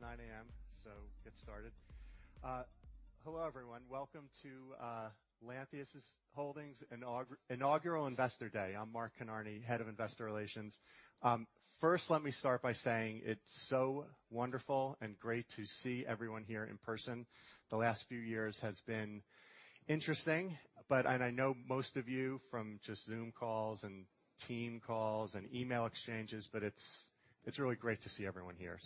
All right. Good. All right, it's 9:00 A.M., so get started. Hello, everyone. Welcome to Lantheus Holdings' inaugural Investor Day. I'm Mark Kinarney, Head of Investor Relations. First, let me start by saying it's so wonderful and great to see everyone here in person. The last few years has been interesting, but I know most of you from just Zoom calls and team calls and email exchanges, but it's really great to see everyone here.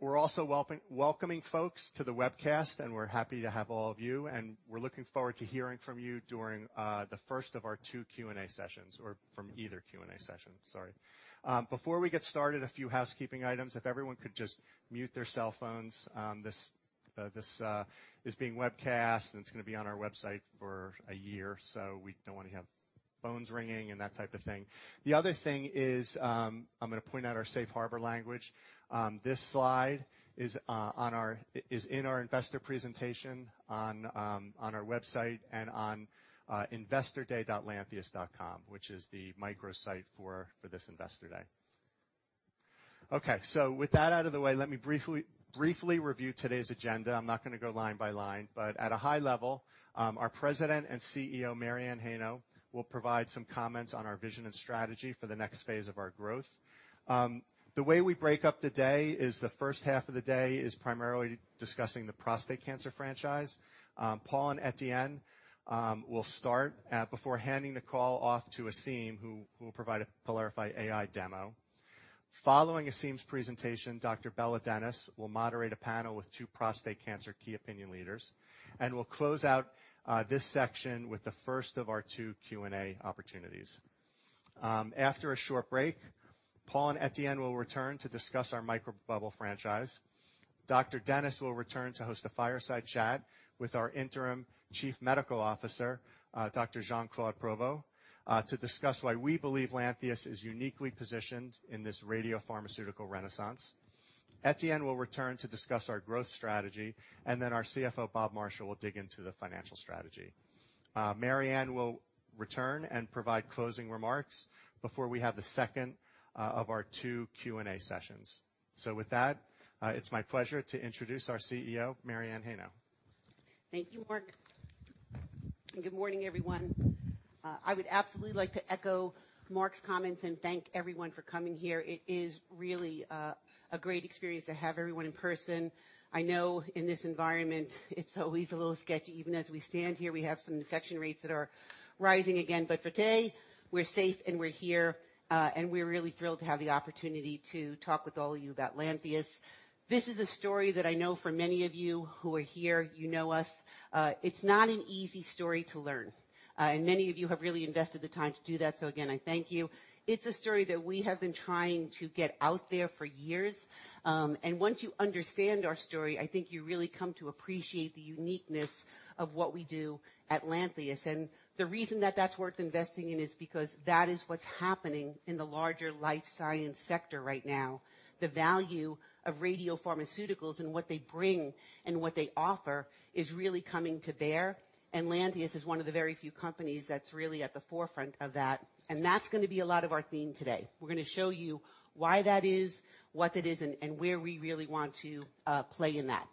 We're also welcoming folks to the webcast, and we're happy to have all of you, and we're looking forward to hearing from you during the first of our two Q&A sessions or from either Q&A session. Sorry. Before we get started, a few housekeeping items. If everyone could just mute their cell phones, this is being webcast, and it's gonna be on our website for a year. We don't wanna have phones ringing and that type of thing. The other thing is, I'm gonna point out our safe harbor language. This slide is in our investor presentation on our website and on investorday.lantheus.com, which is the microsite for this Investor Day. Okay, with that out of the way, let me briefly review today's agenda. I'm not gonna go line by line, but at a high level, our President and CEO, Mary Anne Heino, will provide some comments on our vision and strategy for the next phase of our growth. The way we break up the day is the first half of the day is primarily discussing the prostate cancer franchise. Paul and Etienne will start before handing the call off to Aasim, who will provide a PYLARIFY AI demo. Following Aasim's presentation, Dr. Bela Denes will moderate a panel with two prostate cancer key opinion leaders, and we'll close out this section with the first of our two Q&A opportunities. After a short break, Paul and Etienne will return to discuss our microbubble franchise. Dr. Denes will return to host a fireside chat with our interim chief medical officer, Dr. Jean-Claude Provost, to discuss why we believe Lantheus is uniquely positioned in this radiopharmaceutical renaissance. Etienne will return to discuss our growth strategy, and then our CFO, Bob Marshall, will dig into the financial strategy. Mary Anne will return and provide closing remarks before we have the second of our two Q&A sessions. With that, it's my pleasure to introduce our CEO, Mary Anne Heino. Thank you, Mark. Good morning, everyone. I would absolutely like to echo Mark's comments and thank everyone for coming here. It is really, a great experience to have everyone in person. I know in this environment it's always a little sketchy. Even as we stand here, we have some infection rates that are rising again. For today, we're safe, and we're here, and we're really thrilled to have the opportunity to talk with all of you about Lantheus. This is a story that I know for many of you who are here, you know us. It's not an easy story to learn, and many of you have really invested the time to do that. Again, I thank you. It's a story that we have been trying to get out there for years. Once you understand our story, I think you really come to appreciate the uniqueness of what we do at Lantheus. The reason that that's worth investing in is because that is what's happening in the larger life science sector right now. The value of radiopharmaceuticals and what they bring and what they offer is really coming to bear, and Lantheus is one of the very few companies that's really at the forefront of that, and that's gonna be a lot of our theme today. We're gonna show you why that is, what that is, and where we really want to play in that.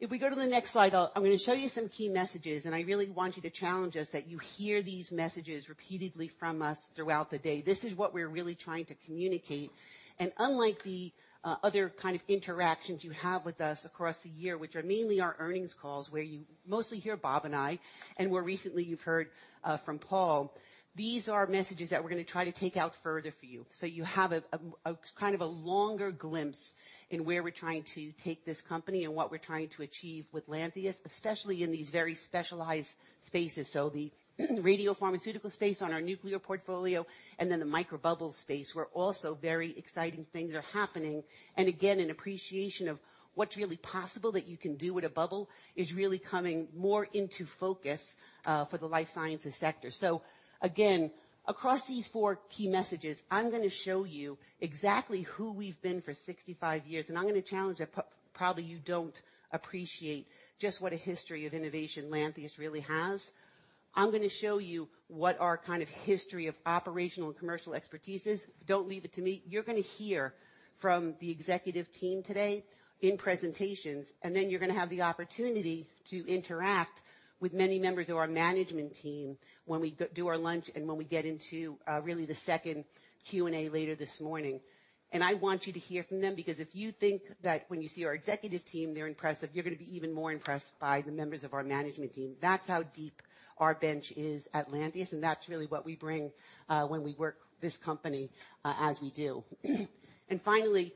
If we go to the next slide, I'm gonna show you some key messages, and I really want you to challenge us that you hear these messages repeatedly from us throughout the day. This is what we're really trying to communicate. Unlike the other kind of interactions you have with us across the year, which are mainly our earnings calls, where you mostly hear Bob and I, and where recently you've heard from Paul, these are messages that we're gonna try to take out further for you, so you have a kind of longer glimpse in where we're trying to take this company and what we're trying to achieve with Lantheus, especially in these very specialized spaces. The radiopharmaceutical space on our nuclear portfolio and then the microbubble space, where also very exciting things are happening. Again, an appreciation of what's really possible that you can do with a bubble is really coming more into focus for the life sciences sector. Again, across these four key messages, I'm gonna show you exactly who we've been for 65 years, and I'm gonna challenge that probably you don't appreciate just what a history of innovation Lantheus really has. I'm gonna show you what our kind of history of operational and commercial expertise is. Don't leave it to me. You're gonna hear from the executive team today in presentations, and then you're gonna have the opportunity to interact with many members of our management team when we do our lunch and when we get into really the second Q&A later this morning. I want you to hear from them because if you think that when you see our executive team, they're impressive, you're gonna be even more impressed by the members of our management team. That's how deep our bench is at Lantheus, and that's really what we bring when we work with this company, as we do. Finally,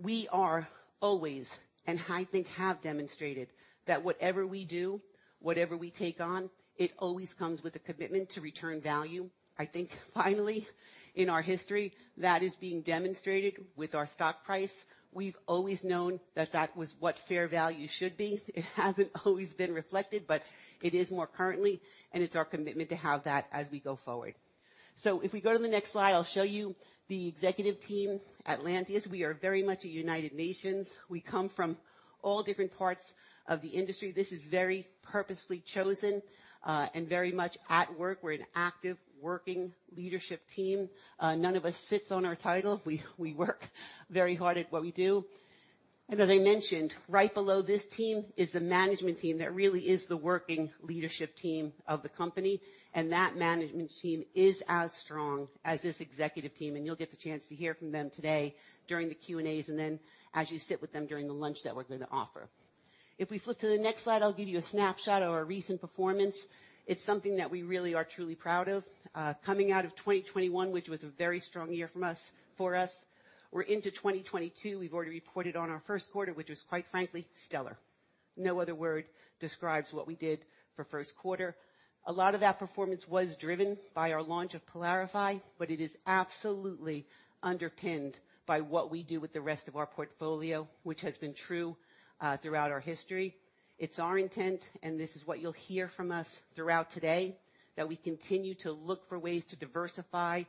we are always, and I think have demonstrated, that whatever we do, whatever we take on, it always comes with a commitment to return value. I think finally in our history, that is being demonstrated with our stock price. We've always known that that was what fair value should be. It hasn't always been reflected, but it is more currently, and it's our commitment to have that as we go forward. If we go to the next slide, I'll show you the executive team at Lantheus. We are very much a United Nations. We come from all different parts of the industry. This is very purposely chosen, and very much at work. We're an active working leadership team. None of us sits on our title. We work very hard at what we do. As I mentioned, right below this team is the management team. That really is the working leadership team of the company, and that management team is as strong as this executive team, and you'll get the chance to hear from them today during the Q&As, and then as you sit with them during the lunch that we're gonna offer. If we flip to the next slide, I'll give you a snapshot of our recent performance. It's something that we really are truly proud of. Coming out of 2021, which was a very strong year from us, for us. We're into 2022. We've already reported on our first quarter, which was, quite frankly, STELLAR. No other word describes what we did for first quarter. A lot of that performance was driven by our launch of PYLARIFY, but it is absolutely underpinned by what we do with the rest of our portfolio, which has been true throughout our history. It's our intent, and this is what you'll hear from us throughout today, that we continue to look for ways to diversify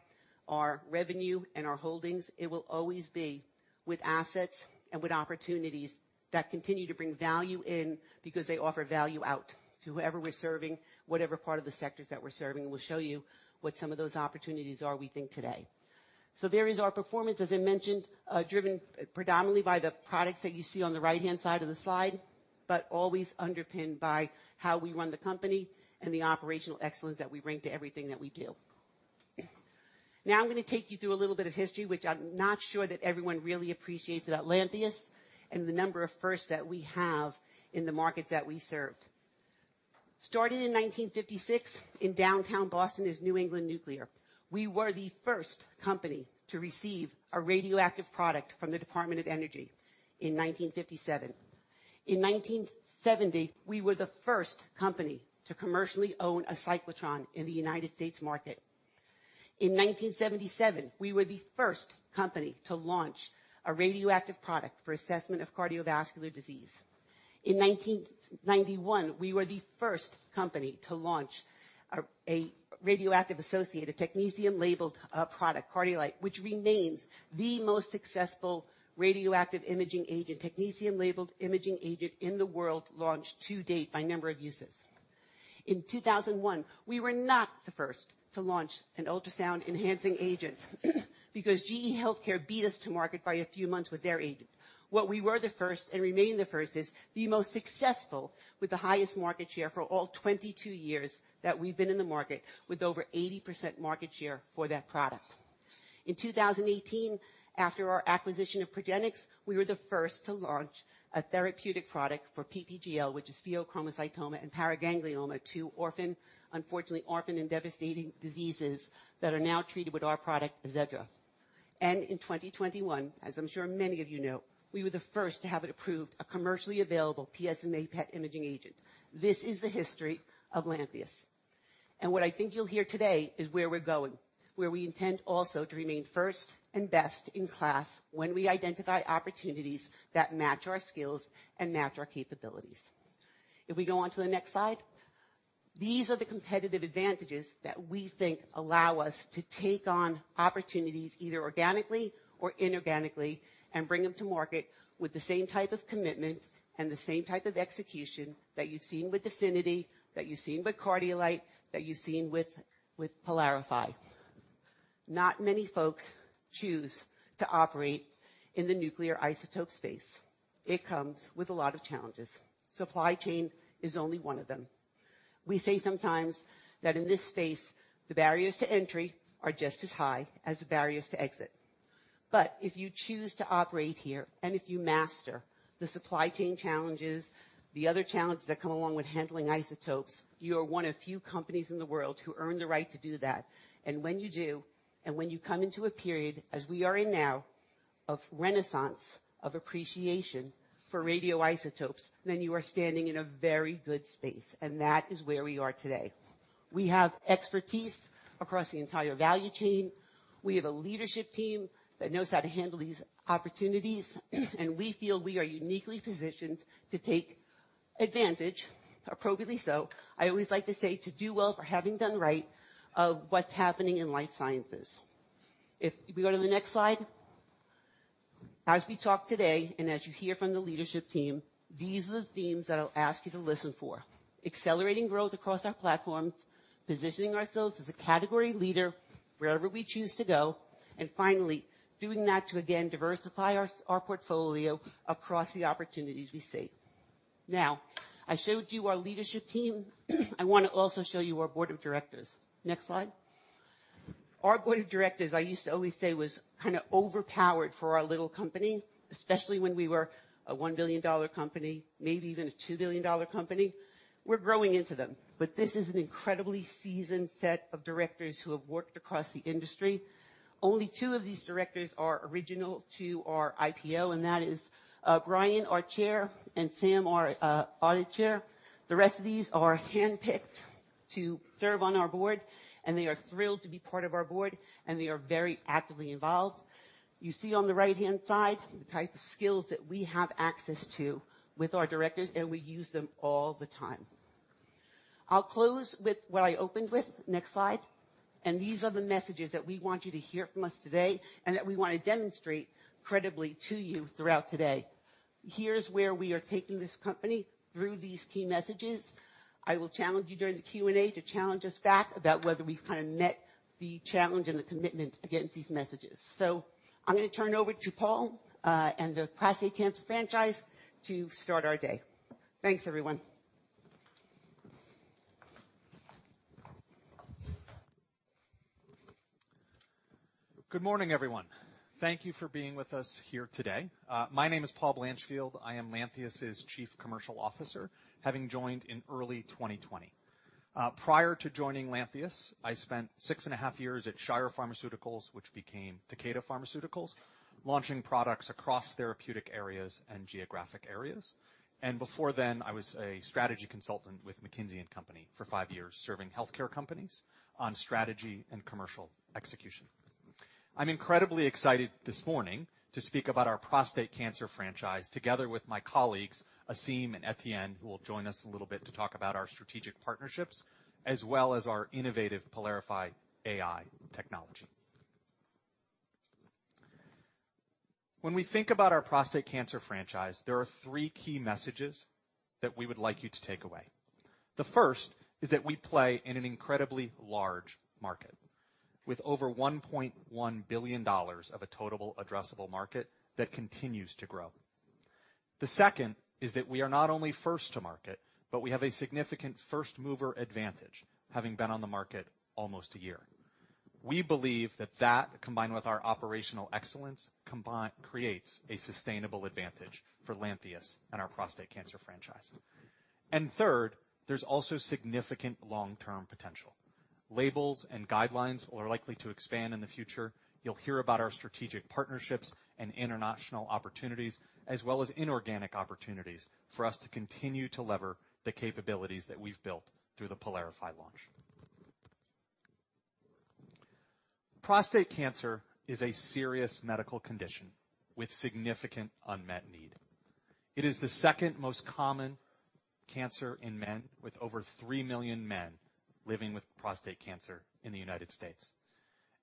our revenue and our holdings. It will always be with assets and with opportunities that continue to bring value in because they offer value out to whoever we're serving, whatever part of the sectors that we're serving. We'll show you what some of those opportunities are we think today. There is our performance, as I mentioned, driven predominantly by the products that you see on the right-hand side of the slide, but always underpinned by how we run the company and the operational excellence that we bring to everything that we do. Now I'm gonna take you through a little bit of history, which I'm not sure that everyone really appreciates at Lantheus, and the number of firsts that we have in the markets that we served. Starting in 1956 in downtown Boston is New England Nuclear. We were the first company to receive a radioactive product from the Department of Energy in 1957. In 1970, we were the first company to commercially own a cyclotron in the United States market. In 1977, we were the first company to launch a radioactive product for assessment of cardiovascular disease. In 1991, we were the first company to launch a radioactive associated technetium labeled product Cardiolite, which remains the most successful radioactive imaging agent, technetium labeled imaging agent in the world, launched to date by number of uses. In 2001, we were not the first to launch an ultrasound-enhancing agent because GE HealthCare beat us to market by a few months with their agent. What we were the first and remain the first is the most successful with the highest market share for all 22 years that we've been in the market with over 80% market share for that product. In 2018, after our acquisition of Progenics, we were the first to launch a therapeutic product for PPGL, which is pheochromocytoma and paraganglioma, two, unfortunately, orphan and devastating diseases that are now treated with our product, AZEDRA. In 2021, as I'm sure many of you know, we were the first to have it approved, a commercially available PSMA PET imaging agent. This is the history of Lantheus. What I think you'll hear today is where we're going, where we intend also to remain first and best in class when we identify opportunities that match our skills and match our capabilities. If we go on to the next slide. These are the competitive advantages that we think allow us to take on opportunities either organically or inorganically and bring them to market with the same type of commitment and the same type of execution that you've seen with DEFINITY, that you've seen with Cardiolite, that you've seen with PYLARIFY. Not many folks choose to operate in the nuclear isotope space. It comes with a lot of challenges. Supply chain is only one of them. We say sometimes that in this space, the barriers to entry are just as high as the barriers to exit. If you choose to operate here, and if you master the supply chain challenges, the other challenges that come along with handling isotopes, you are one of few companies in the world who earn the right to do that. When you do, and when you come into a period as we are in now of renaissance, of appreciation for radioisotopes, then you are standing in a very good space. That is where we are today. We have expertise across the entire value chain. We have a leadership team that knows how to handle these opportunities, and we feel we are uniquely positioned to take advantage, appropriately so. I always like to say, to do well for having done right of what's happening in life sciences. If we go to the next slide. As we talk today, and as you hear from the leadership team, these are the themes that I'll ask you to listen for. Accelerating growth across our platforms, positioning ourselves as a category leader wherever we choose to go, and finally, doing that to again diversify our portfolio across the opportunities we see. Now, I showed you our leadership team. I wanna also show you our Board of Directors. Next slide. Our board of directors, I used to always say was kinda overpowered for our little company, especially when we were a $1 billion company, maybe even a $2 billion company. We're growing into them, but this is an incredibly seasoned set of directors who have worked across the industry. Only two of these directors are original to our IPO, and that is, Brian, our Chair, and Sam, our Audit Chair. The rest of these are handpicked to serve on our board, and they are thrilled to be part of our board, and they are very actively involved. You see on the right-hand side the type of skills that we have access to with our directors, and we use them all the time. I'll close with what I opened with. Next slide. These are the messages that we want you to hear from us today and that we wanna demonstrate credibly to you throughout today. Here's where we are taking this company through these key messages. I will challenge you during the Q&A to challenge us back about whether we've kind of met the challenge and the commitment against these messages. I'm gonna turn over to Paul and the prostate cancer franchise to start our day. Thanks, everyone. Good morning, everyone. Thank you for being with us here today. My name is Paul Blanchfield. I am Lantheus' Chief Commercial Officer, having joined in early 2020. Prior to joining Lantheus, I spent six and a half years at Shire Pharmaceuticals, which became Takeda Pharmaceuticals, launching products across therapeutic areas and geographic areas. Before then, I was a strategy consultant with McKinsey & Company for five years, serving healthcare companies on strategy and commercial execution. I'm incredibly excited this morning to speak about our prostate cancer franchise together with my colleagues, Aasim and Etienne, who will join us in a little bit to talk about our strategic partnerships as well as our innovative PYLARIFY AI technology. When we think about our prostate cancer franchise, there are three key messages that we would like you to take away. The first is that we play in an incredibly large market with over $1.1 billion of a total addressable market that continues to grow. The second is that we are not only first to market, but we have a significant first-mover advantage, having been on the market almost a year. We believe that, combined with our operational excellence, creates a sustainable advantage for Lantheus and our prostate cancer franchise. Third, there's also significant long-term potential. Labels and guidelines are likely to expand in the future. You'll hear about our strategic partnerships and international opportunities as well as inorganic opportunities for us to continue to lever the capabilities that we've built through the PYLARIFY launch. Prostate cancer is a serious medical condition with significant unmet need. It is the second most common cancer in men, with over 3 million men living with prostate cancer in the United States.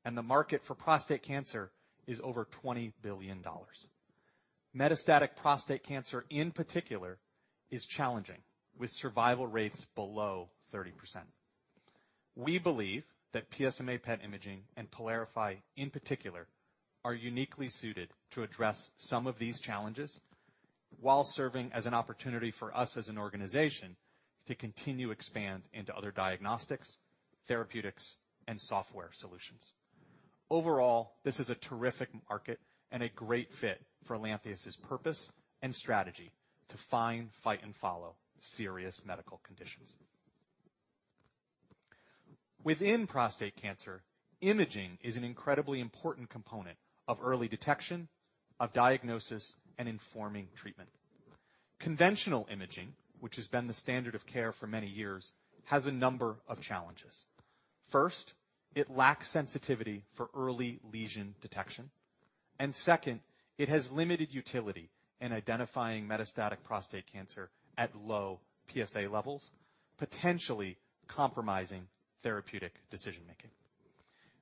The market for prostate cancer is over $20 billion. Metastatic prostate cancer in particular is challenging, with survival rates below 30%. We believe that PSMA PET imaging, and PYLARIFY in particular, are uniquely suited to address some of these challenges while serving as an opportunity for us as an organization to continue expand into other diagnostics, therapeutics, and software solutions. Overall, this is a terrific market and a great fit for Lantheus' purpose and strategy to find, fight, and follow serious medical conditions. Within prostate cancer, imaging is an incredibly important component of early detection, of diagnosis, and informing treatment. Conventional imaging, which has been the standard of care for many years, has a number of challenges. First, it lacks sensitivity for early lesion detection. Second, it has limited utility in identifying metastatic prostate cancer at low PSA levels, potentially compromising therapeutic decision-making.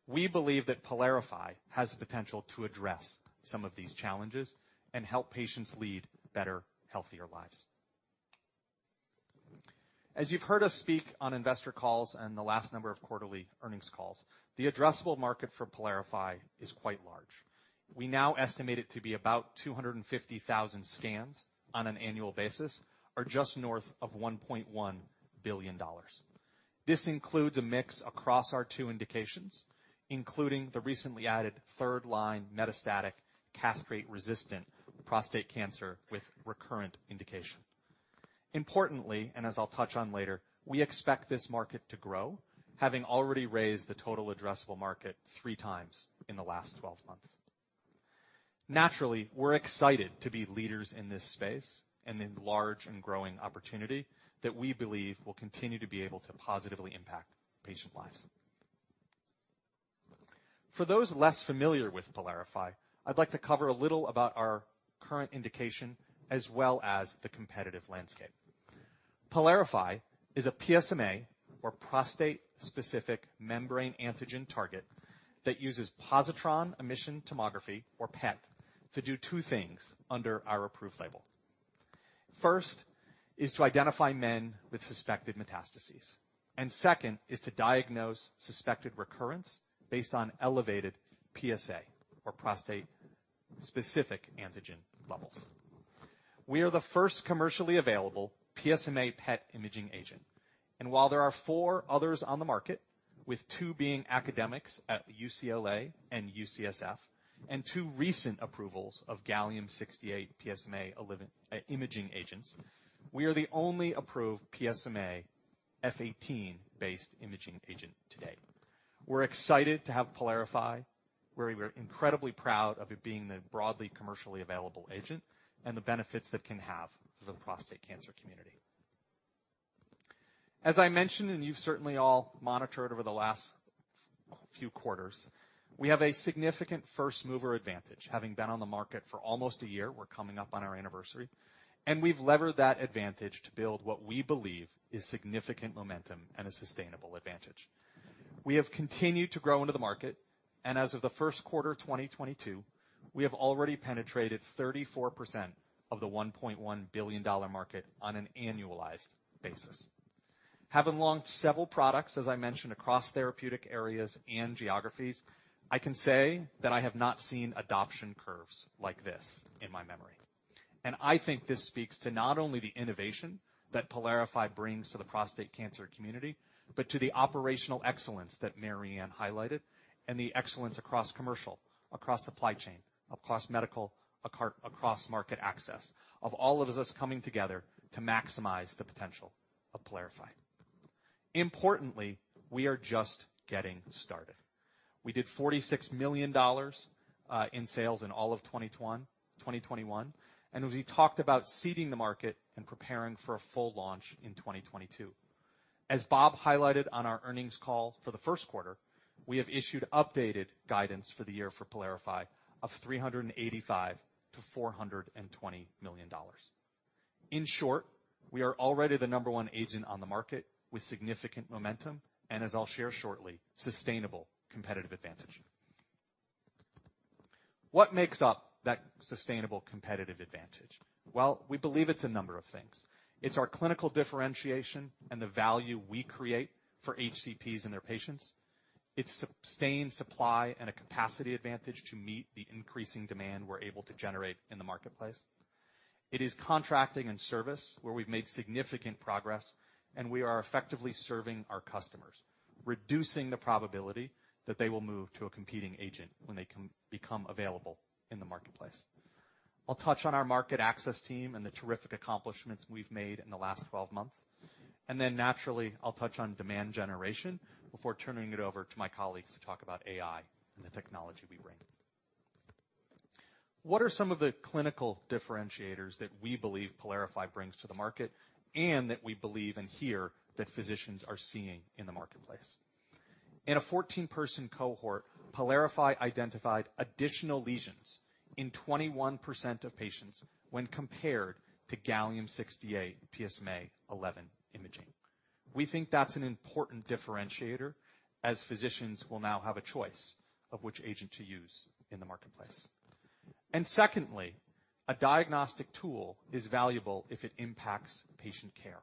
We believe that PYLARIFY has the potential to address some of these challenges and help patients lead better, healthier lives. As you've heard us speak on investor calls and the last number of quarterly earnings calls, the addressable market for PYLARIFY is quite large. We now estimate it to be about 250,000 scans on an annual basis or just north of $1.1 billion. This includes a mix across our two indications, including the recently added third line metastatic castration-resistant prostate cancer with recurrent indication. Importantly, and as I'll touch on later, we expect this market to grow, having already raised the total addressable market three times in the last 12 months. Naturally, we're excited to be leaders in this space and in large and growing opportunity that we believe will continue to be able to positively impact patient lives. For those less familiar with PYLARIFY, I'd like to cover a little about our current indication as well as the competitive landscape. PYLARIFY is a PSMA or prostate-specific membrane antigen target that uses positron emission tomography or PET to do two things under our approved label. First is to identify men with suspected metastases, and second is to diagnose suspected recurrence based on elevated PSA or prostate-specific antigen levels. We are the first commercially available PSMA PET imaging agent, and while there are four others on the market, with two being academics at UCLA and UCSF, and two recent approvals of Gallium 68 PSMA-11 imaging agents, we are the only approved PSMA F-18-based imaging agent today. We're excited to have PYLARIFY. We're incredibly proud of it being the broadly commercially available agent and the benefits that can have for the prostate cancer community. As I mentioned, and you've certainly all monitored over the last few quarters, we have a significant first-mover advantage, having been on the market for almost a year. We're coming up on our anniversary, and we've levered that advantage to build what we believe is significant momentum and a sustainable advantage. We have continued to grow into the market, and as of the first quarter of 2022, we have already penetrated 34% of the $1.1 billion market on an annualized basis. Having launched several products, as I mentioned, across therapeutic areas and geographies, I can say that I have not seen adoption curves like this in my memory. I think this speaks to not only the innovation that PYLARIFY brings to the prostate cancer community, but to the operational excellence that Mary Anne highlighted and the excellence across commercial, across supply chain, across medical, across market access, of all of us coming together to maximize the potential of PYLARIFY. Importantly, we are just getting started. We did $46 million in sales in all of 2021, and as we talked about seeding the market and preparing for a full launch in 2022. As Bob highlighted on our earnings call for the first quarter, we have issued updated guidance for the year for PYLARIFY of $385 million-$420 million. In short, we are already the number one agent on the market with significant momentum, and as I'll share shortly, sustainable competitive advantage. What makes up that sustainable competitive advantage? Well, we believe it's a number of things. It's our clinical differentiation and the value we create for HCPs and their patients. It's sustained supply and a capacity advantage to meet the increasing demand we're able to generate in the marketplace. It is contracting and service, where we've made significant progress, and we are effectively serving our customers, reducing the probability that they will move to a competing agent when they become available in the marketplace. I'll touch on our market access team and the terrific accomplishments we've made in the last 12 months, and then naturally, I'll touch on demand generation before turning it over to my colleagues to talk about AI and the technology we bring. What are some of the clinical differentiators that we believe PYLARIFY brings to the market and that we believe and hear that physicians are seeing in the marketplace? In a 14-person cohort, PYLARIFY identified additional lesions in 21% of patients when compared to Gallium-68 PSMA-11 imaging. We think that's an important differentiator, as physicians will now have a choice of which agent to use in the marketplace. Secondly, a diagnostic tool is valuable if it impacts patient care.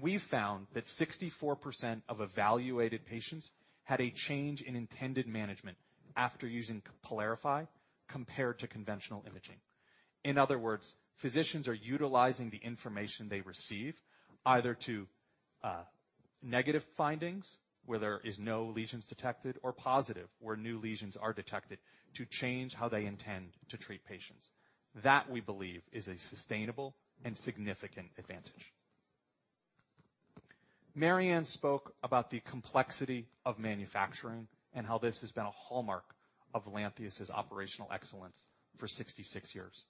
We found that 64% of evaluated patients had a change in intended management after using PYLARIFY compared to conventional imaging. In other words, physicians are utilizing the information they receive either to negative findings, where there is no lesions detected, or positive, where new lesions are detected, to change how they intend to treat patients. That, we believe, is a sustainable and significant advantage. Mary Anne spoke about the complexity of manufacturing and how this has been a hallmark of Lantheus's operational excellence for 66 years.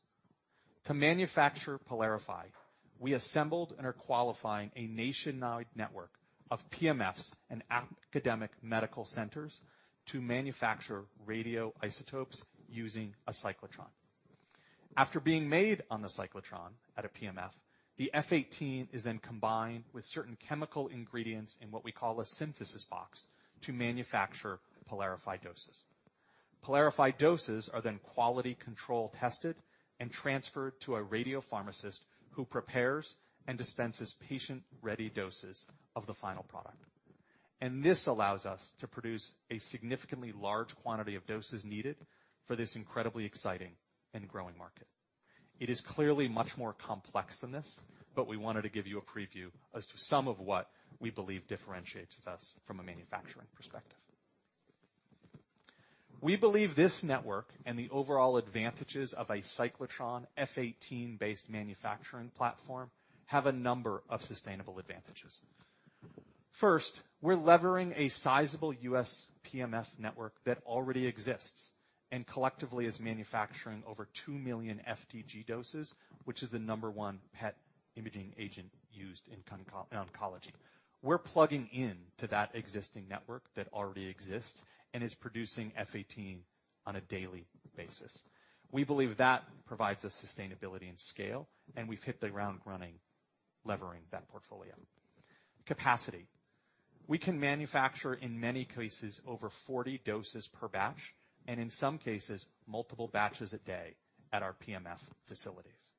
To manufacture PYLARIFY, we assembled and are qualifying a nationwide network of PMFs and academic medical centers to manufacture radioisotopes using a cyclotron. After being made on the cyclotron at a PMF, the F-18 is then combined with certain chemical ingredients in what we call a synthesis box to manufacture PYLARIFY doses. PYLARIFY doses are then quality control tested and transferred to a radiopharmacist who prepares and dispenses patient-ready doses of the final product. This allows us to produce a significantly large quantity of doses needed for this incredibly exciting and growing market. It is clearly much more complex than this, but we wanted to give you a preview as to some of what we believe differentiates us from a manufacturing perspective. We believe this network and the overall advantages of a cyclotron F-18-based manufacturing platform have a number of sustainable advantages. First, we're leveraging a sizable U.S. PMF network that already exists and collectively is manufacturing over 2 million FDG doses, which is the number one PET imaging agent used in oncology. We're plugging in to that existing network that already exists and is producing F-18 on a daily basis. We believe that provides us sustainability and scale, and we've hit the ground running, leveraging that portfolio. Capacity. We can manufacture, in many cases, over 40 doses per batch, and in some cases, multiple batches a day at our PMF facilities.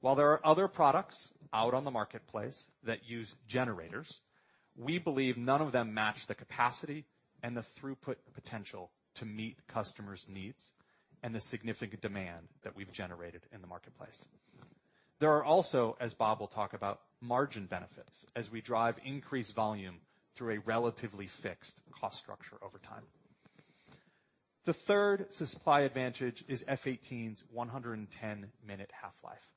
While there are other products out on the marketplace that use generators, we believe none of them match the capacity and the throughput potential to meet customers' needs and the significant demand that we've generated in the marketplace. There are also, as Bob will talk about, margin benefits as we drive increased volume through a relatively fixed cost structure over time. The third supply advantage is F-18's 110-minute half-life.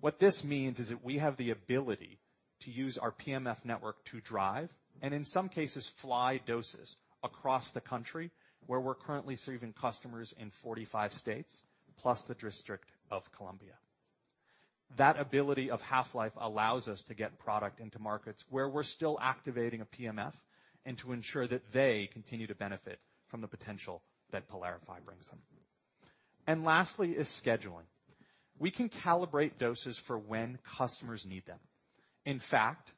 What this means is that we have the ability to use our PMF network to drive, and in some cases, fly doses across the country where we're currently serving customers in 45 states, plus the District of Columbia. That ability of half-life allows us to get product into markets where we're still activating a PMF and to ensure that they continue to benefit from the potential that PYLARIFY brings them. Lastly is scheduling. We can calibrate doses for when customers need them. In fact,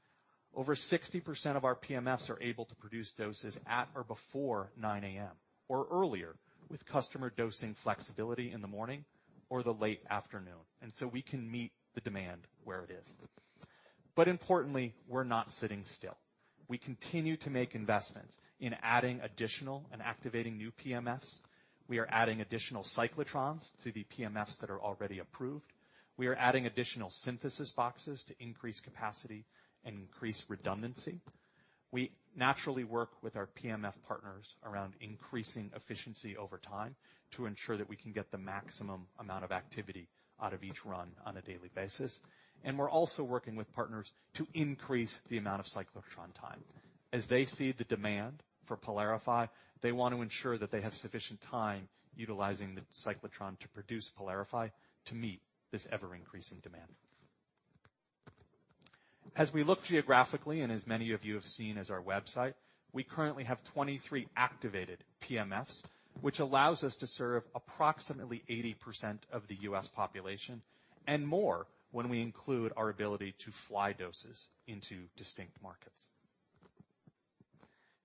over 60% of our PMFs are able to produce doses at or before 9:00 A.M. or earlier with customer dosing flexibility in the morning or the late afternoon. We can meet the demand where it is. Importantly, we're not sitting still. We continue to make investments in adding additional and activating new PMFs. We are adding additional cyclotrons to the PMFs that are already approved. We are adding additional synthesis boxes to increase capacity and increase redundancy. We naturally work with our PMF partners around increasing efficiency over time to ensure that we can get the maximum amount of activity out of each run on a daily basis. We're also working with partners to increase the amount of cyclotron time. As they see the demand for PYLARIFY, they want to ensure that they have sufficient time utilizing the cyclotron to produce PYLARIFY to meet this ever-increasing demand. As we look geographically, and as many of you have seen on our website, we currently have 23 activated PMFs, which allows us to serve approximately 80% of the U.S. population and more when we include our ability to fly doses into distinct markets.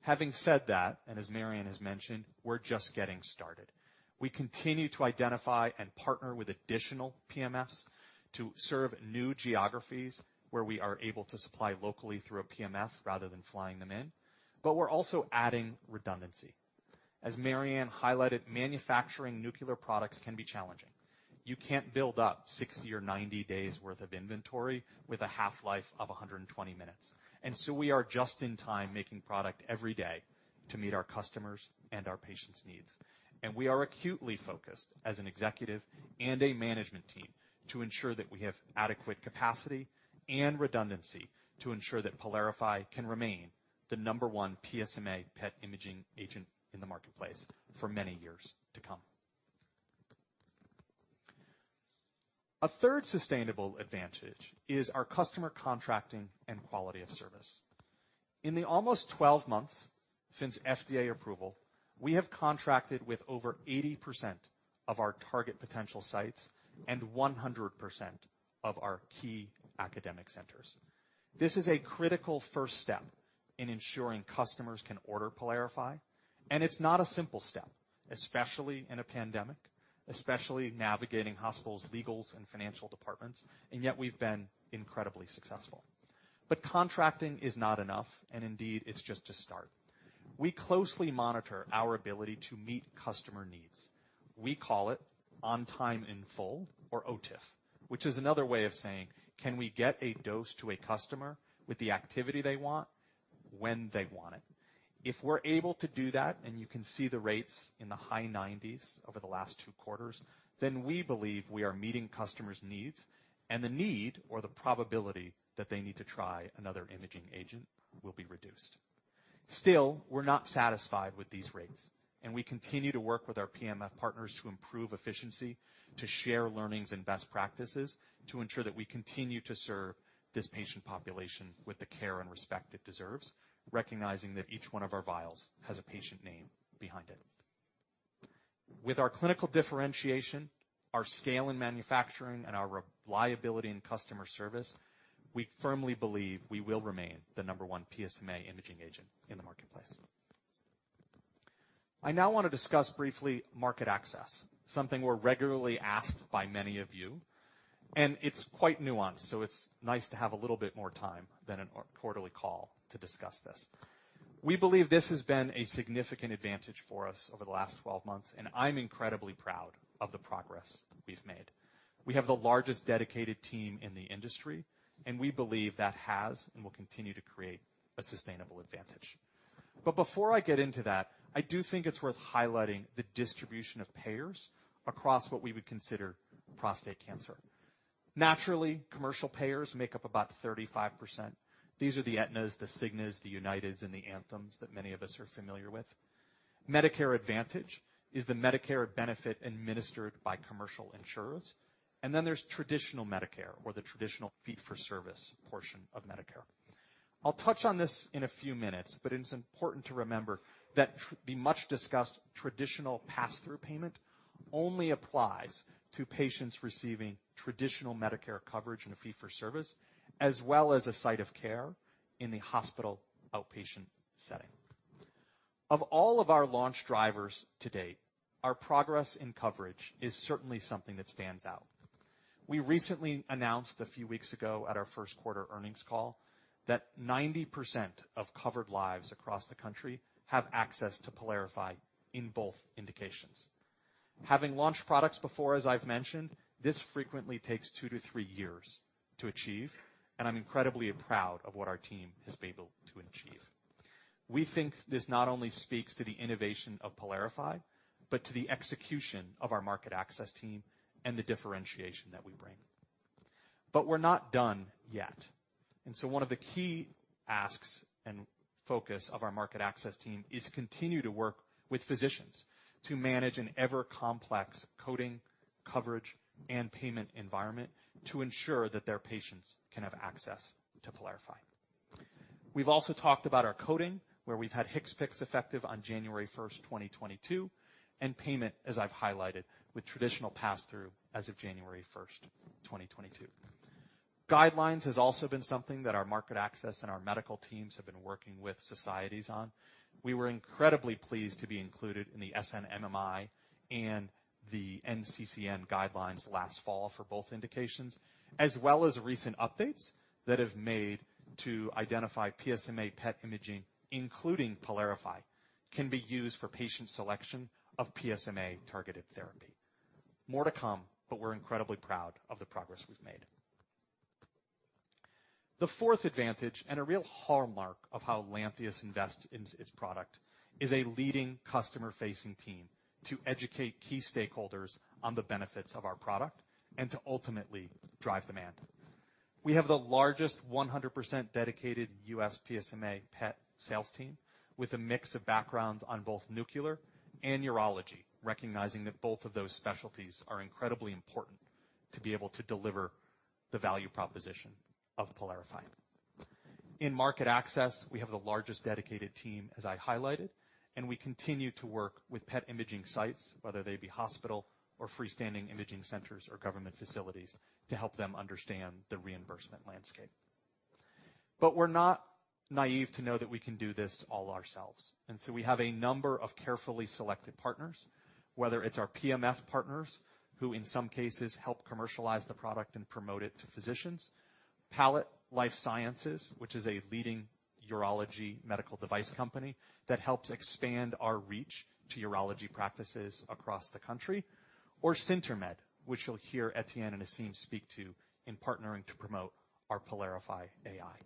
Having said that, and as Mary Anne has mentioned, we're just getting started. We continue to identify and partner with additional PMFs to serve new geographies where we are able to supply locally through a PMF rather than flying them in. We're also adding redundancy. As Mary Anne highlighted, manufacturing nuclear products can be challenging. You can't build up 60 or 90 days' worth of inventory with a half-life of 120 minutes. We are just in time making product every day to meet our customers' and our patients' needs. We are acutely focused as an executive and a management team to ensure that we have adequate capacity and redundancy to ensure that PYLARIFY can remain the number one PSMA PET imaging agent in the marketplace for many years to come. A third sustainable advantage is our customer contracting and quality of service. In the almost 12 months since FDA approval, we have contracted with over 80% of our target potential sites and 100% of our key academic centers. This is a critical first step in ensuring customers can order PYLARIFY, and it's not a simple step, especially in a pandemic, especially navigating hospitals' legals and financial departments, and yet we've been incredibly successful. Contracting is not enough, and indeed, it's just a start. We closely monitor our ability to meet customer needs. We call it on time in full or OTIF, which is another way of saying, "Can we get a dose to a customer with the activity they want when they want it?" If we're able to do that, and you can see the rates in the high 90s% over the last two quarters, then we believe we are meeting customers' needs and the need or the probability that they need to try another imaging agent will be reduced. Still, we're not satisfied with these rates, and we continue to work with our PMF partners to improve efficiency, to share learnings and best practices, to ensure that we continue to serve this patient population with the care and respect it deserves, recognizing that each one of our vials has a patient name behind it. With our clinical differentiation, our scale in manufacturing, and our reliability in customer service, we firmly believe we will remain the number one PSMA imaging agent in the marketplace. I now wanna discuss briefly market access, something we're regularly asked by many of you, and it's quite nuanced, so it's nice to have a little bit more time than in our quarterly call to discuss this. We believe this has been a significant advantage for us over the last 12 months, and I'm incredibly proud of the progress we've made. We have the largest dedicated team in the industry, and we believe that has and will continue to create a sustainable advantage. Before I get into that, I do think it's worth highlighting the distribution of payers across what we would consider prostate cancer. Naturally, commercial payers make up about 35%. These are the Aetnas, the Cignas, the Uniteds, and the Anthems that many of us are familiar with. Medicare Advantage is the Medicare benefit administered by commercial insurers. There's traditional Medicare or the traditional fee-for-service portion of Medicare. I'll touch on this in a few minutes, but it's important to remember that the much-discussed traditional passthrough payment only applies to patients receiving traditional Medicare coverage in a fee-for-service, as well as a site of care in the hospital outpatient setting. Of all of our launch drivers to date, our progress in coverage is certainly something that stands out. We recently announced a few weeks ago at our first quarter earnings call that 90% of covered lives across the country have access to PYLARIFY in both indications. Having launched products before, as I've mentioned, this frequently takes two to three years to achieve, and I'm incredibly proud of what our team has been able to achieve. We think this not only speaks to the innovation of PYLARIFY, but to the execution of our market access team and the differentiation that we bring. We're not done yet. One of the key asks and focus of our market access team is to continue to work with physicians to manage an ever-complex coding, coverage, and payment environment to ensure that their patients can have access to PYLARIFY. We've also talked about our coding, where we've had HCPCS effective on January 1st, 2022, and payment, as I've highlighted, with traditional passthrough as of January 1st, 2022. Guidelines has also been something that our market access and our medical teams have been working with societies on. We were incredibly pleased to be included in the SNMMI and the NCCN guidelines last fall for both indications, as well as recent updates that have made to identify PSMA PET imaging, including PYLARIFY, can be used for patient selection of PSMA-targeted therapy. More to come. We're incredibly proud of the progress we've made. The fourth advantage, and a real hallmark of how Lantheus invests in its product, is a leading customer-facing team to educate key stakeholders on the benefits of our product and to ultimately drive demand. We have the largest 100% dedicated U.S. PSMA PET sales team with a mix of backgrounds on both nuclear and urology, recognizing that both of those specialties are incredibly important to be able to deliver the value proposition of PYLARIFY. In market access, we have the largest dedicated team, as I highlighted, and we continue to work with PET imaging sites, whether they be hospital or freestanding imaging centers or government facilities, to help them understand the reimbursement landscape. We're not naive to know that we can do this all ourselves. We have a number of carefully selected partners, whether it's our PMF partners, who in some cases help commercialize the product and promote it to physicians, Palette Life Sciences, which is a leading urology medical device company that helps expand our reach to urology practices across the country, or CinterMed, which you'll hear Etienne and Aasim speak to in partnering to promote our PYLARIFY AI.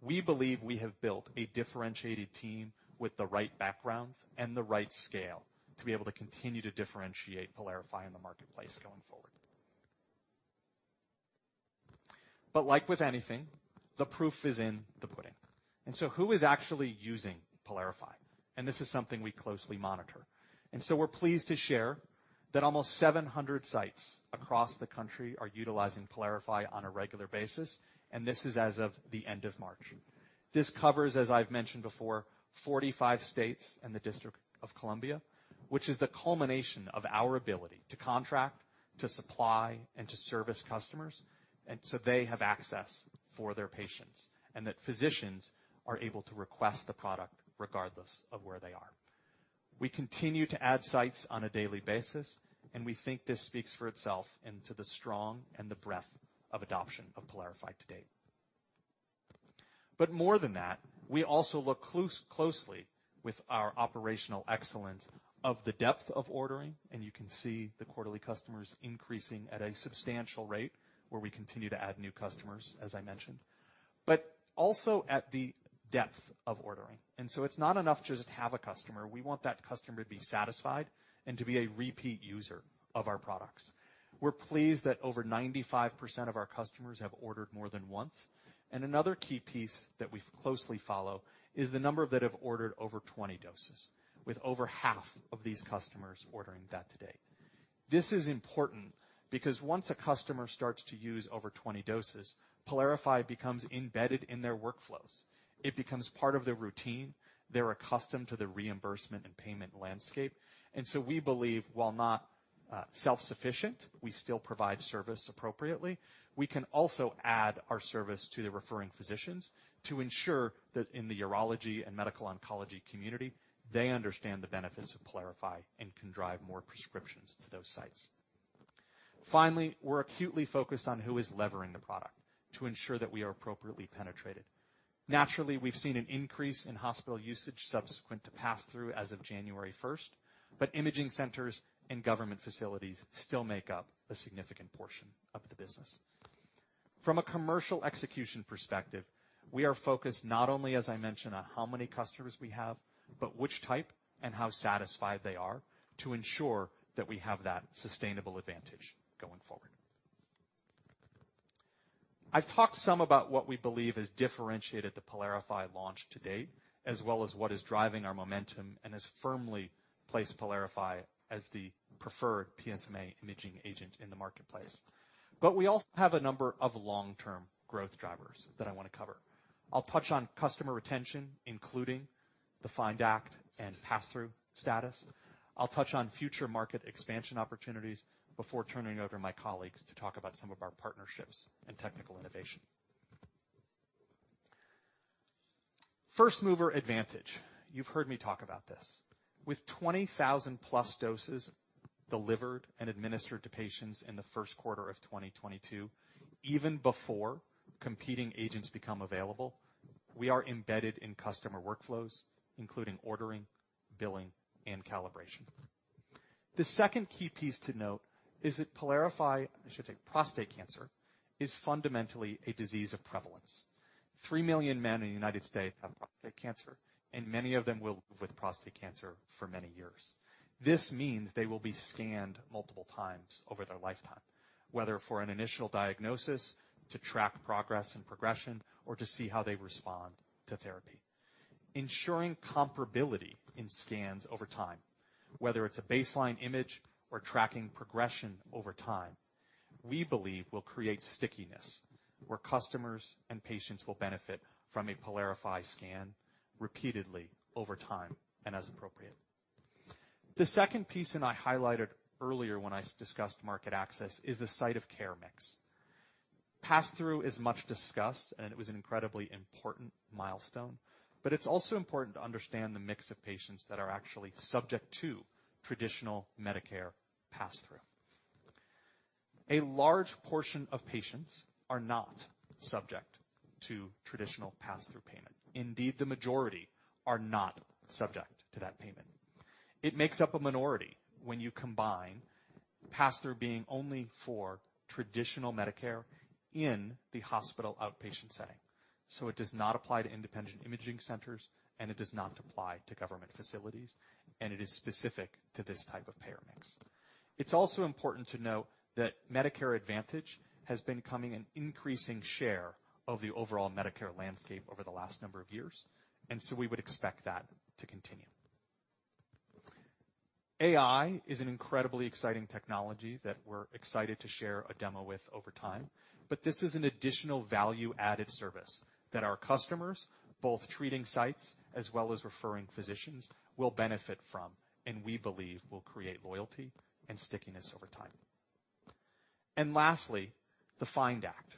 We believe We have built a differentiated team with the right backgrounds and the right scale to be able to continue to differentiate PYLARIFY in the marketplace going forward. Like with anything, the proof is in the pudding. Who is actually using PYLARIFY? This is something we closely monitor. We're pleased to share that almost 700 sites across the country are utilizing PYLARIFY on a regular basis, and this is as of the end of March. This covers, as I've mentioned before, 45 states and the District of Columbia, which is the culmination of our ability to contract, to supply, and to service customers, and so they have access for their patients, and that physicians are able to request the product regardless of where they are. We continue to add sites on a daily basis, and we think this speaks for itself as to the strength and the breadth of adoption of PYLARIFY to date. More than that, we also look closely with our operational excellence of the depth of ordering, and you can see the quarterly customers increasing at a substantial rate where we continue to add new customers, as I mentioned. Also at the depth of ordering. it's not enough to just have a customer. We want that customer to be satisfied and to be a repeat user of our products. We're pleased that over 95% of our customers have ordered more than once. another key piece that we closely follow is the number that have ordered over 20 doses, with over half of these customers ordering that to date. This is important because once a customer starts to use over 20 doses, PYLARIFY becomes embedded in their workflows. It becomes part of their routine. They're accustomed to the reimbursement and payment landscape. We believe, while not self-sufficient, we still provide service appropriately. We can also add our service to the referring physicians to ensure that in the urology and medical oncology community, they understand the benefits of PYLARIFY and can drive more prescriptions to those sites. Finally, we're acutely focused on who is leveraging the product to ensure that we are appropriately penetrated. Naturally, we've seen an increase in hospital usage subsequent to pass-through as of January first, but imaging centers and government facilities still make up a significant portion of the business. From a commercial execution perspective, we are focused not only, as I mentioned, on how many customers we have, but which type and how satisfied they are to ensure that we have that sustainable advantage going forward. I've talked some about what we believe has differentiated the PYLARIFY launch to date, as well as what is driving our momentum and has firmly placed PYLARIFY as the preferred PSMA imaging agent in the marketplace. We also have a number of long-term growth drivers that I wanna cover. I'll touch on customer retention, including the FIND Act and pass-through status. I'll touch on future market expansion opportunities before turning it over to my colleagues to talk about some of our partnerships and technical innovation. First-mover advantage. You've heard me talk about this. With 20,000+ doses delivered and administered to patients in the first quarter of 2022, even before competing agents become available, we are embedded in customer workflows, including ordering, billing, and calibration. The second key piece to note is that prostate cancer is fundamentally a disease of prevalence. Three million men in the United States have prostate cancer, and many of them will live with prostate cancer for many years. This means they will be scanned multiple times over their lifetime, whether for an initial diagnosis, to track progress and progression, or to see how they respond to therapy. Ensuring comparability in scans over time, whether it's a baseline image or tracking progression over time, we believe will create stickiness where customers and patients will benefit from a PYLARIFY scan repeatedly over time and as appropriate. The second piece, and I highlighted earlier when I discussed market access, is the site of care mix. Pass-through is much discussed, and it was an incredibly important milestone, but it's also important to understand the mix of patients that are actually subject to traditional Medicare pass-through. A large portion of patients are not subject to traditional pass-through payment. Indeed, the majority are not subject to that payment. It makes up a minority when you combine pass-through being only for traditional Medicare in the hospital outpatient setting. It does not apply to independent imaging centers, and it does not apply to government facilities, and it is specific to this type of payer mix. It's also important to note that Medicare Advantage has been coming an increasing share of the overall Medicare landscape over the last number of years, and so we would expect that to continue. AI is an incredibly exciting technology that we're excited to share a demo with over time, but this is an additional value-added service that our customers, both treating sites as well as referring physicians, will benefit from, and we believe will create loyalty and stickiness over time. Lastly, the FIND Act.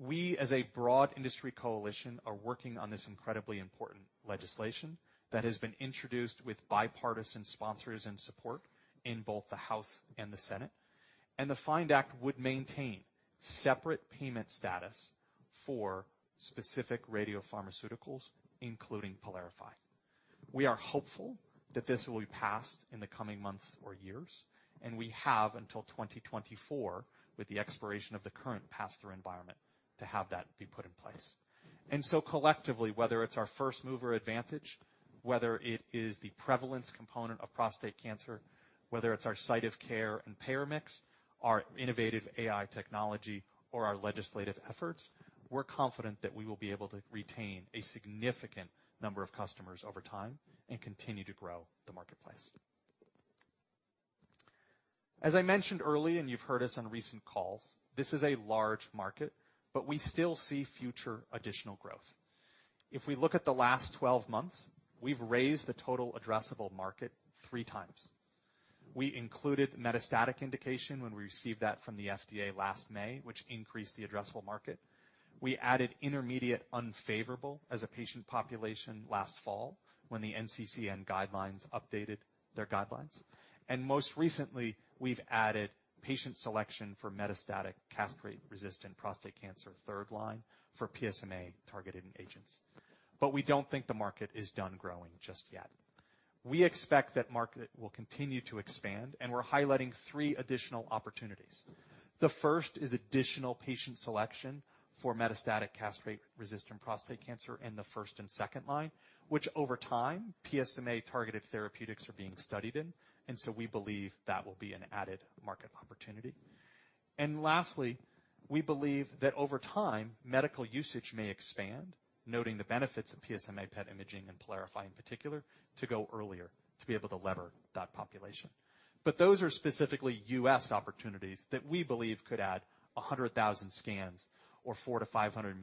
We, as a broad industry coalition, are working on this incredibly important legislation that has been introduced with bipartisan sponsors and support in both the House and the Senate. The FIND Act would maintain separate payment status for specific radiopharmaceuticals, including PYLARIFY. We are hopeful that this will be passed in the coming months or years, and we have until 2024, with the expiration of the current pass-through environment to have that be put in place. Collectively, whether it's our first-mover advantage, whether it is the prevalence component of prostate cancer, whether it's our site of care and payer mix, our innovative AI technology, or our legislative efforts, we're confident that we will be able to retain a significant number of customers over time and continue to grow the marketplace. As I mentioned earlier, and you've heard us on recent calls, this is a large market, but we still see future additional growth. If we look at the last 12 months, we've raised the total addressable market three times. We included metastatic indication when we received that from the FDA last May, which increased the addressable market. We added intermediate unfavorable as a patient population last fall when the NCCN guidelines updated their guidelines. Most recently, we've added patient selection for metastatic castration-resistant prostate cancer third line for PSMA-targeted agents. We don't think the market is done growing just yet. We expect that market will continue to expand, and we're highlighting three additional opportunities. The first is additional patient selection for metastatic castration-resistant prostate cancer in the first and second line, which over time, PSMA-targeted therapeutics are being studied in, and so we believe that will be an added market opportunity. Lastly, we believe that over time, medical usage may expand, noting the benefits of PSMA PET imaging and PYLARIFY in particular to go earlier to be able to leverage that population. Those are specifically US opportunities that we believe could add 100,000 scans or $400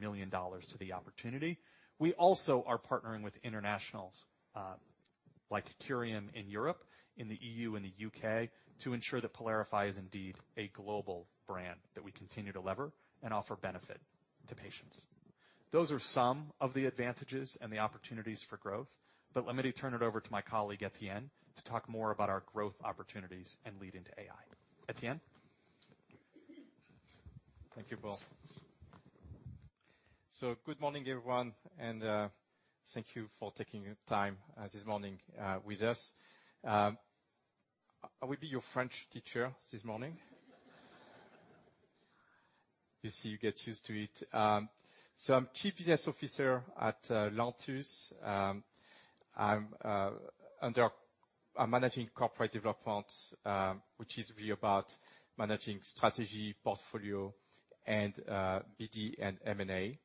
million-$500 million to the opportunity. We also are partnering with internationals, like Curium in Europe, in the EU and the U.K., to ensure that PYLARIFY is indeed a global brand that we continue to leverage and offer benefit to patients. Those are some of the advantages and the opportunities for growth. Let me turn it over to my colleague, Etienne, to talk more about our growth opportunities and lead into AI. Etienne? Thank you, Paul. Good morning, everyone, and thank you for taking your time this morning with us. I will be your French teacher this morning. You see, you get used to it. I'm Chief Business Officer at Lantheus. I'm managing corporate development, which is really about managing strategy, portfolio and BD and M&A.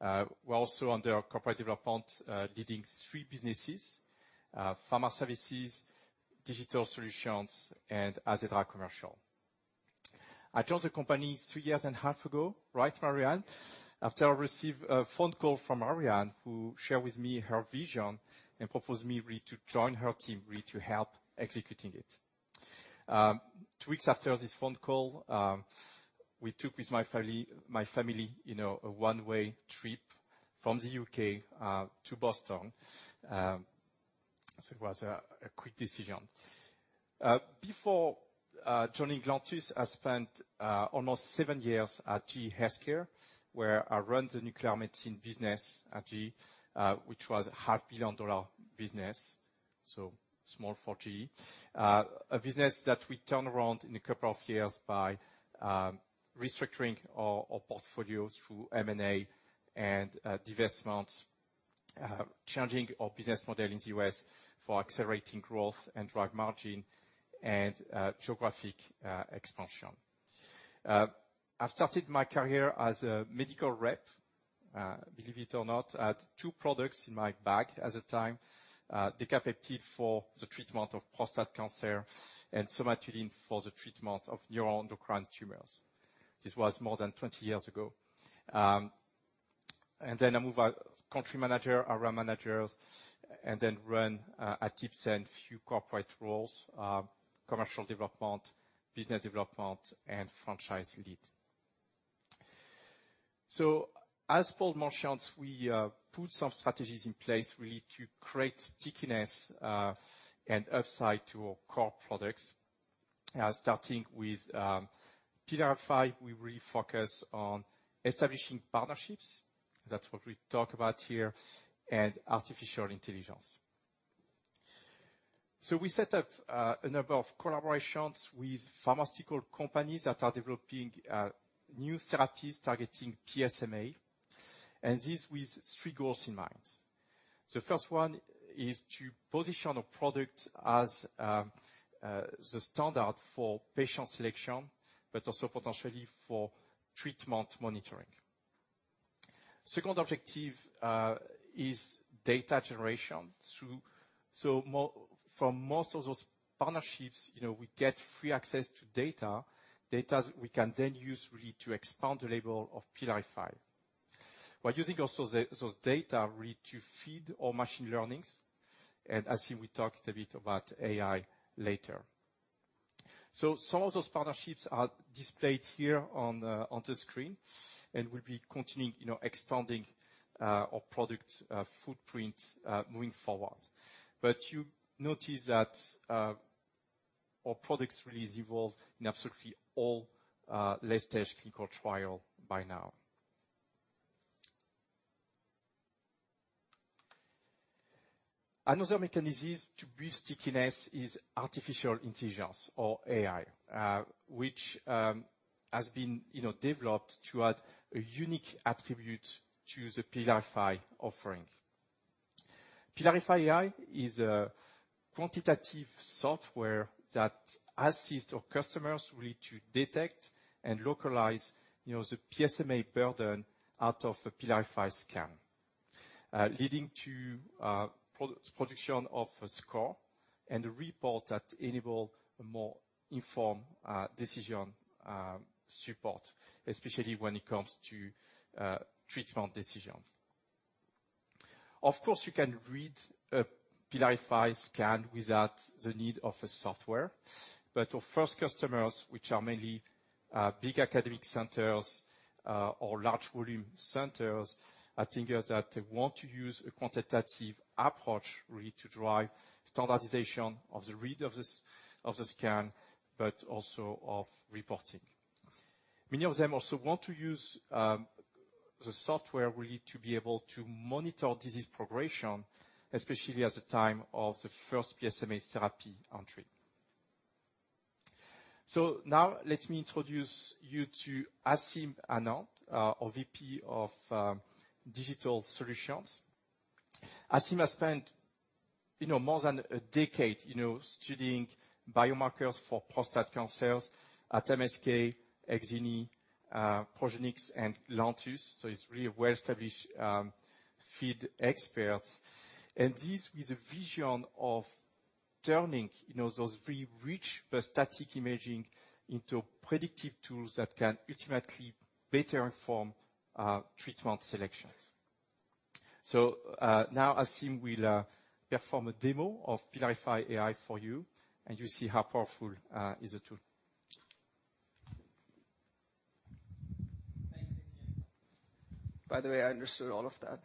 We're also under corporate development, leading three businesses, pharma services, digital solutions, and AZEDRA commercial. I joined the company three years and a half ago, right, Mary Anne? After I received a phone call from Mary Anne, who shared with me her vision and proposed me really to join her team, really to help executing it. Two weeks after this phone call, we took with my family, you know, a one-way trip from the U.K. to Boston. It was a quick decision. Before joining Lantheus, I spent almost seven years at GE HealthCare, where I run the nuclear medicine business at GE, which was a $0.5 billion business, so small for GE. A business that we turn around in a couple of years by restructuring our portfolios through M&A and divestment, changing our business model in the U.S. for accelerating growth and drive margin and geographic expansion. I've started my career as a medical rep, believe it or not. I had two products in my bag at the time, Decapeptyl for the treatment of prostate cancer and somatostatin for the treatment of neuroendocrine tumors. This was more than 20 years ago. I move as country manager, area managers, and then run ATPs and a few corporate roles, commercial development, business development, and franchise lead. As Paul mentioned, we put some strategies in place really to create stickiness and upside to our core products. Starting with PYLARIFY, we really focus on establishing partnerships, that's what we talk about here, and artificial intelligence. We set up a number of collaborations with pharmaceutical companies that are developing new therapies targeting PSMA, and this with three goals in mind. The first one is to position a product as the standard for patient selection, but also potentially for treatment monitoring. Second objective is data generation. For most of those partnerships, you know, we get free access to data. Data we can then use really to expand the label of PYLARIFY. We're using also those data really to feed our machine learnings, and Aasim will talk a bit about AI later. Some of those partnerships are displayed here on the screen, and we'll be continuing, you know, expanding our product footprint moving forward. You notice that our products really is involved in absolutely all late-stage clinical trial by now. Another mechanism to build stickiness is artificial intelligence or AI. Which has been you know developed to add a unique attribute to the PYLARIFY offering. PYLARIFY AI is a quantitative software that assists our customers really to detect and localize you know the PSMA burden out of a PYLARIFY scan. Leading to production of a score and a report that enable a more informed decision support, especially when it comes to treatment decisions. Of course, you can read a PYLARIFY scan without the need of a software, but our first customers, which are mainly big academic centers or large volume centers, I think that they want to use a quantitative approach really to drive standardization of the read of the scan, but also of reporting. Many of them also want to use the software really to be able to monitor disease progression, especially at the time of the first PSMA therapy entry. Now let me introduce you to Aasim Anand, our VP of Digital Solutions. Aasim has spent, you know, more than a decade, you know, studying biomarkers for prostate cancers at MSK, Exini, Progenics and Lantheus. He's really a well-established field expert. This with a vision of turning, you know, those very rich but static imaging into predictive tools that can ultimately better inform treatment selections. Now Aasim will perform a demo of PYLARIFY AI for you, and you'll see how powerful is the tool. Thanks, Etienne. By the way, I understood all of that.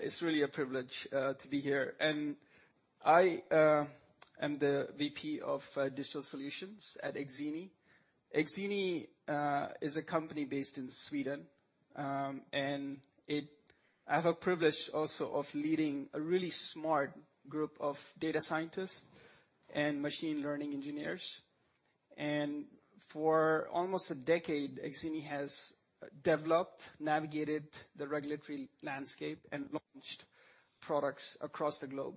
It's really a privilege to be here. I am the VP of Digital Solutions at Exini. Exini is a company based in Sweden, and I have a privilege also of leading a really smart group of data scientists and machine learning engineers. For almost a decade, Exini has developed, navigated the regulatory landscape and launched products across the globe.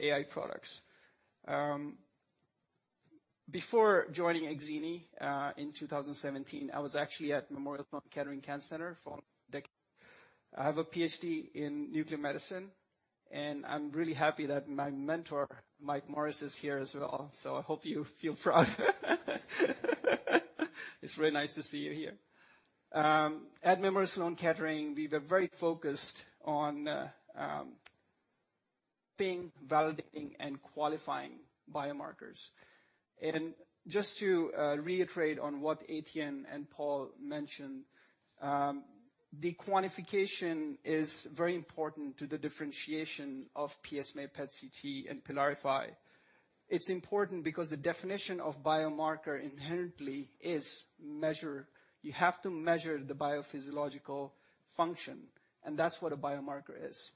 AI products. Before joining Exini, in 2017, I was actually at Memorial Sloan Kettering Cancer Center for a decade. I have a Ph.D. in nuclear medicine, and I'm really happy that my mentor, Mike Morris, is here as well. I hope you feel proud. It's really nice to see you here. At Memorial Sloan Kettering, we were very focused on building, validating, and qualifying biomarkers. Just to reiterate on what Etienne and Paul mentioned, the quantification is very important to the differentiation of PSMA PET-CT and PYLARIFY. It's important because the definition of biomarker inherently is measure. You have to measure the biophysiological function, and that's what a biomarker is.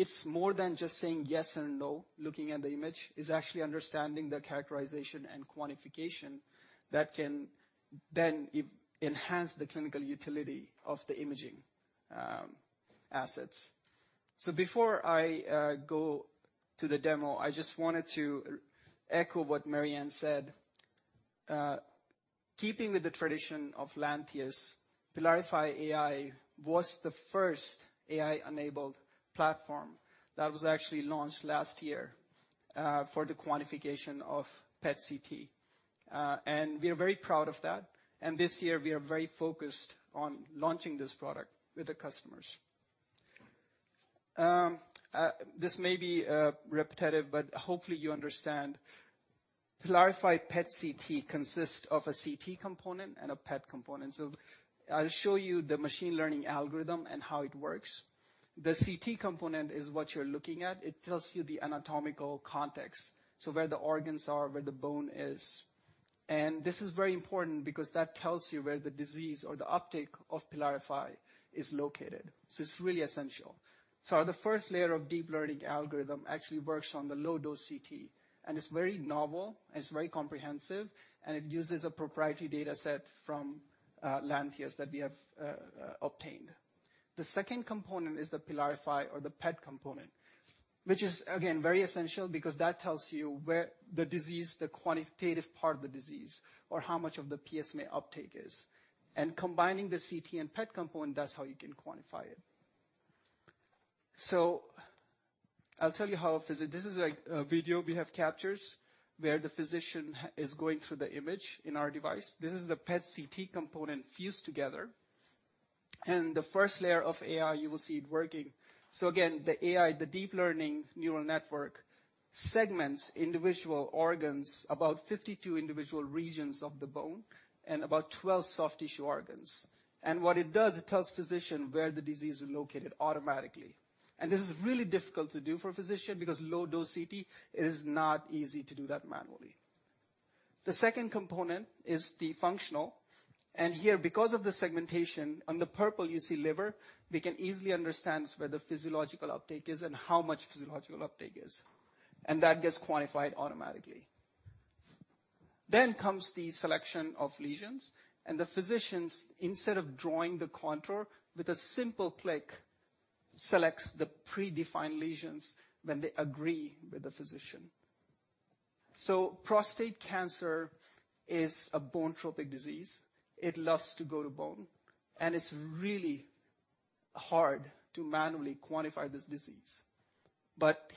It's more than just saying yes and no, looking at the image. It's actually understanding the characterization and quantification that can then enhance the clinical utility of the imaging assets. Before I go to the demo, I just wanted to echo what Mary Anne said. Keeping with the tradition of Lantheus, PYLARIFY AI was the first AI-enabled platform that was actually launched last year for the quantification of PET-CT. We are very proud of that. This year we are very focused on launching this product with the customers. This may be repetitive, but hopefully you understand. PYLARIFY PET-CT consists of a CT component and a PET component. I'll show you the machine learning algorithm and how it works. The CT component is what you're looking at. It tells you the anatomical context, so where the organs are, where the bone is. This is very important because that tells you where the disease or the uptake of PYLARIFY is located. It's really essential. The first layer of deep learning algorithm actually works on the low-dose CT, and it's very novel, and it's very comprehensive, and it uses a proprietary data set from Lantheus that we have obtained. The second component is the PYLARIFY or the PET component, which is again, very essential because that tells you where the disease, the quantitative part of the disease or how much of the PSMA uptake is. Combining the CT and PET component, that's how you can quantify it. I'll tell you how this is a video we have captures, where the physician is going through the image in our device. This is the PET-CT component fused together. The first layer of AI you will see it working. Again, the AI, the deep learning neural network segments individual organs, about 52 individual regions of the bone and about 12 soft tissue organs. What it does, it tells physician where the disease is located automatically. This is really difficult to do for a physician because low-dose CT is not easy to do that manually. The second component is the functional. Here, because of the segmentation on the purple you see liver, we can easily understand where the physiological uptake is and how much physiological uptake is, and that gets quantified automatically. Comes the selection of lesions, and the physicians, instead of drawing the contour, with a simple click, selects the predefined lesions when they agree with the physician. Prostate cancer is a bone-tropic disease. It loves to go to bone, and it's really hard to manually quantify this disease.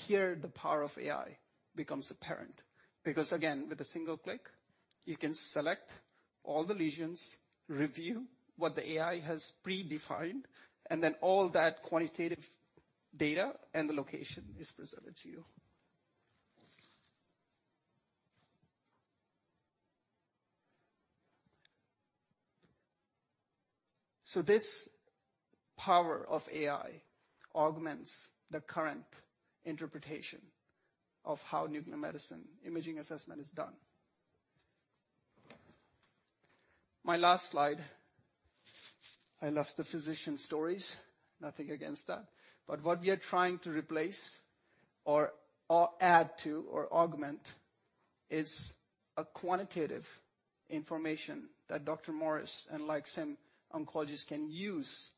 Here the power of AI becomes apparent because again, with a single click, you can select all the lesions, review what the AI has predefined, and then all that quantitative data and the location is presented to you. This power of AI augments the current interpretation of how nuclear medicine imaging assessment is done. My last slide, I love the physician stories, nothing against that, but what we are trying to replace or add to or augment is a quantitative information that Dr. Morris and like some oncologists can use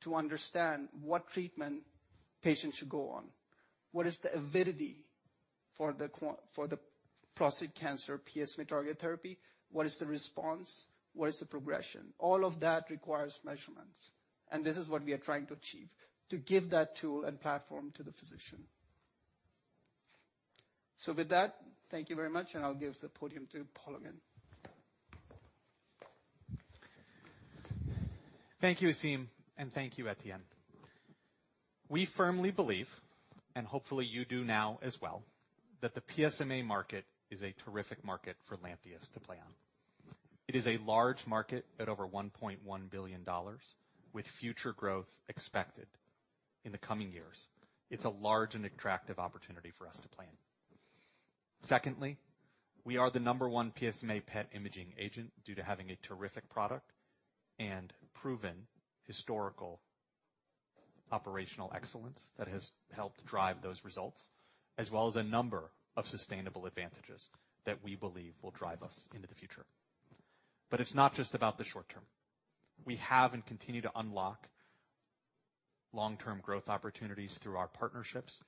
to understand what treatment patients should go on. What is the avidity for the prostate cancer PSMA target therapy? What is the response? What is the progression? All of that requires measurements, and this is what we are trying to achieve, to give that tool and platform to the physician. With that, thank you very much, and I'll give the podium to Paul again. Thank you, Aasim, and thank you, Etienne. We firmly believe, and hopefully you do now as well, that the PSMA market is a terrific market for Lantheus to play on. It is a large market at over $1.1 billion with future growth expected in the coming years. It's a large and attractive opportunity for us to play in. Secondly, we are the number one PSMA PET imaging agent due to having a terrific product and proven historical operational excellence that has helped drive those results, as well as a number of sustainable advantages that we believe will drive us into the future. It's not just about the short term. We have and continue to unlock long-term growth opportunities through our partnerships,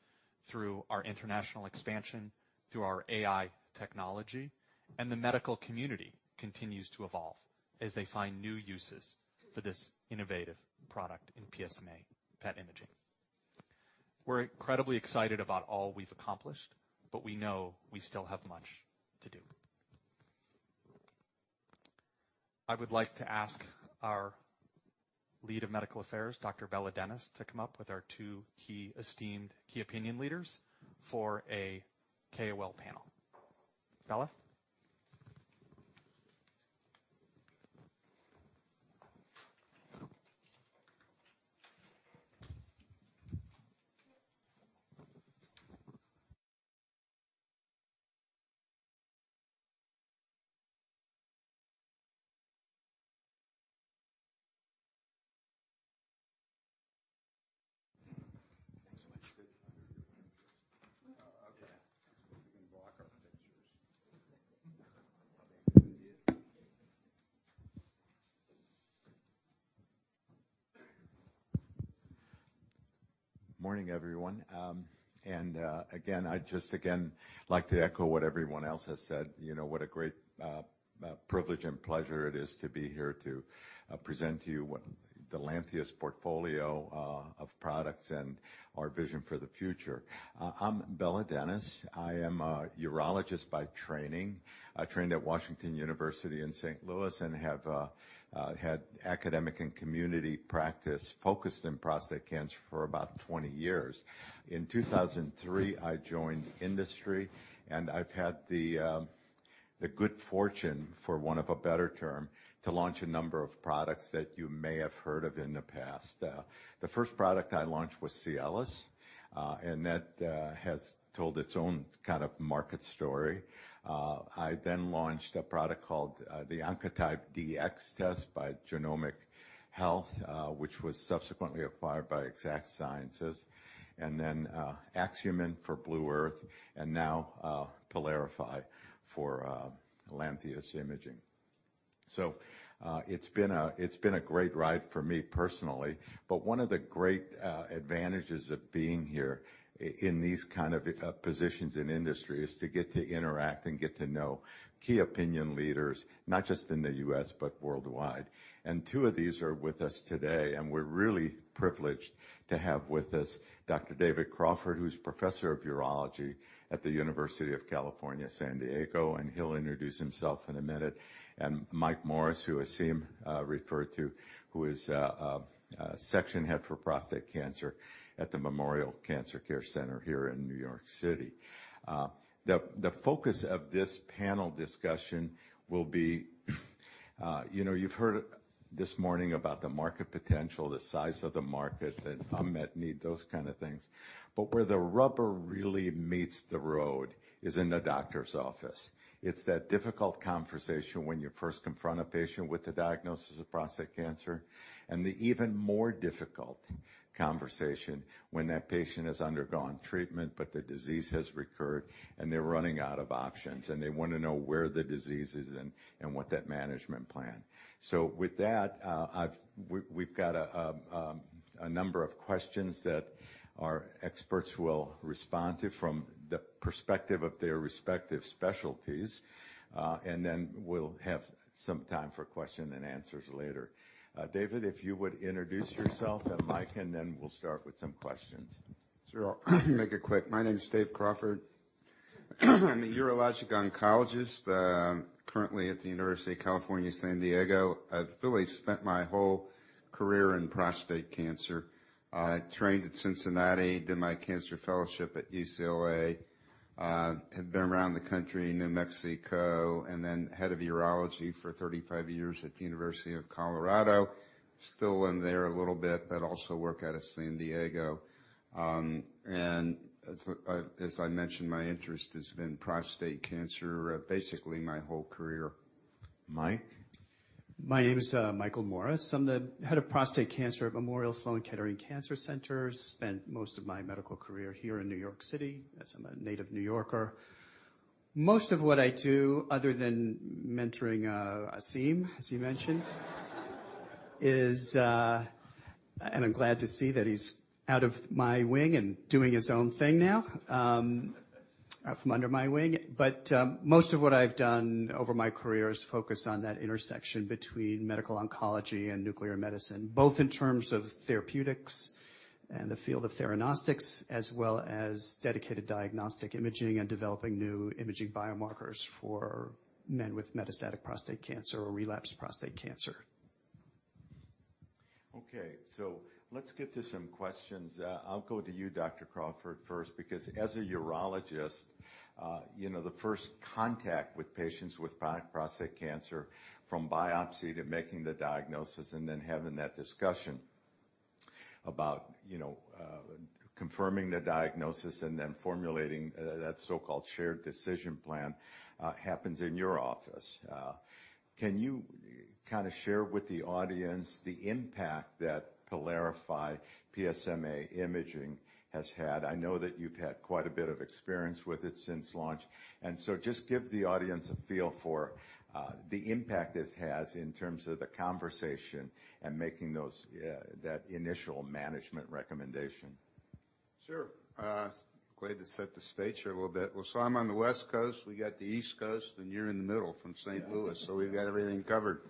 through our international expansion, through our AI technology, and the medical community continues to evolve as they find new uses for this innovative product in PSMA PET imaging. We're incredibly excited about all we've accomplished, but we know we still have much to do. I would like to ask our lead of medical affairs, Dr. Bela Denes, to come up with our two key esteemed key opinion leaders for a KOL panel. Bela? Morning, everyone. Again, I'd just again like to echo what everyone else has said. You know, what a great privilege and pleasure it is to be here to present to you the Lantheus portfolio of products and our vision for the future. I'm Bela Denes. I am a urologist by training. I trained at Washington University in St. Louis, and have had academic and community practice focused in prostate cancer for about 20 years. In 2003, I joined the industry, and I've had the good fortune, for want of a better term, to launch a number of products that you may have heard of in the past. The first product I launched was Cialis, and that has told its own kind of market story. I then launched a product called the Oncotype DX test by Genomic Health, which was subsequently acquired by Exact Sciences, and then Axumin for Blue Earth, and now PYLARIFY for Lantheus Medical Imaging. It's been a great ride for me personally. One of the great advantages of being here in these kind of positions in industry is to get to interact and get to know key opinion leaders, not just in the US, but worldwide. Two of these are with us today, and we're really privileged to have with us Dr. David Crawford, who's Professor of Urology at the University of California, San Diego, and he'll introduce himself in a minute. Michael Morris, who Aasim referred to, who is a Section Head for prostate cancer at the Memorial Sloan Kettering Cancer Center here in New York City. The focus of this panel discussion will be, you know, you've heard this morning about the market potential, the size of the market, the unmet need, those kind of things. But where the rubber really meets the road is in the doctor's office. It's that difficult conversation when you first confront a patient with a diagnosis of prostate cancer, and the even more difficult conversation when that patient has undergone treatment, but the disease has recurred, and they're running out of options, and they want to know where the disease is and what that management plan. We've got a number of questions that our experts will respond to from the perspective of their respective specialties. We'll have some time for question and answers later. David, if you would introduce yourself and Mike, and then we'll start with some questions. Sure. I'll make it quick. My name is Dave Crawford. I'm a urologic oncologist, currently at the University of California, San Diego. I've really spent my whole career in prostate cancer. I trained at Cincinnati, did my cancer fellowship at UCLA. Have been around the country, New Mexico, and then head of urology for 35 years at the University of Colorado. Still in there a little bit, but also work out of San Diego. As I mentioned, my interest has been prostate cancer, basically my whole career. Mike? My name is Michael Morris. I'm the head of prostate cancer at Memorial Sloan Kettering Cancer Center. Spent most of my medical career here in New York City, as I'm a native New Yorker. Most of what I do, other than mentoring Aasim, as he mentioned is. I'm glad to see that he's out of my wing and doing his own thing now, out from under my wing. Most of what I've done over my career is focus on that intersection between medical oncology and nuclear medicine, both in terms of therapeutics and the field of theranostics, as well as dedicated diagnostic imaging and developing new imaging biomarkers for men with metastatic prostate cancer or relapsed prostate cancer. Okay, let's get to some questions. I'll go to you, Dr. Crawford, first because as a urologist, you know, the first contact with patients with prostate cancer from biopsy to making the diagnosis and then having that discussion about, you know, confirming the diagnosis and then formulating that so-called shared decision plan happens in your office. Can you kinda share with the audience the impact that PYLARIFY PSMA imaging has had? I know that you've had quite a bit of experience with it since launch. Just give the audience a feel for the impact this has in terms of the conversation and making that initial management recommendation. Sure. Glad to set the stage here a little bit. Well, I'm on the West Coast, we got the East Coast, and you're in the middle from St. Louis. Yeah. We've got everything covered.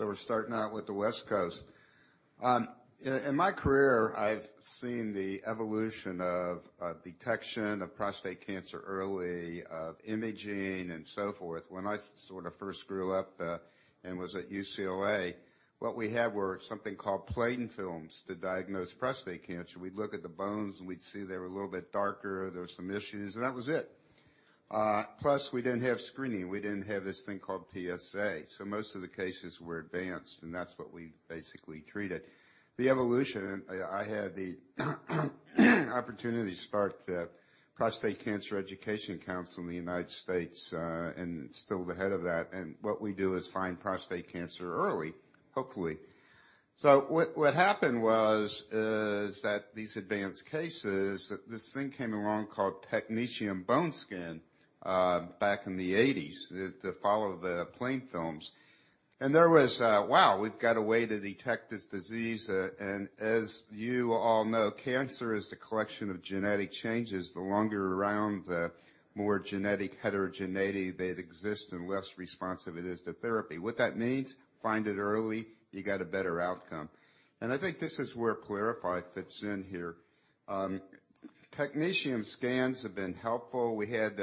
We're starting out with the West Coast. In my career, I've seen the evolution of detection of prostate cancer early, of imaging, and so forth. When I sort of first grew up and was at UCLA, what we had were something called plain films to diagnose prostate cancer. We'd look at the bones, and we'd see they were a little bit darker. There were some issues, and that was it. Plus, we didn't have screening. We didn't have this thing called PSA, so most of the cases were advanced, and that's what we basically treated..The evolution, I had the opportunity to start the Prostate Cancer Education Council in the United States, and still the head of that. What we do is find prostate cancer early, hopefully. So what happened was that these advanced cases, this thing came along called technetium bone scan back in the 1980s to follow the plain films. There was, wow, we've got a way to detect this disease. As you all know, cancer is the collection of genetic changes. The longer around, the more genetic heterogeneity that exist and less responsive it is to therapy. What that means, find it early, you get a better outcome. I think this is where PYLARIFY fits in here. Technetium scans have been helpful. We had,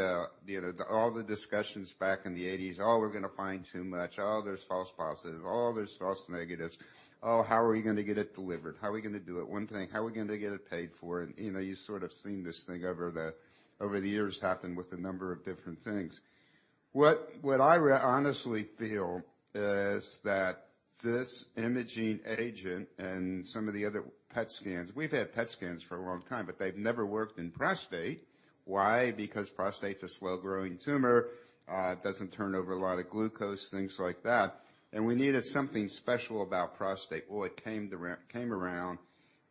you know, all the discussions back in the 1980s. "Oh, we're gonna find too much. Oh, there's false positives. Oh, there's false negatives. Oh, how are we gonna get it delivered? How are we gonna do it? One thing, how are we gonna get it paid for?" You know, you sort of seen this thing over the years happen with a number of different things. What I honestly feel is that this imaging agent and some of the other PET scans. We've had PET scans for a long time, but they've never worked in prostate. Why? Because prostate's a slow-growing tumor. It doesn't turn over a lot of glucose, things like that. We needed something special about prostate. Well, it came around,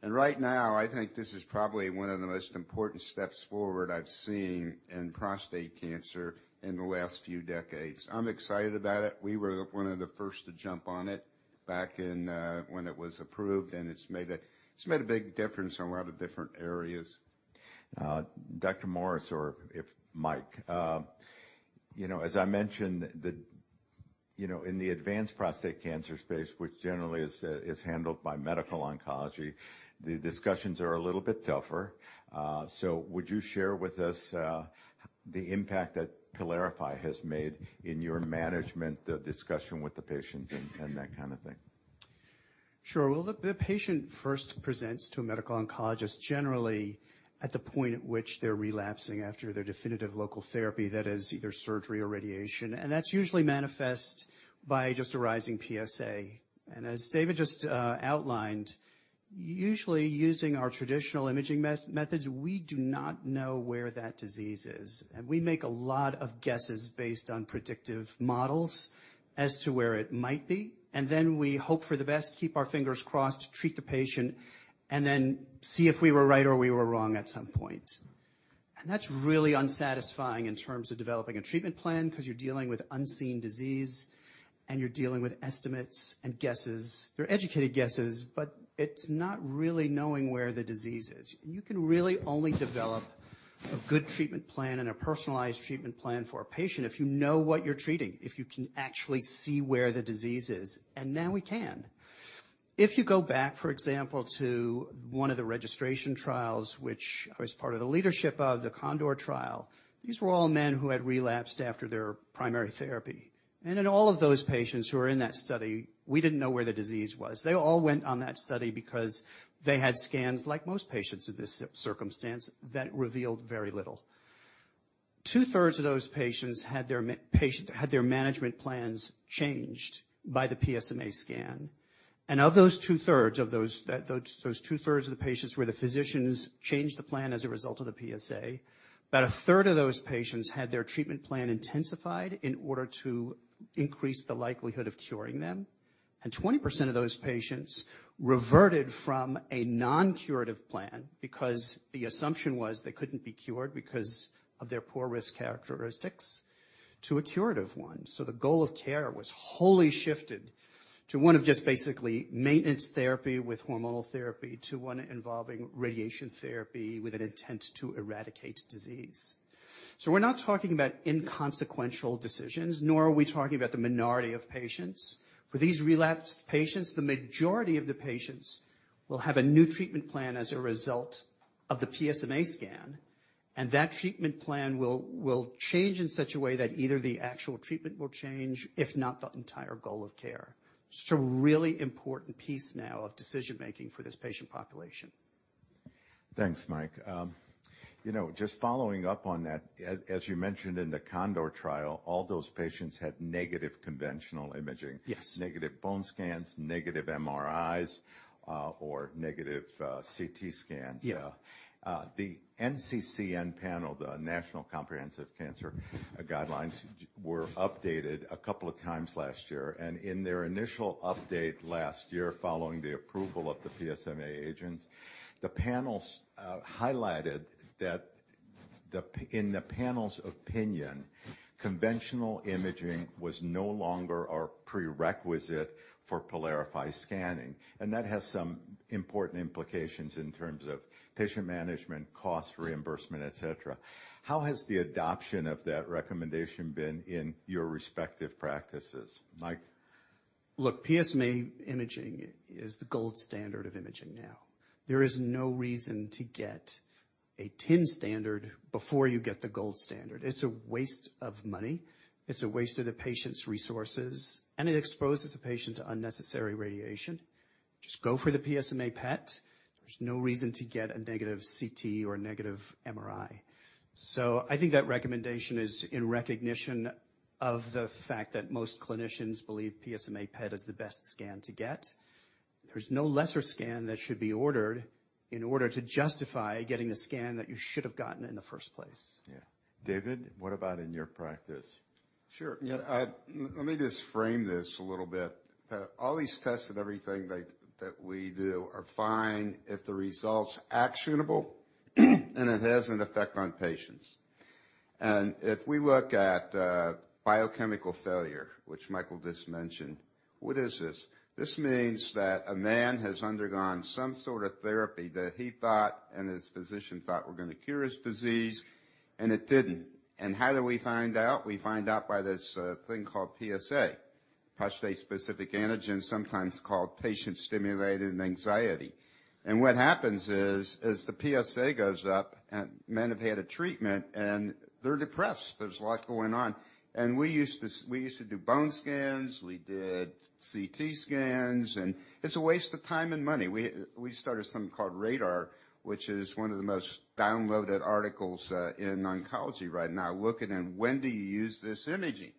and right now I think this is probably one of the most important steps forward I've seen in prostate cancer in the last few decades. I'm excited about it. We were one of the first to jump on it back in when it was approved, and it's made a big difference in a lot of different areas. Dr. Morris, or Mike, you know, as I mentioned, you know, in the advanced prostate cancer space, which generally is handled by medical oncology, the discussions are a little bit tougher. Would you share with us the impact that PYLARIFY has made in your management, the discussion with the patients and that kind of thing? Sure. Well, look, the patient first presents to a medical oncologist generally at the point at which they're relapsing after their definitive local therapy, that is either surgery or radiation. That's usually manifest by just a rising PSA. As David just outlined, usually using our traditional imaging methods, we do not know where that disease is. We make a lot of guesses based on predictive models as to where it might be. Then we hope for the best, keep our fingers crossed, treat the patient, and then see if we were right or we were wrong at some point. That's really unsatisfying in terms of developing a treatment plan, because you're dealing with unseen disease, and you're dealing with estimates and guesses. They're educated guesses, but it's not really knowing where the disease is. You can really only develop a good treatment plan and a personalized treatment plan for a patient if you know what you're treating, if you can actually see where the disease is, and now we can. If you go back, for example, to one of the registration trials, which I was part of the leadership of the CONDOR trial, these were all men who had relapsed after their primary therapy. In all of those patients who were in that study, we didn't know where the disease was. They all went on that study because they had scans, like most patients of this circumstance, that revealed very little. Two-thirds of those patients had their management plans changed by the PSMA scan. Of those 2/3 of the patients where the physicians changed the plan as a result of the PSA, about a third of those patients had their treatment plan intensified in order to increase the likelihood of curing them. 20% of those patients reverted from a non-curative plan because the assumption was they couldn't be cured because of their poor risk characteristics to a curative one. The goal of care was wholly shifted to one of just basically maintenance therapy with hormonal therapy to one involving radiation therapy with an intent to eradicate disease. We're not talking about inconsequential decisions, nor are we talking about the minority of patients. For these relapsed patients, the majority of the patients will have a new treatment plan as a result of the PSMA scan, and that treatment plan will change in such a way that either the actual treatment will change, if not the entire goal of care. It's a really important piece now of decision-making for this patient population. Thanks, Mike. You know, just following up on that, as you mentioned in the CONDOR trial, all those patients had negative conventional imaging. Yes. Negative bone scans, negative MRIs, or negative CT scans. Yeah. The NCCN panel, the National Comprehensive Cancer Network Guidelines were updated a couple of times last year. In their initial update last year following the approval of the PSMA agents, the panel highlighted that in the panel's opinion, conventional imaging was no longer a prerequisite for PYLARIFY scanning. That has some important implications in terms of patient management, cost reimbursement, et cetera. How has the adoption of that recommendation been in your respective practices? Mike. Look, PSMA imaging is the gold standard of imaging now. There is no reason to get a tin standard before you get the gold standard. It's a waste of money, it's a waste of the patient's resources, and it exposes the patient to unnecessary radiation. Just go for the PSMA PET. There's no reason to get a negative CT or a negative MRI. I think that recommendation is in recognition of the fact that most clinicians believe PSMA PET is the best scan to get. There's no lesser scan that should be ordered in order to justify getting a scan that you should have gotten in the first place. Yeah. David, what about in your practice? Sure. Yeah, let me just frame this a little bit. All these tests and everything like that we do are fine if the result's actionable, and it has an effect on patients. If we look at biochemical failure, which Michael just mentioned, what is this? This means that a man has undergone some sort of therapy that he thought and his physician thought were gonna cure his disease, and it didn't. How do we find out? We find out by this thing called PSA, prostate-specific antigen, sometimes called patient-stimulated anxiety. What happens is, as the PSA goes up and men have had a treatment and they're depressed. There's a lot going on, and we used to do bone scans, we did CT scans, and it's a waste of time and money. We started something called RADAR, which is one of the most downloaded articles in oncology right now, looking at when do you use this imaging.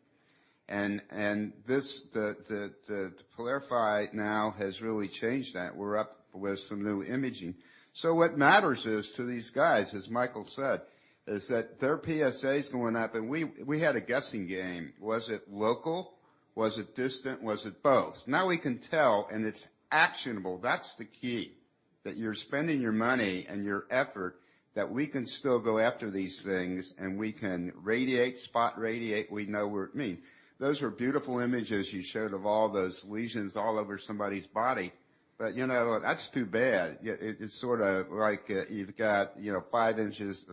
PYLARIFY now has really changed that. We're up with some new imaging. What matters is to these guys, as Michael said, is that their PSA's going up, and we had a guessing game. Was it local? Was it distant? Was it both? Now we can tell, and it's actionable. That's the key, that you're spending your money and your effort that we can still go after these things, and we can radiate, spot radiate. We know where it is. Those were beautiful images you showed of all those lesions all over somebody's body. You know, that's too bad. It's sorta like, you've got, you know, five images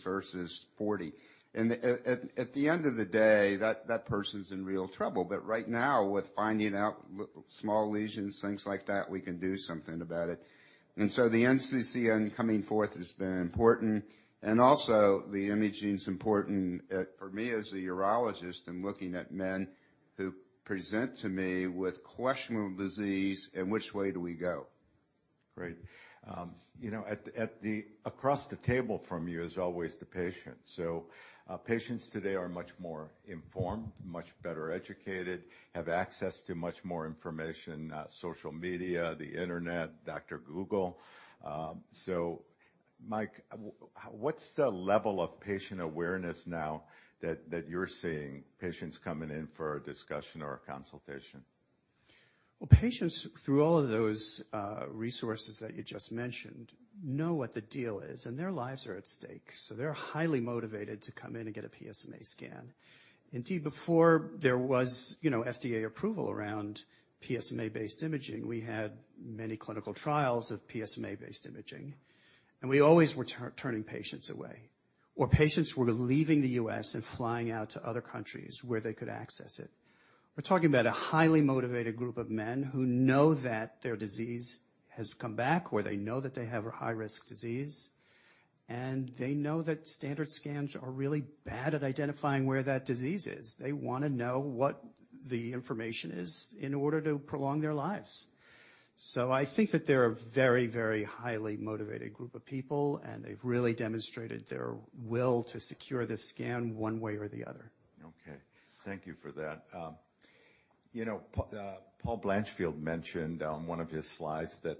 versus 40. At the end of the day, that person's in real trouble. But right now, with finding out small lesions, things like that, we can do something about it. The NCCN coming forth has been important. Also the imaging's important. For me as a urologist and looking at men who present to me with questionable disease and which way do we go. Great. You know, across the table from you is always the patient. Patients today are much more informed, much better educated, have access to much more information, social media, the internet, Dr. Google. Mike, what's the level of patient awareness now that you're seeing patients coming in for a discussion or a consultation? Well, patients, through all of those resources that you just mentioned, know what the deal is, and their lives are at stake. They're highly motivated to come in and get a PSMA scan. Indeed, before there was, you know, FDA approval around PSMA-based imaging, we had many clinical trials of PSMA-based imaging, and we always were turning patients away, or patients were leaving the U.S. and flying out to other countries where they could access it. We're talking about a highly motivated group of men who know that their disease has come back, or they know that they have a high-risk disease, and they know that standard scans are really bad at identifying where that disease is. They wanna know what the information is in order to prolong their lives. I think that they're a very, very highly motivated group of people, and they've really demonstrated their will to secure this scan one way or the other. Okay. Thank you for that. You know, Paul Blanchfield mentioned on one of his slides that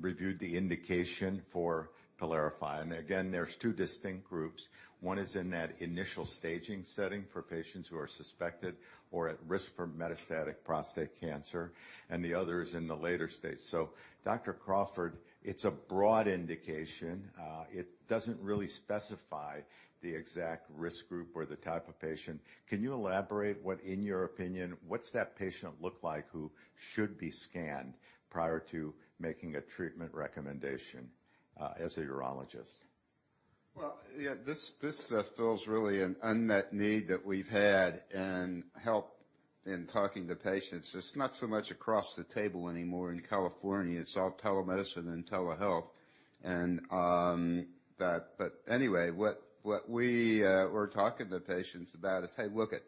reviewed the indication for PYLARIFY. Again, there's two distinct groups. One is in that initial staging setting for patients who are suspected or at risk for metastatic prostate cancer, and the other is in the later stage. Dr. Crawford, it's a broad indication. It doesn't really specify the exact risk group or the type of patient. Can you elaborate what, in your opinion, that patient looks like who should be scanned prior to making a treatment recommendation, as a urologist? Well, yeah, this fills really an unmet need that we've had and help in talking to patients. It's not so much across the table anymore in California. It's all telemedicine and telehealth. Anyway, what we're talking to patients about is, hey, look it.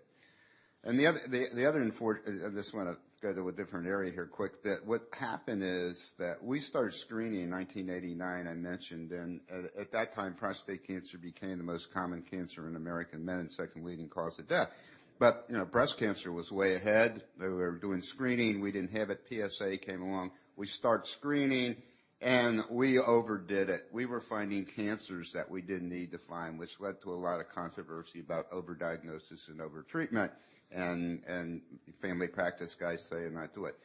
I just wanna go to a different area here quick. That's what happened is that we started screening in 1989, I mentioned, and at that time, prostate cancer became the most common cancer in American men and second leading cause of death. You know, breast cancer was way ahead. They were doing screening. We didn't have it. PSA came along. We start screening, and we overdid it. We were finding cancers that we didn't need to find, which led to a lot of controversy about overdiagnosis and over-treatment. Family practice guys say, "And I do it."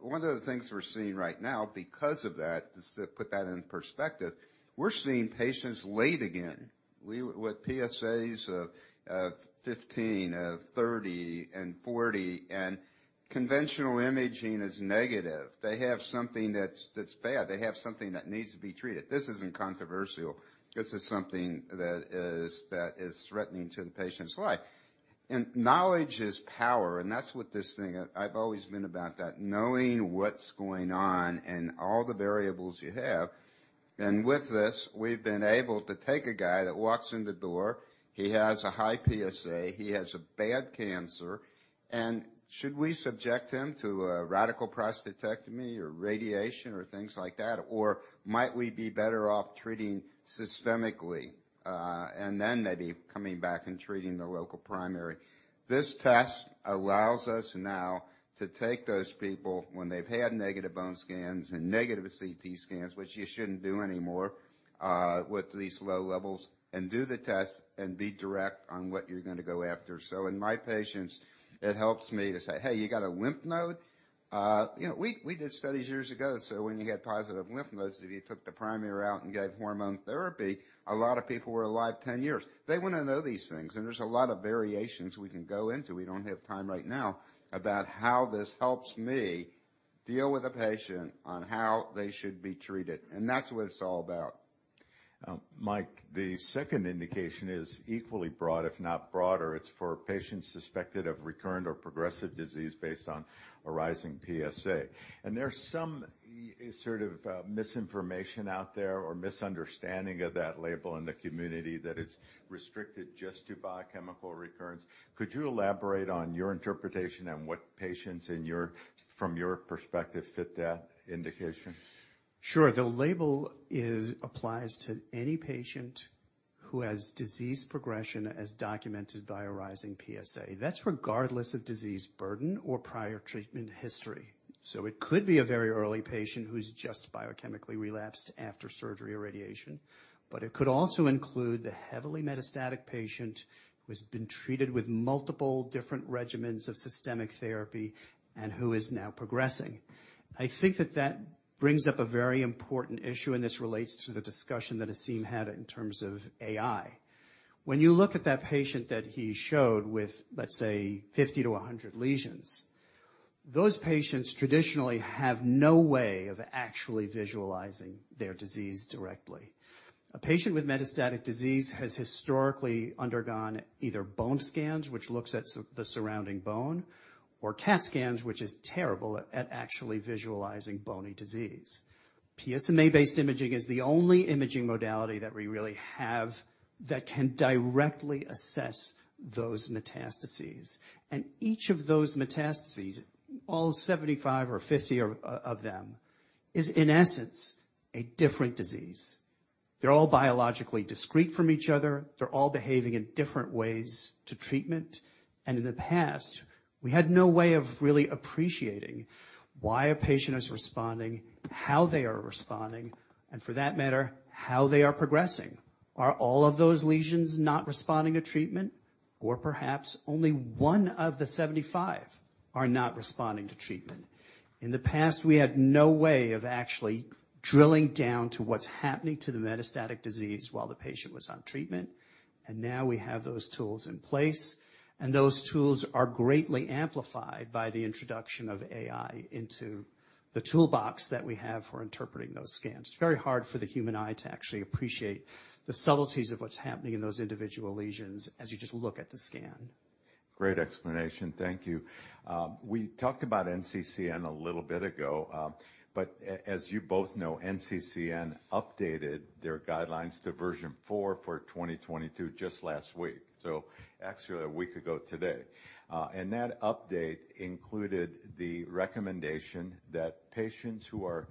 One of the things we're seeing right now because of that, just to put that in perspective, we're seeing patients late again. With PSAs of 15, 30 and 40, and conventional imaging is negative. They have something that's bad. They have something that needs to be treated. This isn't controversial. This is something that is threatening to the patient's life. Knowledge is power, and that's what this thing. I've always been about that, knowing what's going on and all the variables you have. With this, we've been able to take a guy that walks in the door. He has a high PSA. He has a bad cancer, and should we subject him to a radical prostatectomy or radiation or things like that? Might we be better off treating systemically, and then maybe coming back and treating the local primary? This test allows us now to take those people when they've had negative bone scans and negative CT scans, which you shouldn't do anymore. With these low levels and do the test and be direct on what you're gonna go after. In my patients, it helps me to say, "Hey, you got a lymph node?" You know, we did studies years ago, so when you had positive lymph nodes, if you took the primary out and gave hormone therapy, a lot of people were alive ten years. They wanna know these things, and there's a lot of variations we can go into, we don't have time right now, about how this helps me deal with a patient on how they should be treated. That's what it's all about. Mike, the second indication is equally broad, if not broader. It's for patients suspected of recurrent or progressive disease based on a rising PSA. There's some misinformation out there or misunderstanding of that label in the community that it's restricted just to biochemical recurrence. Could you elaborate on your interpretation and what patients from your perspective fit that indication? Sure. The label applies to any patient who has disease progression as documented by a rising PSA. That's regardless of disease burden or prior treatment history. It could be a very early patient who's just biochemically relapsed after surgery or radiation, but it could also include the heavily metastatic patient who has been treated with multiple different regimens of systemic therapy and who is now progressing. I think that brings up a very important issue, and this relates to the discussion that Aasim had in terms of AI. When you look at that patient that he showed with, let's say, 50-100 lesions, those patients traditionally have no way of actually visualizing their disease directly. A patient with metastatic disease has historically undergone either bone scans, which looks at the surrounding bone, or CT scans, which is terrible at actually visualizing bony disease. PSMA-based imaging is the only imaging modality that we really have that can directly assess those metastases. Each of those metastases, all 75 or 50 of them, is in essence a different disease. They're all biologically discrete from each other. They're all behaving in different ways to treatment. In the past, we had no way of really appreciating why a patient is responding, how they are responding, and for that matter, how they are progressing. Are all of those lesions not responding to treatment? Or perhaps only one of the 75 are not responding to treatment. In the past, we had no way of actually drilling down to what's happening to the metastatic disease while the patient was on treatment. Now we have those tools in place, and those tools are greatly amplified by the introduction of AI into the toolbox that we have for interpreting those scans. It's very hard for the human eye to actually appreciate the subtleties of what's happening in those individual lesions as you just look at the scan. Great explanation. Thank you. We talked about NCCN a little bit ago, but as you both know, NCCN updated their guidelines to version 4 for 2022 just last week, so actually a week ago today. That update included the recommendation that patients who are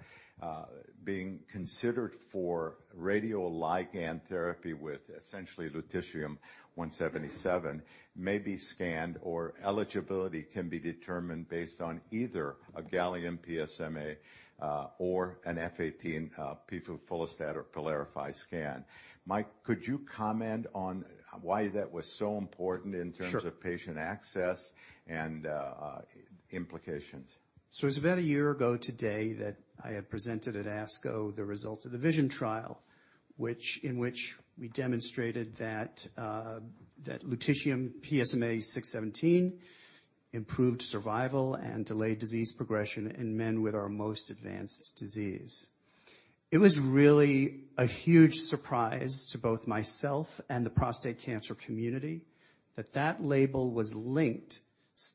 being considered for radioligand therapy with essentially lutetium-177 may be scanned or eligibility can be determined based on either a Gallium PSMA or an F-18 piflufolastat or PYLARIFY scan. Mike, could you comment on why that was so important. Sure. in terms of patient access and, implications? It's about a year ago today that I had presented at ASCO the results of the VISION trial, in which we demonstrated that lutetium PSMA-617 improved survival and delayed disease progression in men with our most advanced disease. It was really a huge surprise to both myself and the prostate cancer community that that label was linked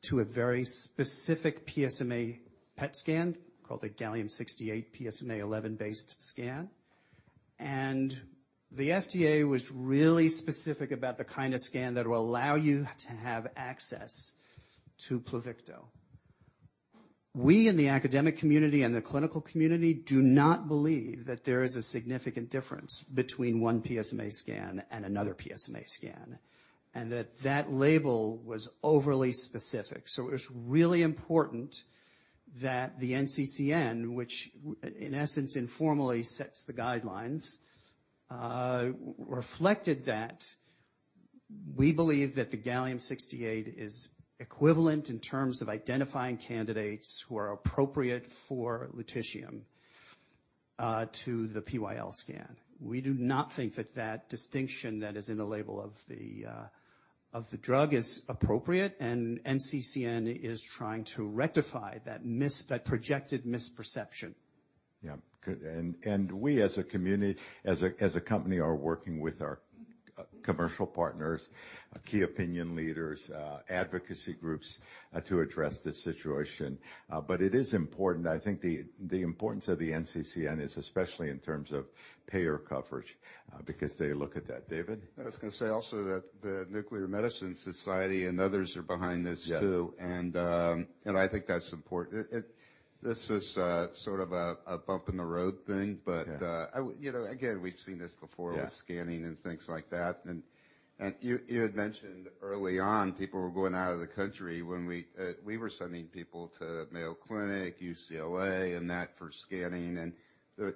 to a very specific PSMA PET scan called a gallium-68 PSMA-11-based scan. The FDA was really specific about the kind of scan that will allow you to have access to Pluvicto. We, in the academic community and the clinical community, do not believe that there is a significant difference between one PSMA scan and another PSMA scan, and that that label was overly specific. It was really important that the NCCN, which in essence, informally sets the guidelines, reflected that. We believe that the Gallium-68 is equivalent in terms of identifying candidates who are appropriate for Lutetium to the PYLARIFY scan. We do not think that that distinction that is in the label of the drug is appropriate, and NCCN is trying to rectify that projected misperception. Yeah. Good. We as a community, as a company, are working with our commercial partners, key opinion leaders, advocacy groups, to address this situation. It is important. I think the importance of the NCCN is especially in terms of payer coverage, because they look at that. David? I was gonna say also that the Nuclear Medicine Society and others are behind this too. Yeah. I think that's important. This is sort of a bump in the road thing, but- Yeah. I would, you know, again, we've seen this before. Yeah. With scanning and things like that. You had mentioned early on, people were going out of the country when we were sending people to Mayo Clinic, UCLA, and that for scanning. You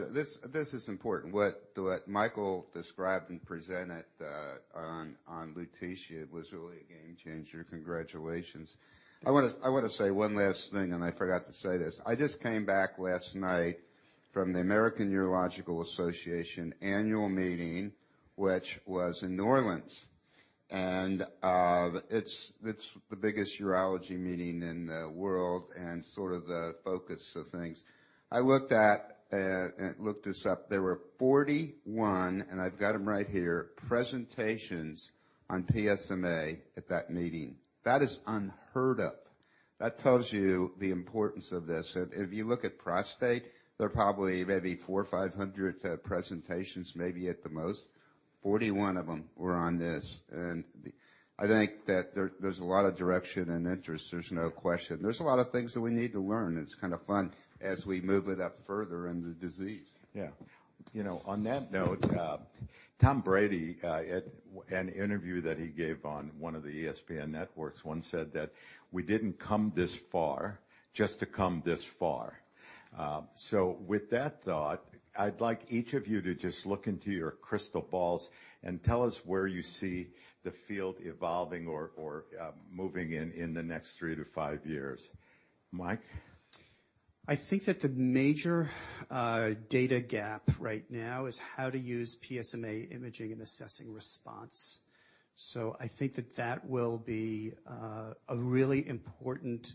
know, this is important. What Michael described and presented on lutetium was really. Can't change your congratulations. I wanna say one last thing, and I forgot to say this. I just came back last night from the American Urological Association annual meeting, which was in New Orleans. It's the biggest urology meeting in the world and sort of the focus of things. I looked this up. There were 41, and I've got them right here, presentations on PSMA at that meeting. That is unheard of. That tells you the importance of this. If you look at prostate, there are probably maybe 400 or 500 presentations maybe at the most. 41 of them were on this. I think that there's a lot of direction and interest, there's no question. There's a lot of things that we need to learn. It's kind of fun as we move it up further in the disease. Yeah. You know, on that note, Tom Brady, at an interview that he gave on one of the ESPN networks once said that we didn't come this far just to come this far. So, with that thought, I'd like each of you to just look into your crystal balls and tell us where you see the field evolving or moving in the next three to five years. Mike? I think that the major data gap right now is how to use PSMA imaging in assessing response. I think that will be a really important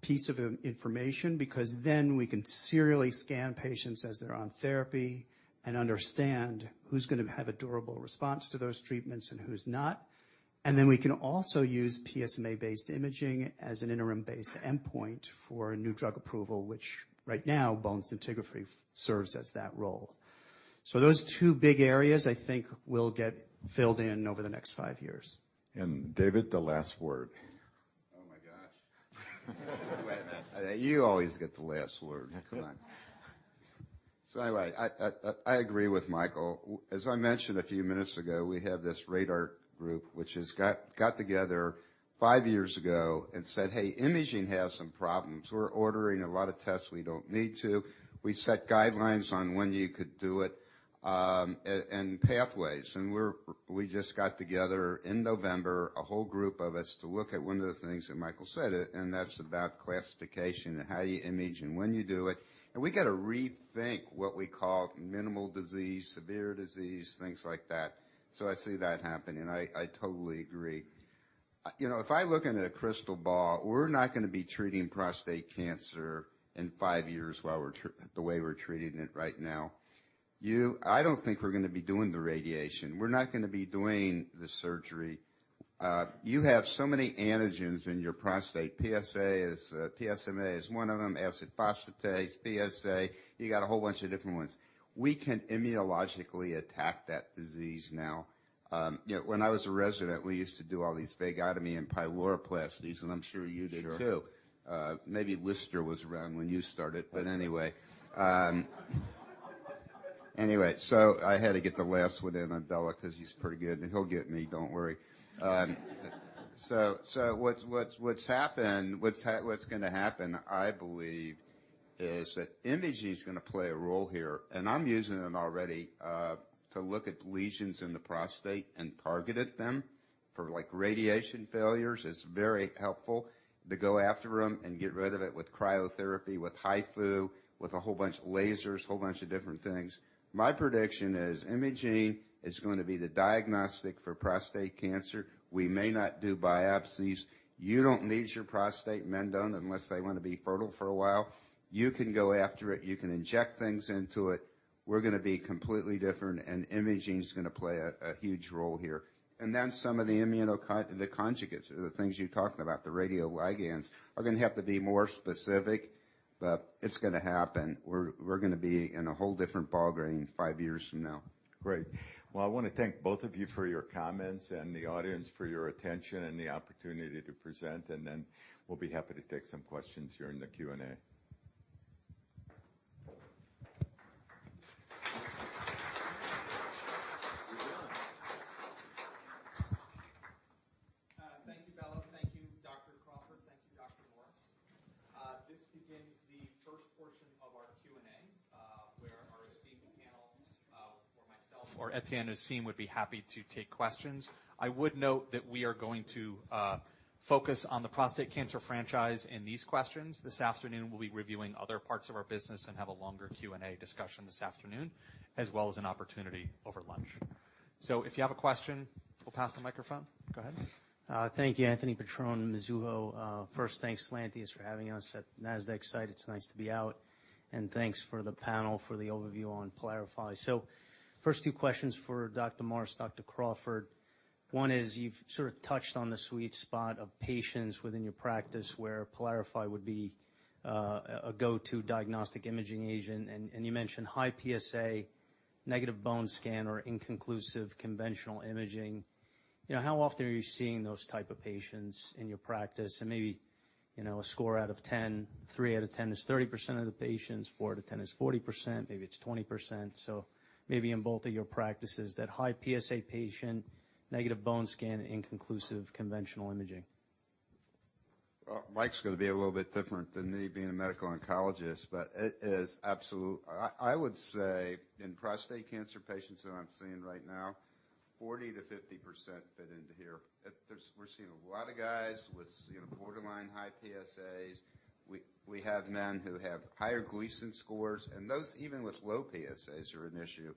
piece of information because then we can serially scan patients as they're on therapy and understand who's gonna have a durable response to those treatments and who's not. We can also use PSMA-based imaging as an interim-based endpoint for a new drug approval, which right now bone scintigraphy serves as that role. Those two big areas, I think, will get filled in over the next five years. David, the last word. Oh, my gosh. You always get the last word. Come on. Anyway, I agree with Michael. As I mentioned a few minutes ago, we have this RADAR group which has got together five years ago and said, "Hey, imaging has some problems. We're ordering a lot of tests we don't need to." We set guidelines on when you could do it, and pathways. We just got together in November, a whole group of us to look at one of the things that Michael said, and that's about classification and how you image and when you do it. We gotta rethink what we call minimal disease, severe disease, things like that. I see that happening. I totally agree. You know, if I look into a crystal ball, we're not gonna be treating prostate cancer in five years the way we're treating it right now. I don't think we're gonna be doing the radiation. We're not gonna be doing the surgery. You have so many antigens in your prostate. PSA is, PSMA is one of them. Acid phosphatase, PSA, you got a whole bunch of different ones. We can immunologically attack that disease now. You know, when I was a resident, we used to do all these vagotomy and pyloroplasties, and I'm sure you did, too. Sure. Maybe Lister was around when you started. Anyway, I had to get the last one in on Bela 'cause he's pretty good, and he'll get me, don't worry. Anyway, so what's gonna happen, I believe, is that imaging's gonna play a role here. I'm using them already to look at lesions in the prostate and targeted them for like radiation failures. It's very helpful to go after them and get rid of it with cryotherapy, with HIFU, with a whole bunch of lasers, whole bunch of different things. My prediction is imaging is going to be the diagnostic for prostate cancer. We may not do biopsies. You don't need your prostate, men don't, unless they want to be fertile for a while. You can go after it. You can inject things into it. We're gonna be completely different, and imaging's gonna play a huge role here. Some of the conjugates or the things you talked about, the radioligands, are gonna have to be more specific, but it's gonna happen. We're gonna be in a whole different ballgame five years from now. Great. Well, I wanna thank both of you for your comments and the audience for your attention and the opportunity to present, and then we'll be happy to take some questions here in the Q&A. We're done. Thank you, Bela. Thank you, Dr. Crawford. Thank you, Dr. Morris. This begins the first portion of our Q&A, where our esteemed panel, or myself or Etienne would be happy to take questions. I would note that we are going to focus on the prostate cancer franchise in these questions. This afternoon, we'll be reviewing other parts of our business and have a longer Q&A discussion this afternoon, as well as an opportunity over lunch. If you have a question, we'll pass the microphone. Go ahead. Thank you, Anthony Petrone, Mizuho. First, thanks, [Celantis], for having us at Nasdaq site. It's nice to be out. Thanks for the panel for the overview on PYLARIFY. First two questions for Dr. Morris, Dr. Crawford. One is, you've sort of touched on the sweet spot of patients within your practice where PYLARIFY would be a go-to diagnostic imaging agent. And you mentioned high PSA, negative bone scan or inconclusive conventional imaging. You know, how often are you seeing those type of patients in your practice? And maybe, you know, a score out of 10. 3 out of 10 is 30% of the patients, four to 10 is 40%, maybe it's 20%. Maybe in both of your practices, that high PSA patient, negative bone scan, inconclusive conventional imaging. Well, Mike's gonna be a little bit different than me being a medical oncologist, but it is absolute. I would say in prostate cancer patients that I'm seeing right now, 40%-50% fit into here. We're seeing a lot of guys with, you know, borderline high PSAs. We have men who have higher Gleason scores, and those even with low PSAs are an issue.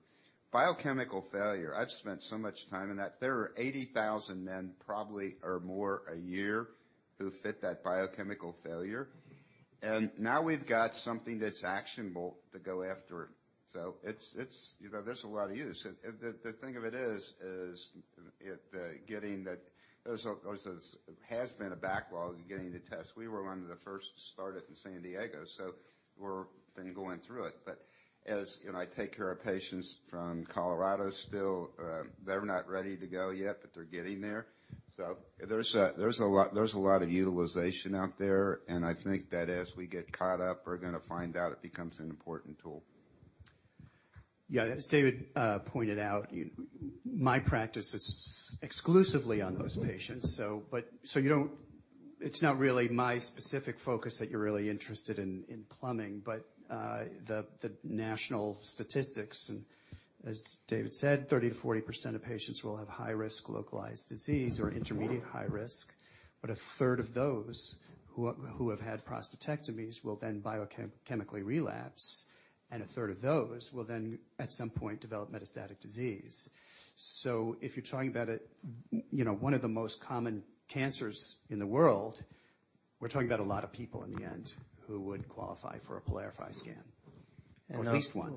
Biochemical failure, I've spent so much time in that. There are 80,000 men probably or more a year who fit that biochemical failure. Now we've got something that's actionable to go after. It's, you know, there's a lot of use. The thing of it is it getting that. There's this. Has been a backlog in getting the tests. We were one of the first to start it in San Diego, so we've been going through it. As you know, I take care of patients from Colorado still, they're not ready to go yet, but they're getting there. There's a lot of utilization out there, and I think that as we get caught up, we're gonna find out it becomes an important tool. Yeah. As David pointed out, my practice is exclusively on those patients. It's not really my specific focus that you're really interested in PSMA imaging, but the national statistics and as David said, 30%-40% of patients will have high risk localized disease or intermediate high risk. A third of those who have had prostatectomies will then biochemically relapse, and a third of those will then at some point develop metastatic disease. If you're talking about you know one of the most common cancers in the world, we're talking about a lot of people in the end who would qualify for a PYLARIFY scan or at least one.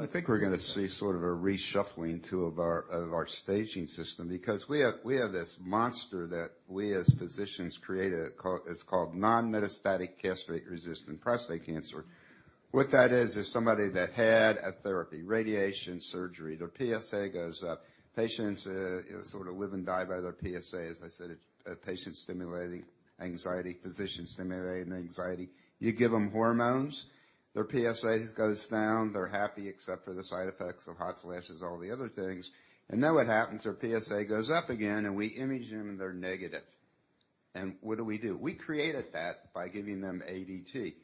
I think we're gonna see sort of a reshuffling too of our staging system because we have this monster that we as physicians created—it's called non-metastatic castration-resistant prostate cancer. What that is somebody that had a therapy, radiation surgery, their PSA goes up. Patients sort of live and die by their PSA. As I said, it's a patient stimulating anxiety, physician stimulating anxiety. You give them hormones, their PSA goes down, they're happy except for the side effects of hot flashes, all the other things. Then what happens? Their PSA goes up again and we image them, and they're negative. What do we do? We created that by giving them ADT,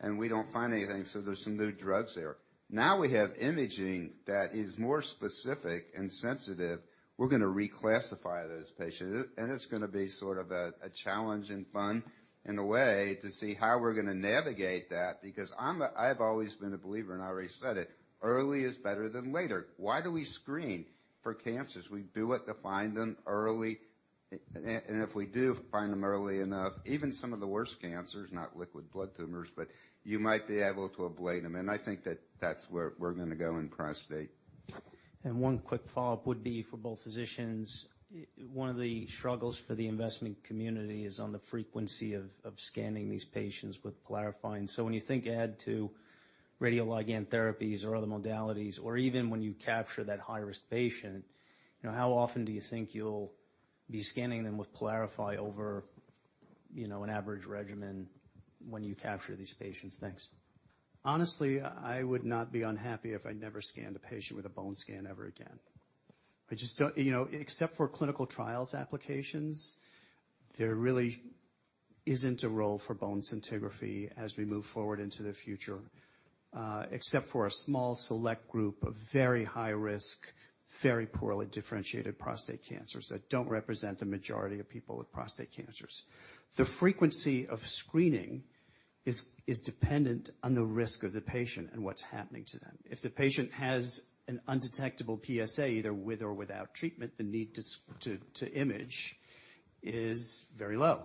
and we don't find anything, so there's some new drugs there. Now we have imaging that is more specific and sensitive. We're gonna reclassify those patients. It's gonna be sort of a challenge and fun in a way to see how we're gonna navigate that. Because I've always been a believer, and I already said it, early is better than later. Why do we screen for cancers? We do it to find them early. If we do find them early enough, even some of the worst cancers, not liquid blood tumors, but you might be able to ablate them. I think that's where we're gonna go in prostate. One quick follow-up would be for both physicians. One of the struggles for the investment community is on the frequency of scanning these patients with PYLARIFY. When you think about adding to radioligand therapies or other modalities or even when you capture that high-risk patient, you know, how often do you think you'll be scanning them with PYLARIFY over, you know, an average regimen when you capture these patients? Thanks. Honestly, I would not be unhappy if I never scanned a patient with a bone scan ever again. I just don't you know, except for clinical trials applications, there really isn't a role for bone scintigraphy as we move forward into the future. Except for a small select group of very high risk, very poorly differentiated prostate cancers that don't represent the majority of people with prostate cancers. The frequency of screening is dependent on the risk of the patient and what's happening to them. If the patient has an undetectable PSA, either with or without treatment, the need to image is very low.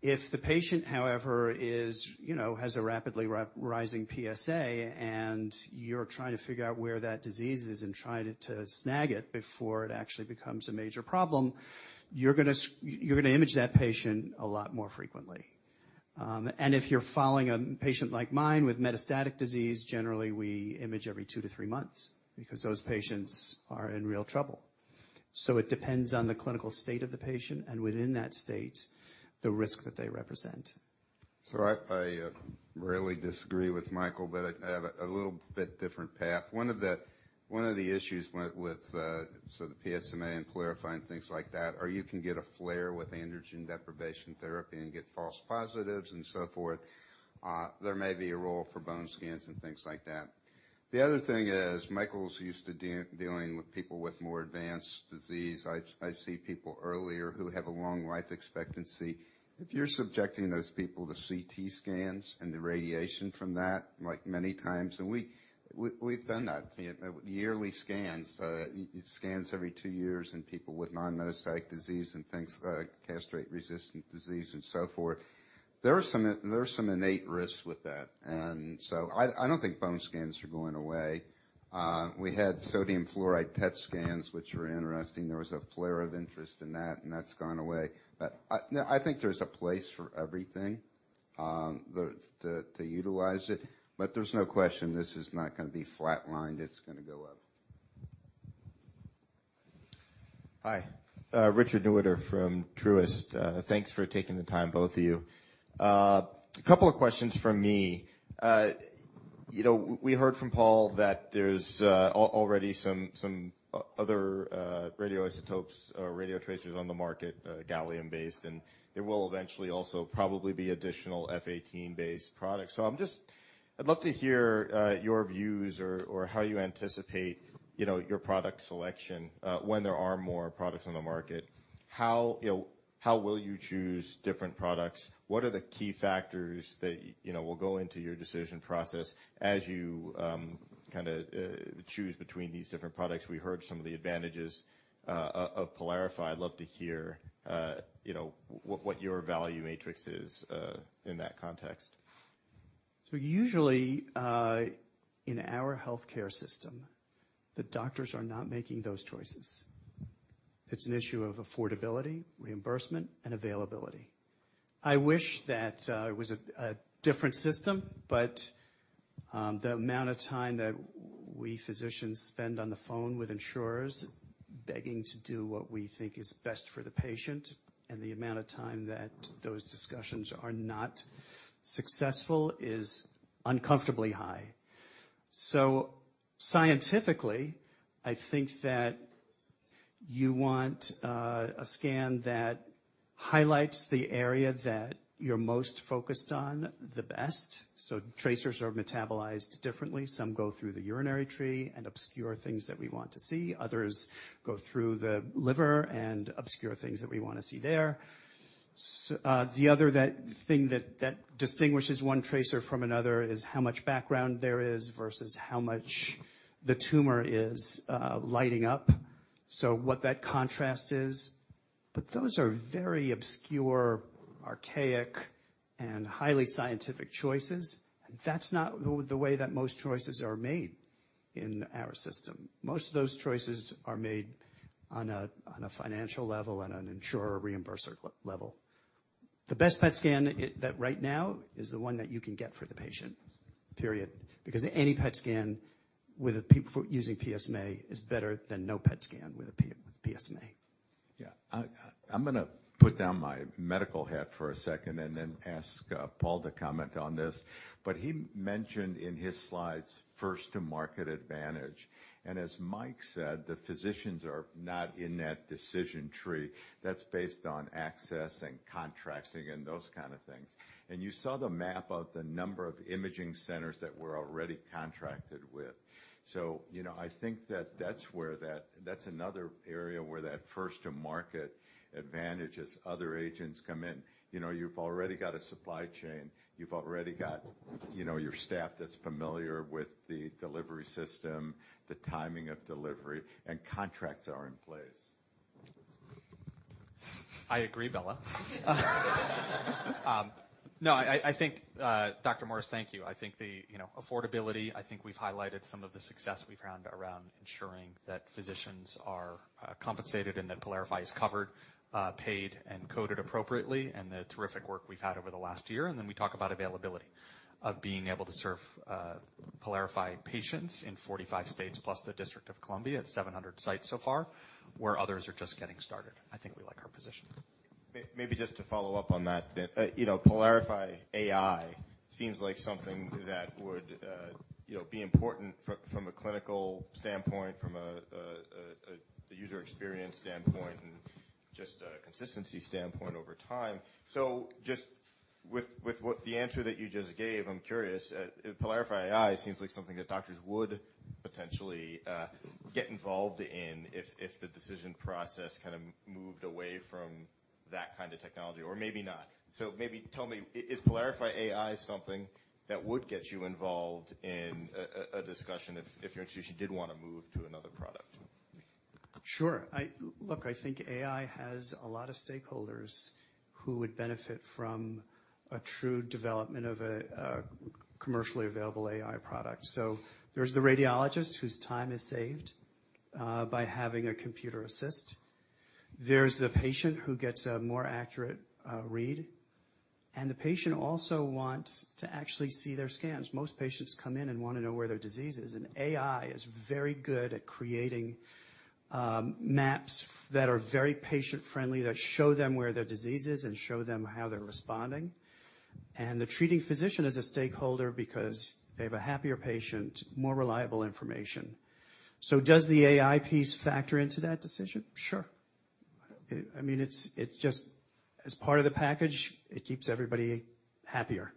If the patient, however, has a rapidly rising PSA and you're trying to figure out where that disease is and trying to snag it before it actually becomes a major problem, you're gonna image that patient a lot more frequently. If you're following a patient like mine with metastatic disease, generally we image every two to three months because those patients are in real trouble. It depends on the clinical state of the patient and within that state, the risk that they represent. I rarely disagree with Michael, but I have a little bit different path. One of the issues with the PSMA and PYLARIFY and things like that is you can get a flare with androgen deprivation therapy and get false positives and so forth. There may be a role for bone scans and things like that. The other thing is, Michael's used to dealing with people with more advanced disease. I see people earlier who have a long life expectancy. If you're subjecting those people to CT scans and the radiation from that, like many times, and we've done that, you know, yearly scans every two years in people with non-metastatic disease and things like castration-resistant disease and so forth. There are some innate risks with that. I don't think bone scans are going away. We had sodium fluoride PET scans, which were interesting. There was a flare of interest in that, and that's gone away. No, I think there's a place for everything to utilize it. There's no question this is not gonna be flatlined, it's gonna go up. Hi, Richard Newitter from Truist. Thanks for taking the time, both of you. A couple of questions from me. You know, we heard from Paul that there's already some other radioisotopes or radiotracers on the market, gallium-based, and there will eventually also probably be additional F-18-based products. I'm just. I'd love to hear your views or how you anticipate, you know, your product selection when there are more products on the market. How, you know, how will you choose different products? What are the key factors that, you know, will go into your decision process as you kinda choose between these different products? We heard some of the advantages of PYLARIFY. I'd love to hear, you know, what your value matrix is in that context? Usually, in our healthcare system, the doctors are not making those choices. It's an issue of affordability, reimbursement, and availability. I wish that it was a different system, but the amount of time that we physicians spend on the phone with insurers begging to do what we think is best for the patient, and the amount of time that those discussions are not successful is uncomfortably high. Scientifically, I think that you want a scan that highlights the area that you're most focused on the best. Tracers are metabolized differently. Some go through the urinary tree and obscure things that we want to see. Others go through the liver and obscure things that we wanna see there. The other thing that distinguishes one tracer from another is how much background there is versus how much the tumor is lighting up. So, what that contrast is. Those are very obscure, archaic, and highly scientific choices. That's not the way that most choices are made in our system. Most of those choices are made on a financial level and an insurer reimbursement level. The best PET scan that right now is the one that you can get for the patient, period. Because any PET scan using PSMA is better than no PET scan with PSMA. Yeah. I'm gonna put down my medical hat for a second and then ask Paul to comment on this. He mentioned in his slides first to market advantage. As Mike said, the physicians are not in that decision tree. That's based on access and contracting and those kind of things. You saw the map of the number of imaging centers that we're already contracted with. You know, I think that's where that's another area where that first to market advantage as other agents come in. You know, you've already got a supply chain, you've already got, you know, your staff that's familiar with the delivery system, the timing of delivery, and contracts are in place. I agree, Bela. Dr. Morris, thank you. I think the, you know, affordability, I think we've highlighted some of the success we've found around ensuring that physicians are compensated and that PYLARIFY is covered, paid and coded appropriately, and the terrific work we've had over the last year. Then we talk about availability of being able to serve PYLARIFY patients in 45 states plus the District of Columbia at 700 sites so far, where others are just getting started. I think we like our position. Maybe just to follow up on that, you know, PYLARIFY AI seems like something that would, you know, be important from a clinical standpoint, from a user experience standpoint and just a consistency standpoint over time. Just with what the answer that you just gave, I'm curious, PYLARIFY AI seems like something that doctors would potentially get involved in if the decision process kind of moved away from that kind of technology, or maybe not. Maybe tell me, is PYLARIFY AI something that would get you involved in a discussion if your institution did wanna move to another product? Sure. Look, I think AI has a lot of stakeholders who would benefit from a true development of a commercially available AI product. There's the radiologist whose time is saved by having a computer assist. There's the patient who gets a more accurate read, and the patient also wants to actually see their scans. Most patients come in and wanna know where their disease is, and AI is very good at creating maps that are very patient-friendly, that show them where their disease is and show them how they're responding. The treating physician is a stakeholder because they have a happier patient, more reliable information. Does the AI piece factor into that decision? Sure. I mean, it's just as part of the package, it keeps everybody happier.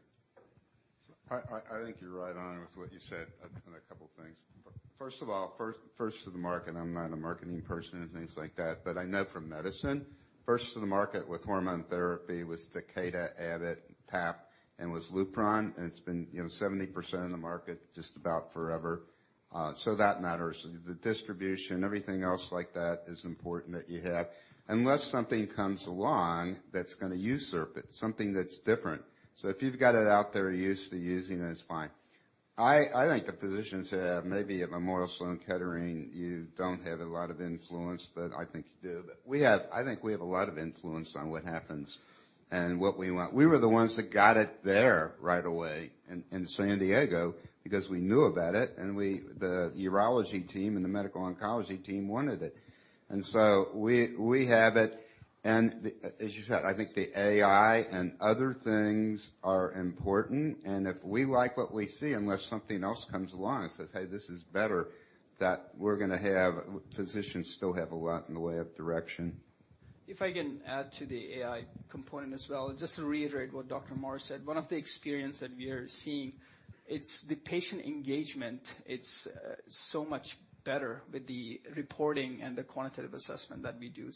I think you're right on with what you said on a couple of things. First of all, to the market, I'm not a marketing person and things like that, but I know from medicine, first to the market with hormone therapy was Takeda, Abbott, TAP, and was Lupron, and it's been, you know, 70% of the market just about forever. So that matters. The distribution, everything else like that is important that you have. Unless something comes along that's gonna usurp it, something that's different. So, if you've got it out there, used to using it's fine. I think the physicians have maybe at Memorial Sloan Kettering Cancer Center, you don't have a lot of influence, but I think you do. We have a lot of influence on what happens and what we want. We were the ones that got it there right away in San Diego because we knew about it, and the urology team and the medical oncology team wanted it. We have it. As you said, I think the AI and other things are important, and if we like what we see, unless something else comes along and says, "Hey, this is better," that we're gonna have physicians still have a lot in the way of direction. If I can add to the AI component as well, just to reiterate what Dr. Morris said, one of the experience that we are seeing. It's the patient engagement. It's so much better with the reporting and the quantitative assessment that we do.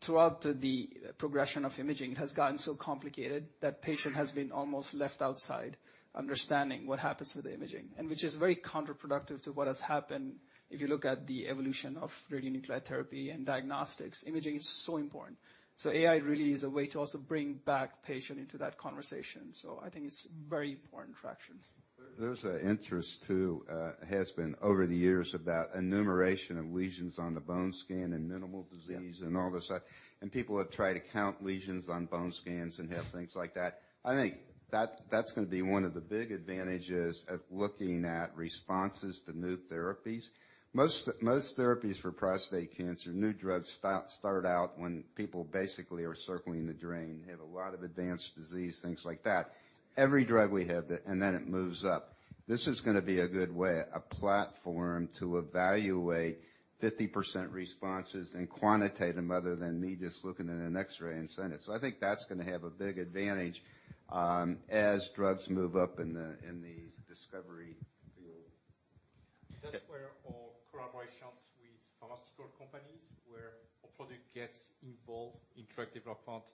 Throughout the progression of imaging has gotten so complicated that patient has been almost left outside understanding what happens with the imaging, and which is very counterproductive to what has happened if you look at the evolution of radionuclide therapy and diagnostics. Imaging is so important. AI really is a way to also bring back patient into that conversation. I think it's very important factor. There's an interest too, has been over the years about enumeration of lesions on the bone scan and minimal disease. Yep. All this. People have tried to count lesions on bone scans and have things like that. I think that's gonna be one of the big advantages of looking at responses to new therapies. Most therapies for prostate cancer, new drugs start out when people basically are circling the drain, have a lot of advanced disease, things like that. Then it moves up. This is gonna be a good way, a platform to evaluate 50% responses and quantitate them, other than me just looking at an X-ray and send it. I think that's gonna have a big advantage, as drugs move up in the discovery field. That's where our collaborations with pharmaceutical companies, where our product gets involved in drug development,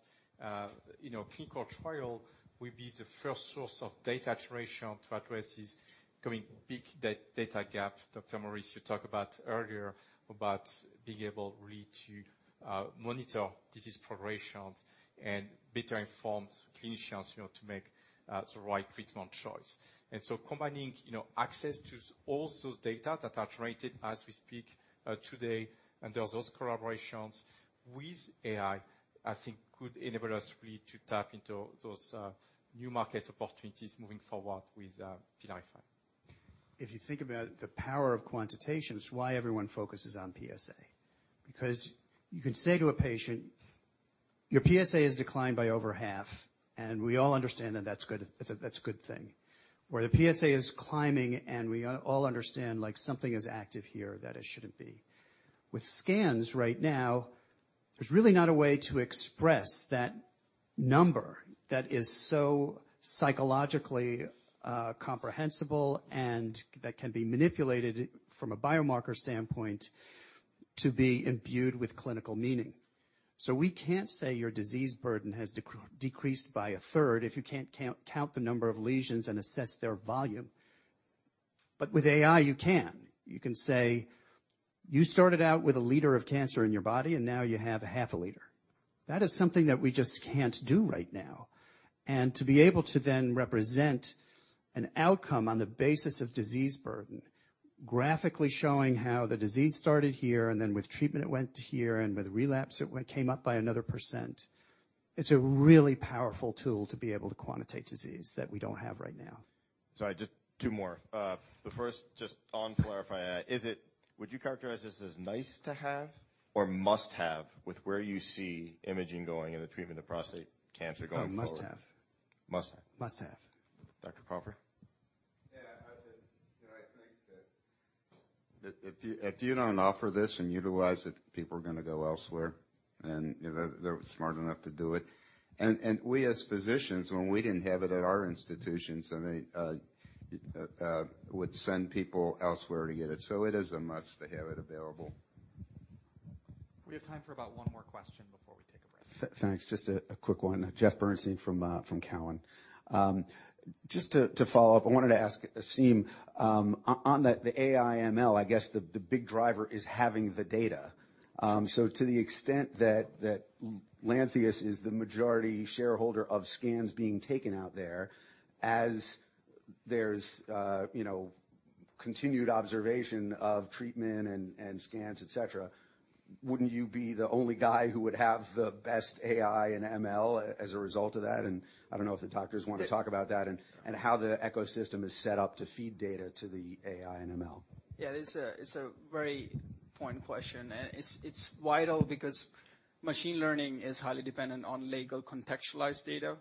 clinical trial will be the first source of data generation to address this coming big data gap. Dr. Morris, you talked about earlier about being able really to monitor disease progressions and better inform clinicians, you know, to make the right treatment choice. Combining, you know, access to all those data that are generated as we speak today, and there are those collaborations with AI, I think could enable us really to tap into those new market opportunities moving forward with PYLARIFY. If you think about the power of quantitations, why everyone focuses on PSA. Because you can say to a patient, "Your PSA has declined by over half," and we all understand that that's a good thing. Where the PSA is climbing, and we all understand, like, something is active here that it shouldn't be. With scans right now, there's really not a way to express that number that is so psychologically comprehensible and that can be manipulated from a biomarker standpoint to be imbued with clinical meaning. We can't say your disease burden has decreased by a third if you can't count the number of lesions and assess their volume. With AI, you can. You can say, "You started out with a liter of cancer in your body, and now you have a half a liter." That is something that we just can't do right now. To be able to then represent an outcome on the basis of disease burden, graphically showing how the disease started here, and then with treatment it went to here, and with relapse it came up by another percent. It's a really powerful tool to be able to quantitate disease that we don't have right now. Sorry, just two more. The first just on PYLARIFY. Would you characterize this as nice to have or must-have with where you see imaging going and the treatment of prostate cancer going forward? Oh, must-have. Must-have. Must-have. Dr. Crawford? Yeah. I think, you know, I think that if you don't offer this and utilize it, people are gonna go elsewhere, and they're smart enough to do it. We as physicians, when we didn't have it at our institutions, I mean, would send people elsewhere to get it. It is a must to have it available. We have time for about one more question before we take a break. Thanks. Just a quick one. Jeff Bernstein from Cowen. Just to follow up, I wanted to ask Aasim, on the AI ML, I guess the big driver is having the data. So to the extent that Lantheus is the majority shareholder of scans being taken out there, as there's you know continued observation of treatment and scans, et cetera, wouldn't you be the only guy who would have the best AI and ML as a result of that? I don't know if the doctors wanna talk about that and how the ecosystem is set up to feed data to the AI and ML. Yeah. It's a very important question. It's vital because machine learning is highly dependent on large contextualized data.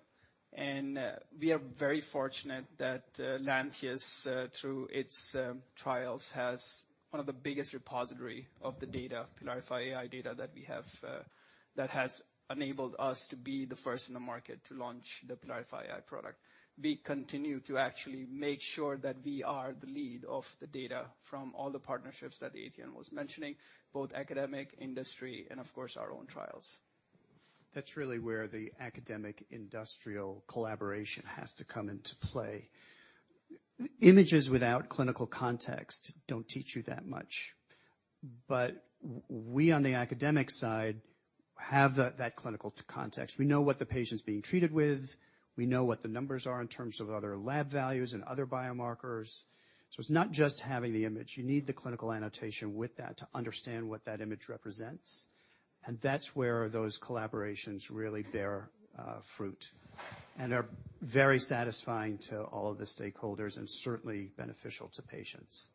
We are very fortunate that Lantheus through its trials has one of the biggest repository of the data, PYLARIFY AI data that we have that has enabled us to be the first in the market to launch the PYLARIFY AI product. We continue to actually make sure that we are the lead of the data from all the partnerships that Etienne was mentioning, both academic, industry, and of course, our own trials. That's really where the academic-industrial collaboration has to come into play. Images without clinical context don't teach you that much. We on the academic side have the, that clinical context. We know what the patient's being treated with. We know what the numbers are in terms of other lab values and other biomarkers. So it's not just having the image. You need the clinical annotation with that to understand what that image represents. That's where those collaborations really bear fruit and are very satisfying to all of the stakeholders and certainly beneficial to patients.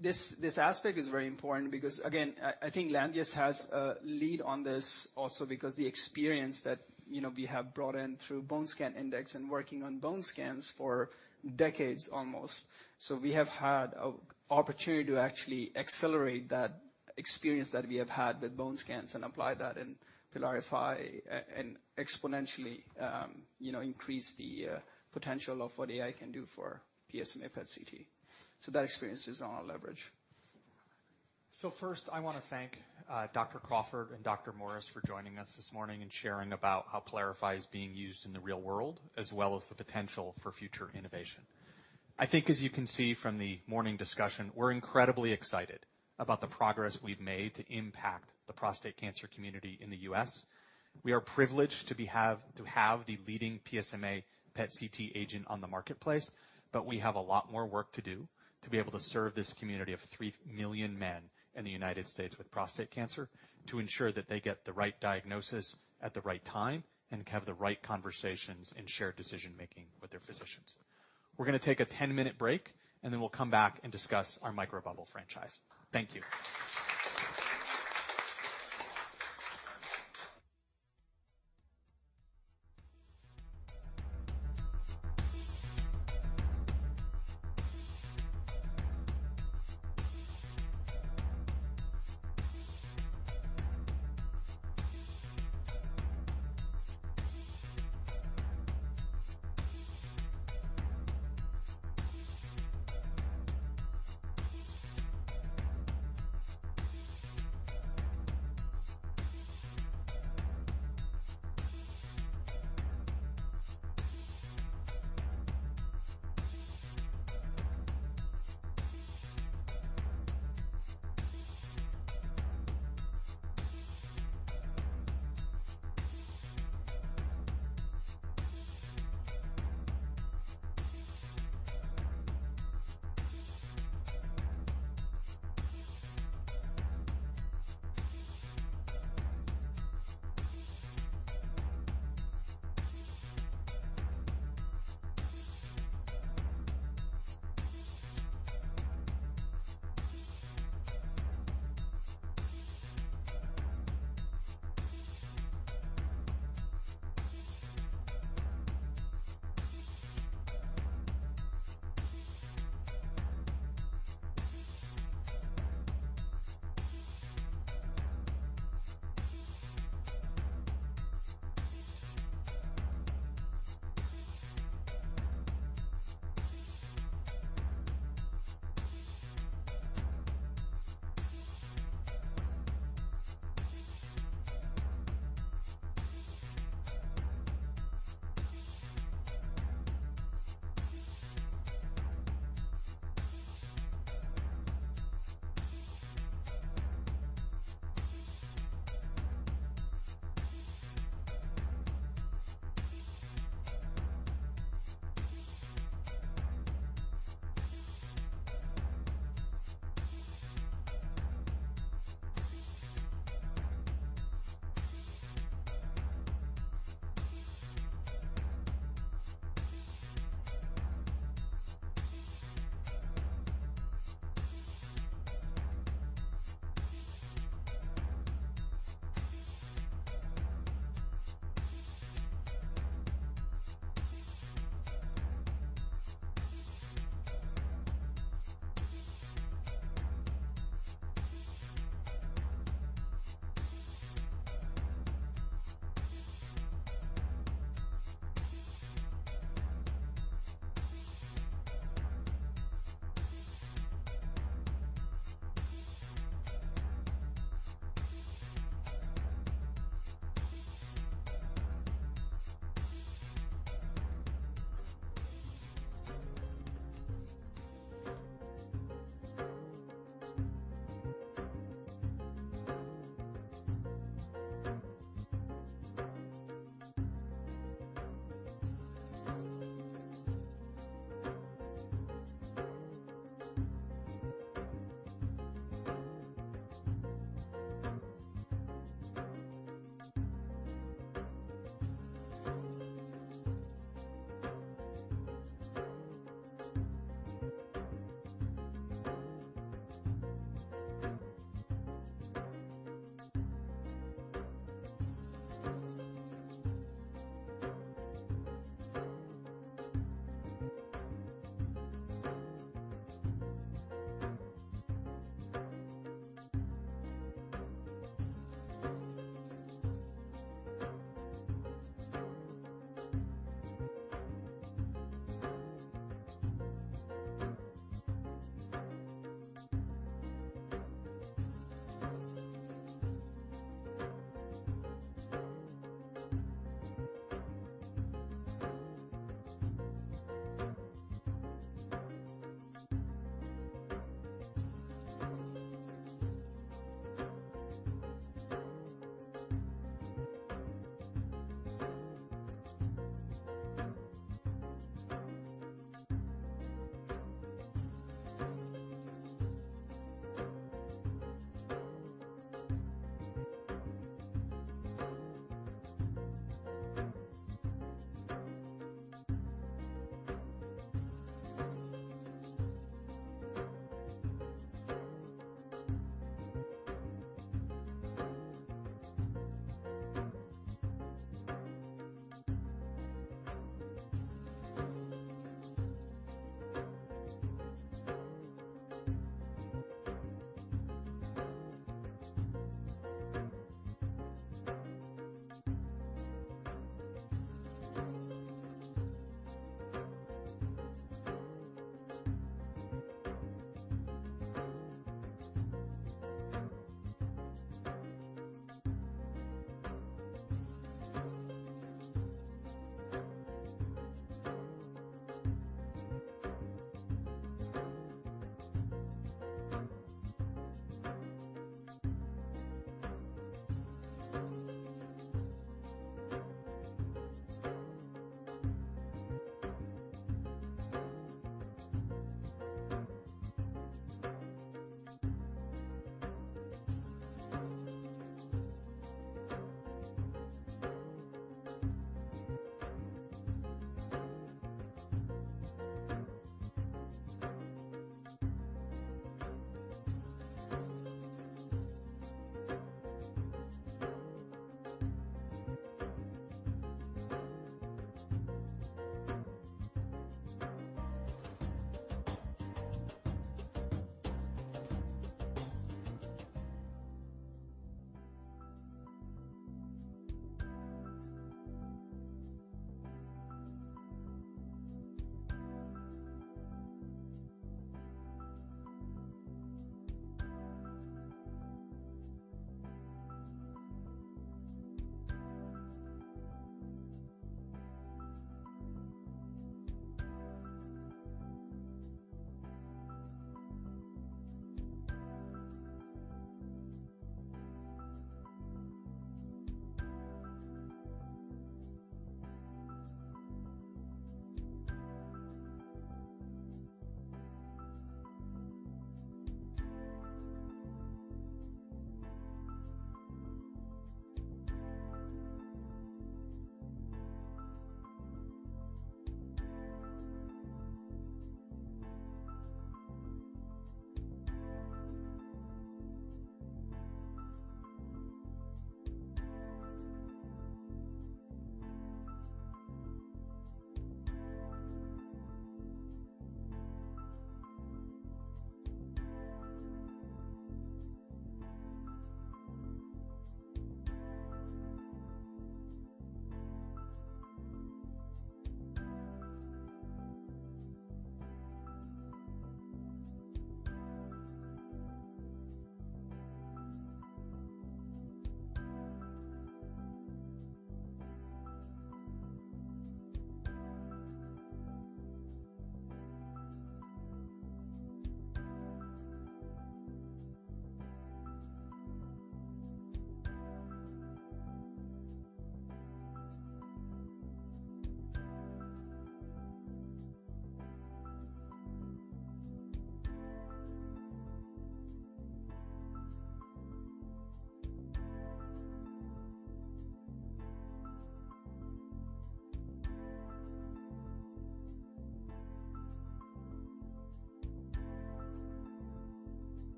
This aspect is very important because again, I think Lantheus has a lead on this also because the experience that we have brought in through Bone Scan Index and working on bone scans for decades almost. We have had an opportunity to actually accelerate that experience that we have had with bone scans and apply that in PYLARIFY and exponentially increase the potential of what AI can do for PSMA PET/CT. That experience is our leverage. First, I wanna thank Dr. Crawford and Dr. Morris for joining us this morning and sharing about how PYLARIFY is being used in the real world, as well as the potential for future innovation. I think as you can see from the morning discussion, we're incredibly excited about the progress we've made to impact the prostate cancer community in the US. We are privileged to have the leading PSMA PET-CT agent on the marketplace, but we have a lot more work to do to be able to serve this community of 3 million men in the United States with prostate cancer, to ensure that they get the right diagnosis at the right time and have the right conversations and shared decision-making with their physicians. We're gonna take a 10-minute break, and then we'll come back and discuss our microbubble franchise. Thank you.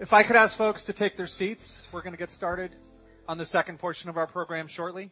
If I could ask folks to take their seats, we're going to get started on the second portion of our program shortly.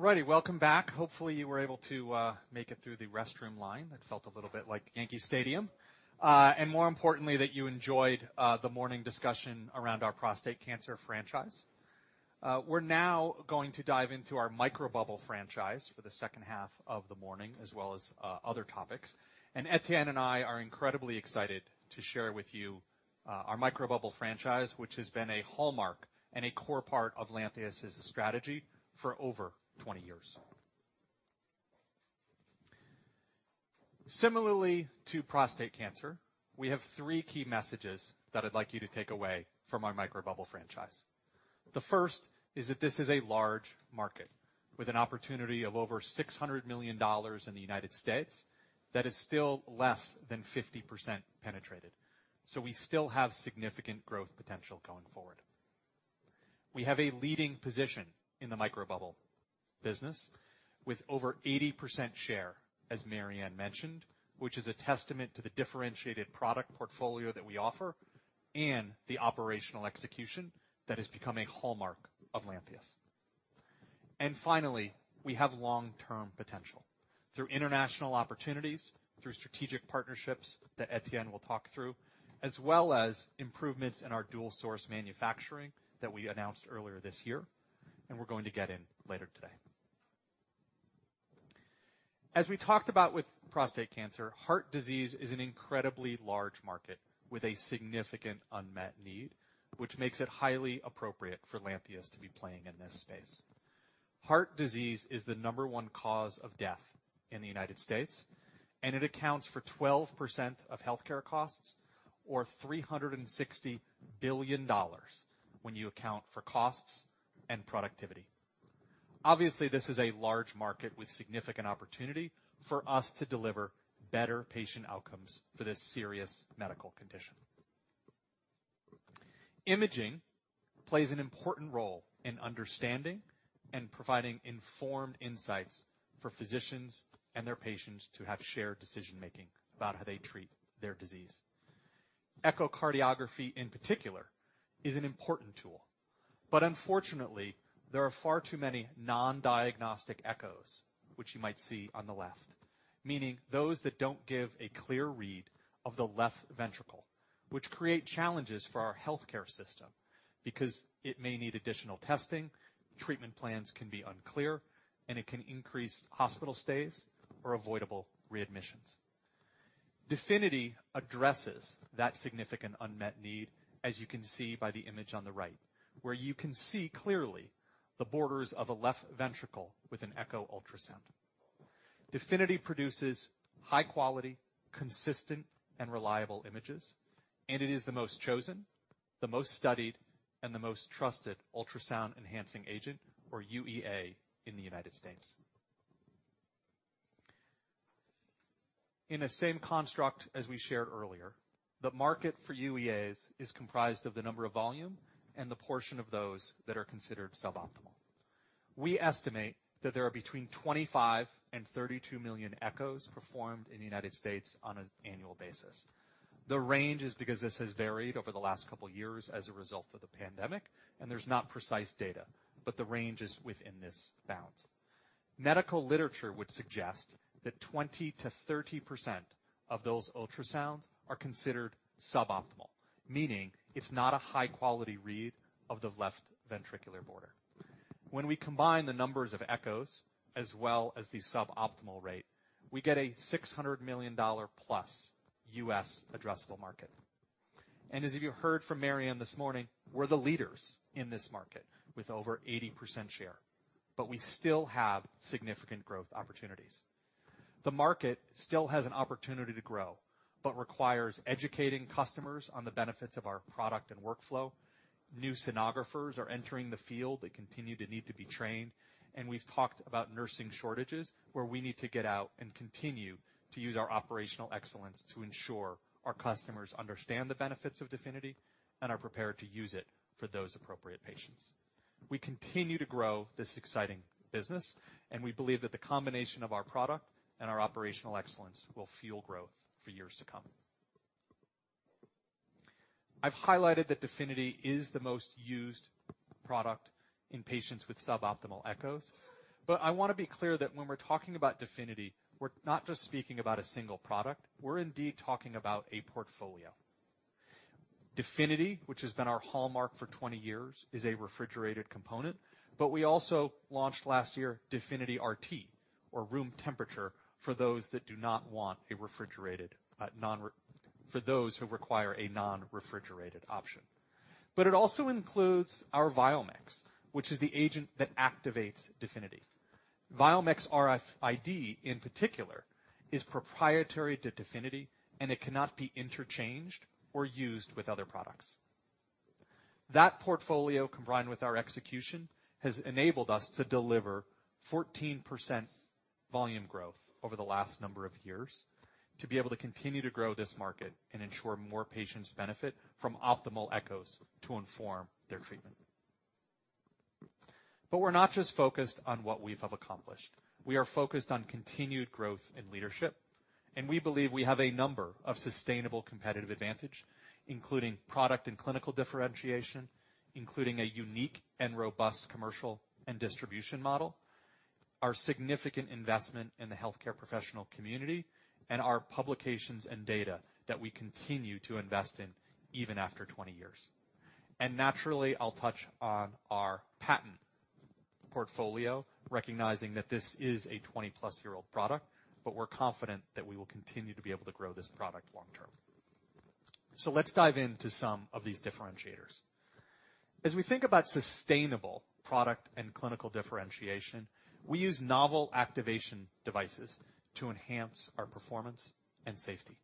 I don't know. We'll get rid of it. Melissa. Thank you. All righty. Welcome back. Hopefully, you were able to make it through the restroom line that felt a little bit like Yankee Stadium. More importantly, that you enjoyed the morning discussion around our prostate cancer franchise. We're now going to dive into our microbubble franchise for the second half of the morning, as well as other topics. Etienne and I are incredibly excited to share with you our microbubble franchise, which has been a hallmark and a core part of Lantheus' strategy for over 20 years. Similarly to prostate cancer, we have three key messages that I'd like you to take away from our microbubble franchise. The first is that this is a large market with an opportunity of over $600 million in the United States that is still less than 50% penetrated, so we still have significant growth potential going forward. We have a leading position in the microbubble business with over 80% share, as Mary Anne Heino mentioned, which is a testament to the differentiated product portfolio that we offer and the operational execution that has become a hallmark of Lantheus. Finally, we have long-term potential through international opportunities, through strategic partnerships that Etienne will talk through, as well as improvements in our dual source manufacturing that we announced earlier this year, and we're going to get in later today. As we talked about with prostate cancer, heart disease is an incredibly large market with a significant unmet need, which makes it highly appropriate for Lantheus to be playing in this space. Heart disease is the number one cause of death in the United States, and it accounts for 12% of healthcare costs or $360 billion when you account for costs and productivity. Obviously, this is a large market with significant opportunity for us to deliver better patient outcomes for this serious medical condition. Imaging plays an important role in understanding and providing informed insights for physicians and their patients to have shared decision-making about how they treat their disease. Echocardiography, in particular, is an important tool. Unfortunately, there are far too many non-diagnostic echoes, which you might see on the left, meaning those that don't give a clear read of the left ventricle, which create challenges for our healthcare system because it may need additional testing, treatment plans can be unclear, and it can increase hospital stays or avoidable readmissions. DEFINITY addresses that significant unmet need, as you can see by the image on the right, where you can see clearly the borders of a left ventricle with an echo ultrasound. DEFINITY produces high quality, consistent and reliable images, and it is the most chosen, the most studied, and the most trusted ultrasound enhancing agent or UEA in the United States. In the same construct as we shared earlier, the market for UEAs is comprised of the number or volume and the portion of those that are considered suboptimal. We estimate that there are between 25 and 32 million echoes performed in the United States on an annual basis. The range is because this has varied over the last couple years as a result of the pandemic, and there's not precise data, but the range is within these bounds. Medical literature would suggest that 20%-30% of those ultrasounds are considered suboptimal, meaning it's not a high quality read of the left ventricular border. When we combine the numbers of echoes as well as the suboptimal rate, we get a $600 million+ U.S. addressable market. As you heard from Mary Anne this morning, we're the leaders in this market with over 80% share, but we still have significant growth opportunities. The market still has an opportunity to grow but requires educating customers on the benefits of our product and workflow. New sonographers are entering the field. They continue to need to be trained. We've talked about nursing shortages, where we need to get out and continue to use our operational excellence to ensure our customers understand the benefits of DEFINITY and are prepared to use it for those appropriate patients. We continue to grow this exciting business, and we believe that the combination of our product and our operational excellence will fuel growth for years to come. I've highlighted that DEFINITY is the most used product in patients with suboptimal echoes, but I wanna be clear that when we're talking about DEFINITY, we're not just speaking about a single product. We're indeed talking about a portfolio. DEFINITY, which has been our hallmark for 20 years, is a refrigerated component, but we also launched last year DEFINITY RT or room temperature for those that do not want a refrigerated, for those who require a non-refrigerated option. It also includes our VIALMIX, which is the agent that activates DEFINITY. VIALMIX RFID, in particular, is proprietary to DEFINITY, and it cannot be interchanged or used with other products. That portfolio, combined with our execution, has enabled us to deliver 14% volume growth over the last number of years to be able to continue to grow this market and ensure more patients benefit from optimal echoes to inform their treatment. We're not just focused on what we have accomplished. We are focused on continued growth and leadership, and we believe we have a number of sustainable competitive advantage, including product and clinical differentiation, including a unique and robust commercial and distribution model. Our significant investment in the healthcare professional community and our publications and data that we continue to invest in even after 20 years. Naturally, I'll touch on our patent portfolio, recognizing that this is a 20+-year-old product, but we're confident that we will continue to be able to grow this product long term. Let's dive into some of these differentiators. As we think about sustainable product and clinical differentiation, we use novel activation devices to enhance our performance and safety.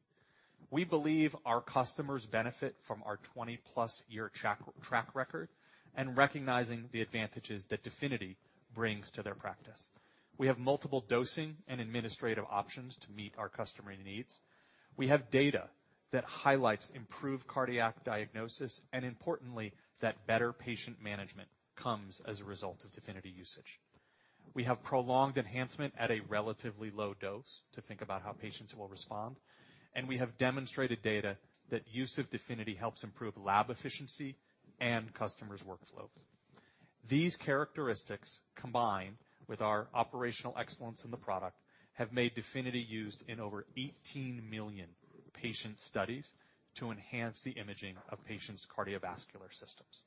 We believe our customers benefit from our 20+ year track record and recognizing the advantages that DEFINITY brings to their practice. We have multiple dosing and administrative options to meet our customer needs. We have data that highlights improved cardiac diagnosis, and importantly, that better patient management comes as a result of DEFINITY usage. We have prolonged enhancement at a relatively low dose to think about how patients will respond, and we have demonstrated data that use of DEFINITY helps improve lab efficiency and customers' workflows. These characteristics, combined with our operational excellence in the product, have made DEFINITY used in over 18 million patient studies to enhance the imaging of patients' cardiovascular systems.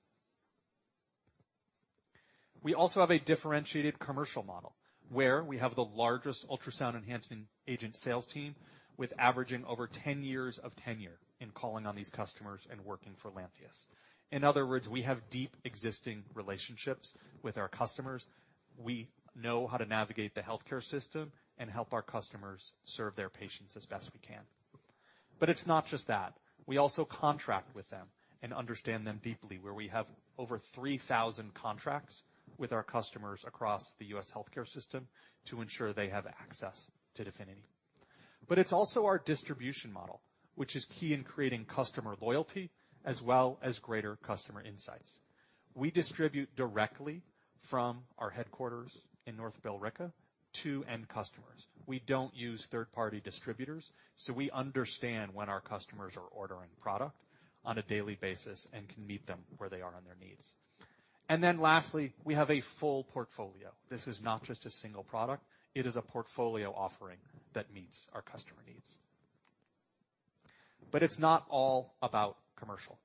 We also have a differentiated commercial model where we have the largest ultrasound enhancing agent sales team with averaging over 10 years of tenure in calling on these customers and working for Lantheus. In other words, we have deep existing relationships with our customers. We know how to navigate the healthcare system and help our customers serve their patients as best we can. It's not just that. We also contract with them and understand them deeply, where we have over 3,000 contracts with our customers across the U.S. healthcare system to ensure they have access to DEFINITY. It's also our distribution model, which is key in creating customer loyalty as well as greater customer insights. We distribute directly from our headquarters in North Billerica to end customers. We don't use third-party distributors, so we understand when our customers are ordering product on a daily basis and can meet them where they are on their needs. Then lastly, we have a full portfolio. This is not just a single product. It is a portfolio offering that meets our customer needs. It's not all about commercial.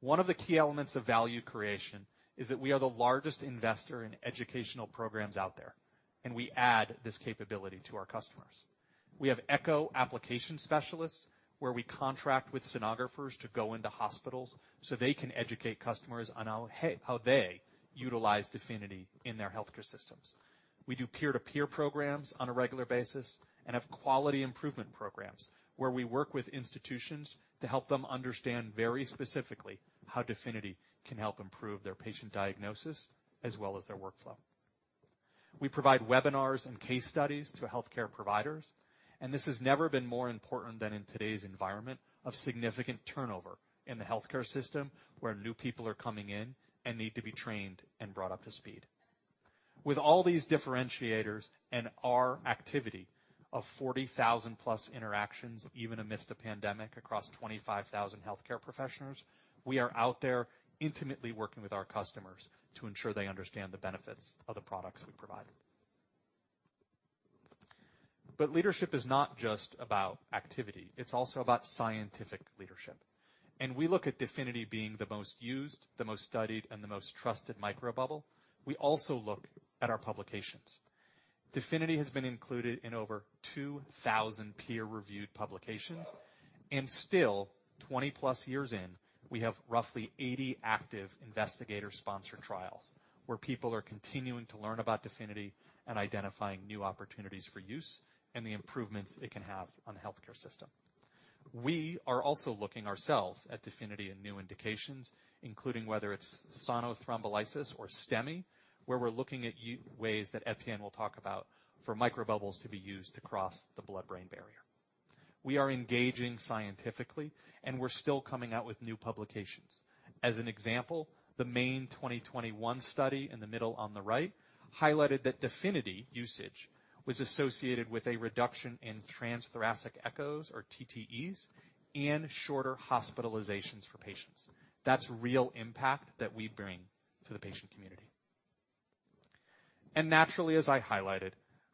One of the key elements of value creation is that we are the largest investor in educational programs out there, and we add this capability to our customers. We have echo application specialists, where we contract with sonographers to go into hospitals so they can educate customers on how they utilize DEFINITY in their healthcare systems. We do peer-to-peer programs on a regular basis and have quality improvement programs where we work with institutions to help them understand very specifically how DEFINITY can help improve their patient diagnosis as well as their workflow. We provide webinars and case studies to healthcare providers, and this has never been more important than in today's environment of significant turnover in the healthcare system, where new people are coming in and need to be trained and brought up to speed. With all these differentiators and our activity of 40,000+ interactions, even amidst a pandemic across 25,000 healthcare professionals, we are out there intimately working with our customers to ensure they understand the benefits of the products we provide. But leadership is not just about activity, it's also about scientific leadership. We look at DEFINITY being the most used, the most studied, and the most trusted microbubble. We also look at our publications. DEFINITY has been included in over 2,000 peer-reviewed publications, and still, 20+ years in, we have roughly 80 active investigator-sponsored trials where people are continuing to learn about DEFINITY and identifying new opportunities for use and the improvements it can have on the healthcare system. We are also looking ourselves at DEFINITY and new indications, including whether it's sonothrombolysis or STEMI, where we're looking at ways that Etienne will talk about for microbubbles to be used across the blood-brain barrier. We are engaging scientifically, and we're still coming out with new publications. As an example, the main 2021 study in the middle on the right highlighted that DEFINITY usage was associated with a reduction in transthoracic echoes or TTEs and shorter hospitalizations for patients. That's real impact that we bring to the patient community. Naturally, as I highlighted,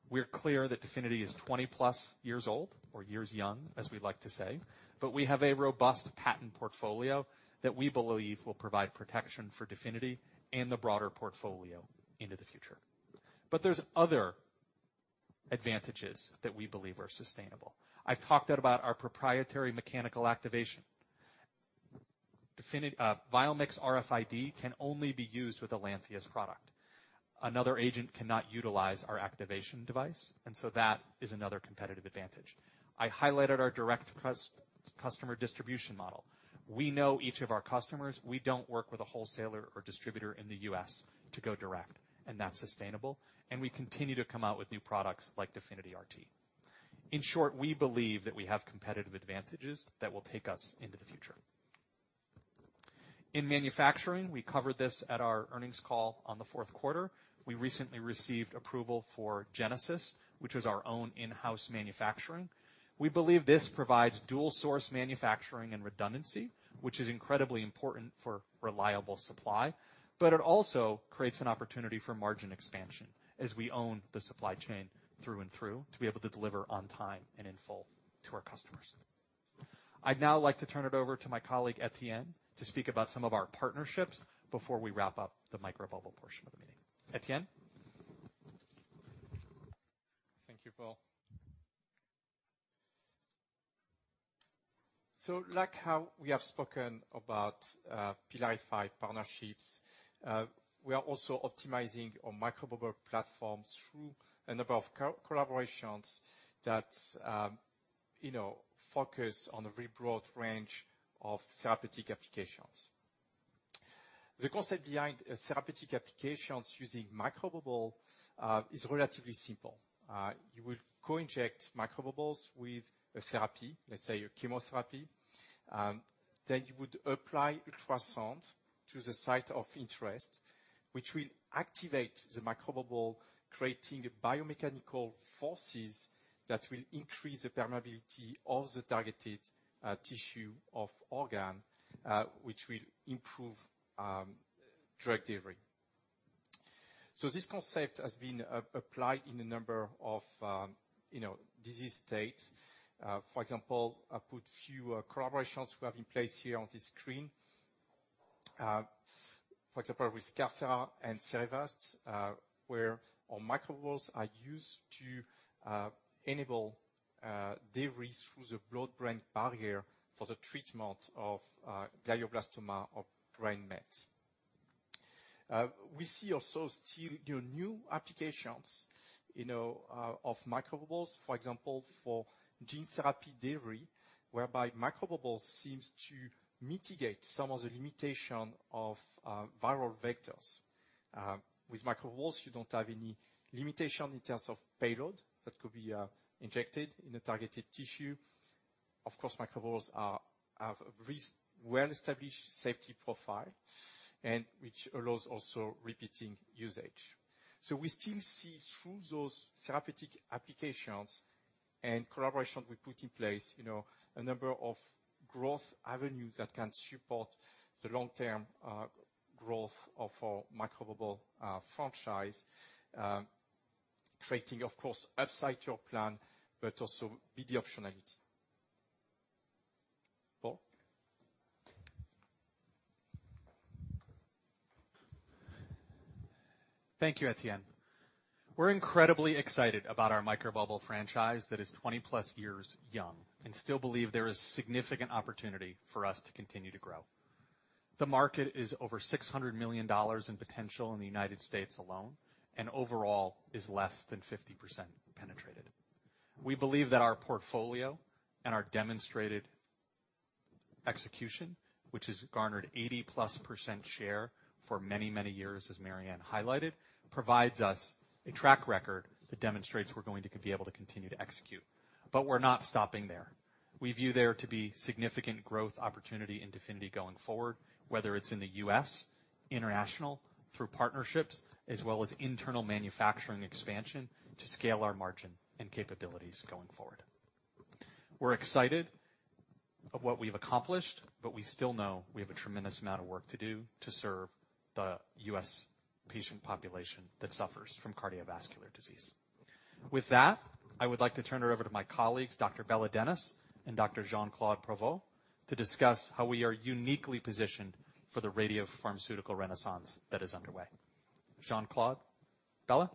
we're clear that DEFINITY is 20-plus years old or years young, as we like to say. We have a robust patent portfolio that we believe will provide protection for DEFINITY and the broader portfolio into the future. There's other advantages that we believe are sustainable. I've talked about our proprietary mechanical activation. VIALMIX RFID can only be used with a Lantheus product. Another agent cannot utilize our activation device, and so that is another competitive advantage. I highlighted our direct customer distribution model. We know each of our customers. We don't work with a wholesaler or distributor in the U.S. to go direct, and that's sustainable. We continue to come out with new products like DEFINITY RT. In short, we believe that we have competitive advantages that will take us into the future. In manufacturing, we covered this at our earnings call on the fourth quarter. We recently received approval for Genesis, which is our own in-house manufacturing. We believe this provides dual-source manufacturing and redundancy, which is incredibly important for reliable supply. But it also creates an opportunity for margin expansion as we own the supply chain through and through to be able to deliver on time and in full to our customers. I'd now like to turn it over to my colleague, Etienne, to speak about some of our partnerships before we wrap up the microbubble portion of the meeting. Etienne? Thank you, Paul. Like how we have spoken about PYLARIFY partnerships, we are also optimizing our microbubble platform through a number of co-collaborations that, you know, focus on a very broad range of therapeutic applications. The concept behind therapeutic applications using microbubble is relatively simple. You will co-inject microbubbles with a therapy, let's say a chemotherapy, then you would apply ultrasound to the site of interest, which will activate the microbubble, creating biomechanical forces that will increase the permeability of the targeted tissue or organ, which will improve drug delivery. This concept has been applied in a number of, you know, disease states. For example, I put a few collaborations we have in place here on this screen. For example, with Carthera and Cerevast, where our microbubbles are used to enable delivery through the blood-brain barrier for the treatment of glioblastoma or brain met. We see also still, you know, new applications, you know, of microbubbles, for example, for gene therapy delivery, whereby microbubble seems to mitigate some of the limitation of viral vectors. With microbubbles, you don't have any limitation in terms of payload that could be injected in a targeted tissue. Of course, microbubbles have a well-established safety profile, and which allows also repeating usage. We still see through those therapeutic applications and collaboration we put in place, you know, a number of growth avenues that can support the long-term growth of our microbubble franchise, creating, of course, upside to our plan, but also BD optionality. Paul? Thank you, Etienne. We're incredibly excited about our microbubble franchise that is 20+ years young and still believe there is significant opportunity for us to continue to grow. The market is over $600 million in potential in the United States alone and overall is less than 50% penetrated. We believe that our portfolio and our demonstrated execution, which has garnered 80%+ share for many, many years, as Mary Anne highlighted, provides us a track record that demonstrates we're going to be able to continue to execute. We're not stopping there. We view there to be significant growth opportunity in DEFINITY going forward, whether it's in the U.S., international, through partnerships, as well as internal manufacturing expansion to scale our margin and capabilities going forward. We're excited of what we've accomplished, but we still know we have a tremendous amount of work to do to serve the U.S. patient population that suffers from cardiovascular disease. With that, I would like to turn it over to my colleagues, Dr. Bela Denes and Dr. Jean-Claude Provost, to discuss how we are uniquely positioned for the radiopharmaceutical renaissance that is underway. Jean-Claude? Bela? I preferred it this way. Okay. We'll not see the slide. Okay.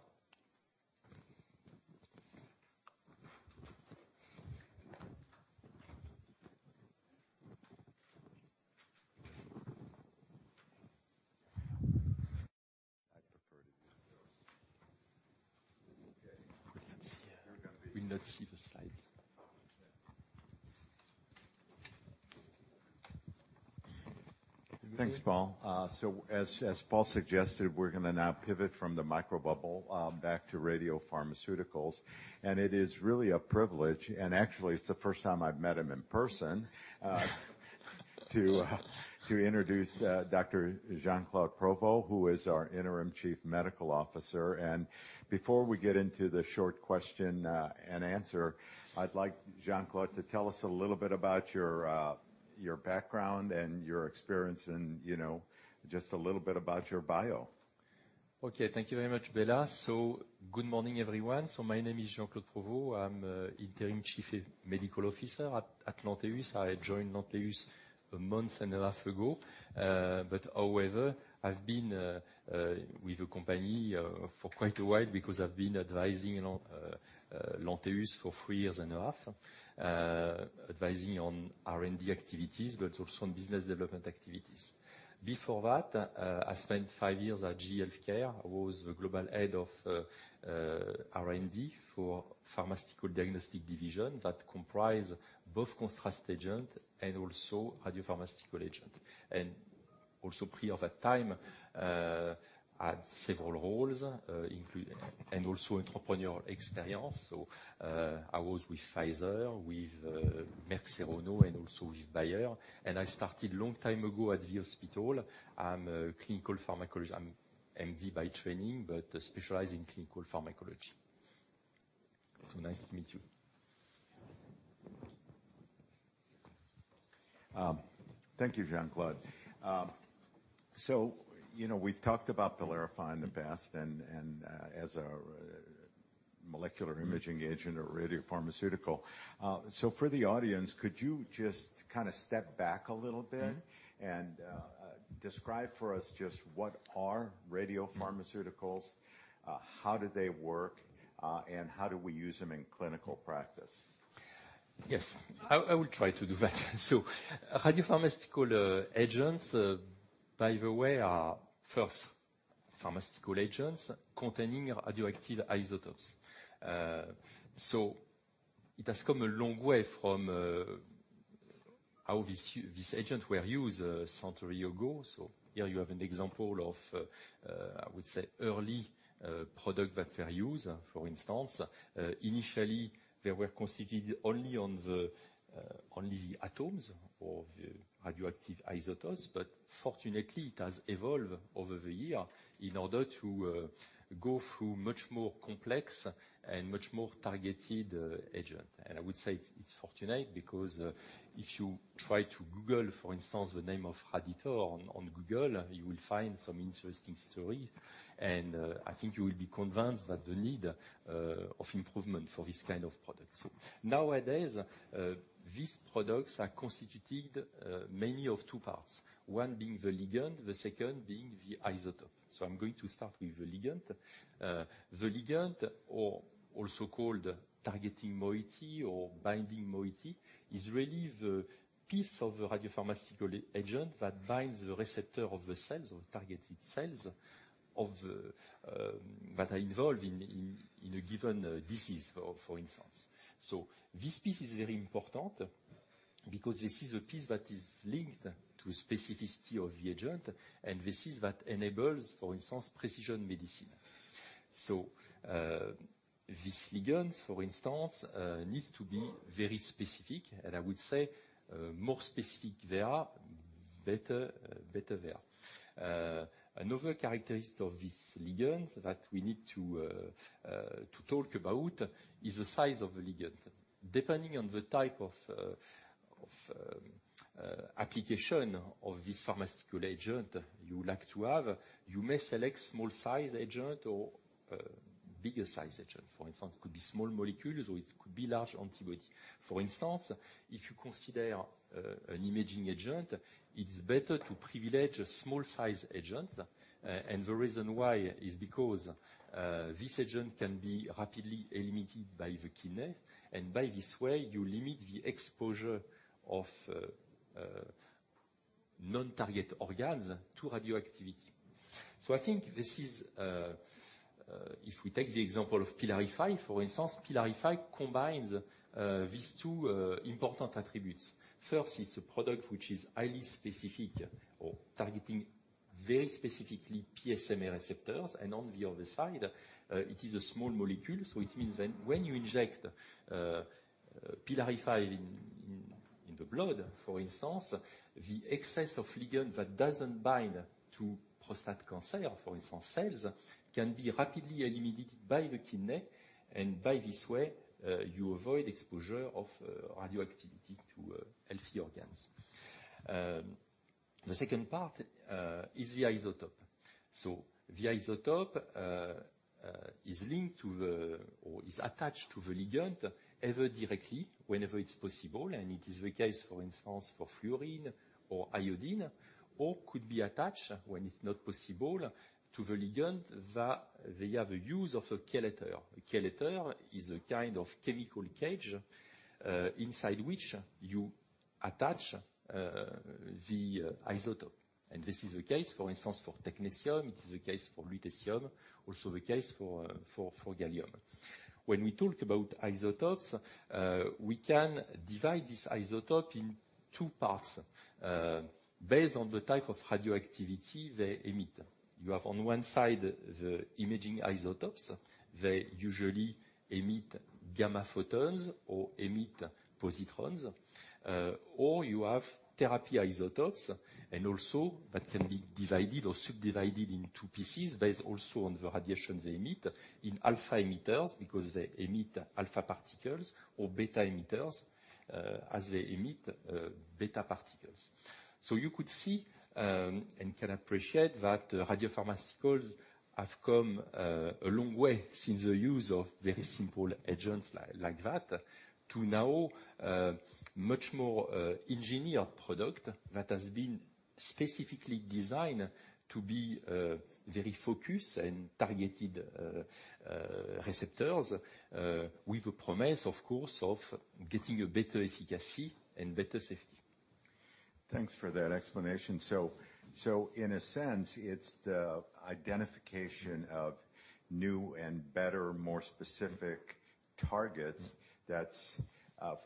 Thanks, Paul. As Paul suggested, we're gonna now pivot from the Microbubble back to radiopharmaceuticals. It is really a privilege, and actually it's the first time I've met him in person to introduce Dr. Jean-Claude Provost, who is our Interim Chief Medical Officer. Before we get into the short question and answer, I'd like Jean-Claude to tell us a little bit about your background and your experience and, you know, just a little bit about your bio. Okay. Thank you very much, Bela. Good morning, everyone. My name is Jean-Claude Provost. I'm interim chief medical officer at Lantheus. I joined Lantheus a month and a half ago. However, I've been with the company for quite a while because I've been advising Lantheus for three years and a half, advising on R&D activities, but also on business development activities. Before that, I spent five years at GE HealthCare. I was the global head of R&D for pharmaceutical diagnostics division that comprise both contrast agent and also pharmaceutical agent. Prior that time, I had several roles, including entrepreneurial experience. I was with Pfizer, with Merck Serono, and also with Bayer. I started long time ago at the hospital. I'm a clinical pharmacologist. I'm MD by training but specialize in clinical pharmacology. Nice to meet you. Thank you, Jean-Claude. You know, we've talked about the PYLARIFY in the past and as a molecular imaging agent or radiopharmaceutical. For the audience, could you just kinda step back a little bit? Mm-hmm Describe for us just what are radiopharmaceuticals, how do they work, and how do we use them in clinical practice? Yes, I will try to do that. Radiopharmaceutical agents, by the way, are pharmaceutical agents containing radioactive isotopes. It has come a long way from how this agent were used a century ago. Here you have an example of, I would say, an early product that they use, for instance. Initially, they were considered only the atoms of the radioactive isotopes. Fortunately, it has evolved over the year in order to go through much more complex and much more targeted agent. I would say it's fortunate because, if you try to Google, for instance, the name of Radithor on Google, you will find some interesting story. I think you will be convinced that the need of improvement for this kind of product. Nowadays, these products are constituted mainly of two parts, one being the ligand, the second being the isotope. I'm going to start with the ligand. The ligand or also called targeting moiety or binding moiety, is really the piece of the radiopharmaceutical agent that binds the receptor of the cells or targets its cells of the that are involved in a given disease, for instance. This piece is very important because this is a piece that is linked to specificity of the agent, and this is what enables, for instance, precision medicine. This ligand, for instance, needs to be very specific, and I would say, more specific they are, better they are. Another characteristic of this ligand that we need to talk about is the size of the ligand. Depending on the type of application of this pharmaceutical agent you like to have, you may select small size agent or bigger size agent. For instance, it could be small molecules, or it could be large antibody. For instance, if you consider an imaging agent, it's better to privilege a small size agent. The reason why is because this agent can be rapidly eliminated by the kidney, and by this way, you limit the exposure of non-target organs to radioactivity. I think this is if we take the example of PYLARIFY, for instance, PYLARIFY combines these two important attributes. First, it's a product which is highly specific or targeting very specifically PSMA receptors, and on the other side, it is a small molecule, so it means that when you inject PYLARIFY in the blood, for instance, the excess of ligand that doesn't bind to prostate cancer, for instance, cells can be rapidly eliminated by the kidney, and by this way, you avoid exposure of radioactivity to healthy organs. The second part is the isotope. The isotope is attached to the ligand either directly whenever it's possible, and it is the case, for instance, for fluorine or iodine, or could be attached when it's not possible to the ligand via the use of a chelator. A chelator is a kind of chemical cage inside which you attach the isotope. This is the case, for instance, for technetium. It is the case for lutetium, also the case for gallium. When we talk about isotopes, we can divide this isotope in two parts, based on the type of radioactivity they emit. You have on one side the imaging isotopes. They usually emit gamma photons or emit positrons. Or you have therapy isotopes, and also that can be divided or subdivided into pieces based also on the radiation they emit. Into alpha emitters because they emit alpha particles, or beta emitters, as they emit beta particles. You could see and can appreciate that radiopharmaceuticals have come a long way since the use of very simple agents like that to now much more engineered product that has been specifically designed to be very focused and targeted receptors with a promise, of course, of getting a better efficacy and better safety. Thanks for that explanation. In a sense, it's the identification of new and better, more specific targets. Mm-hmm That's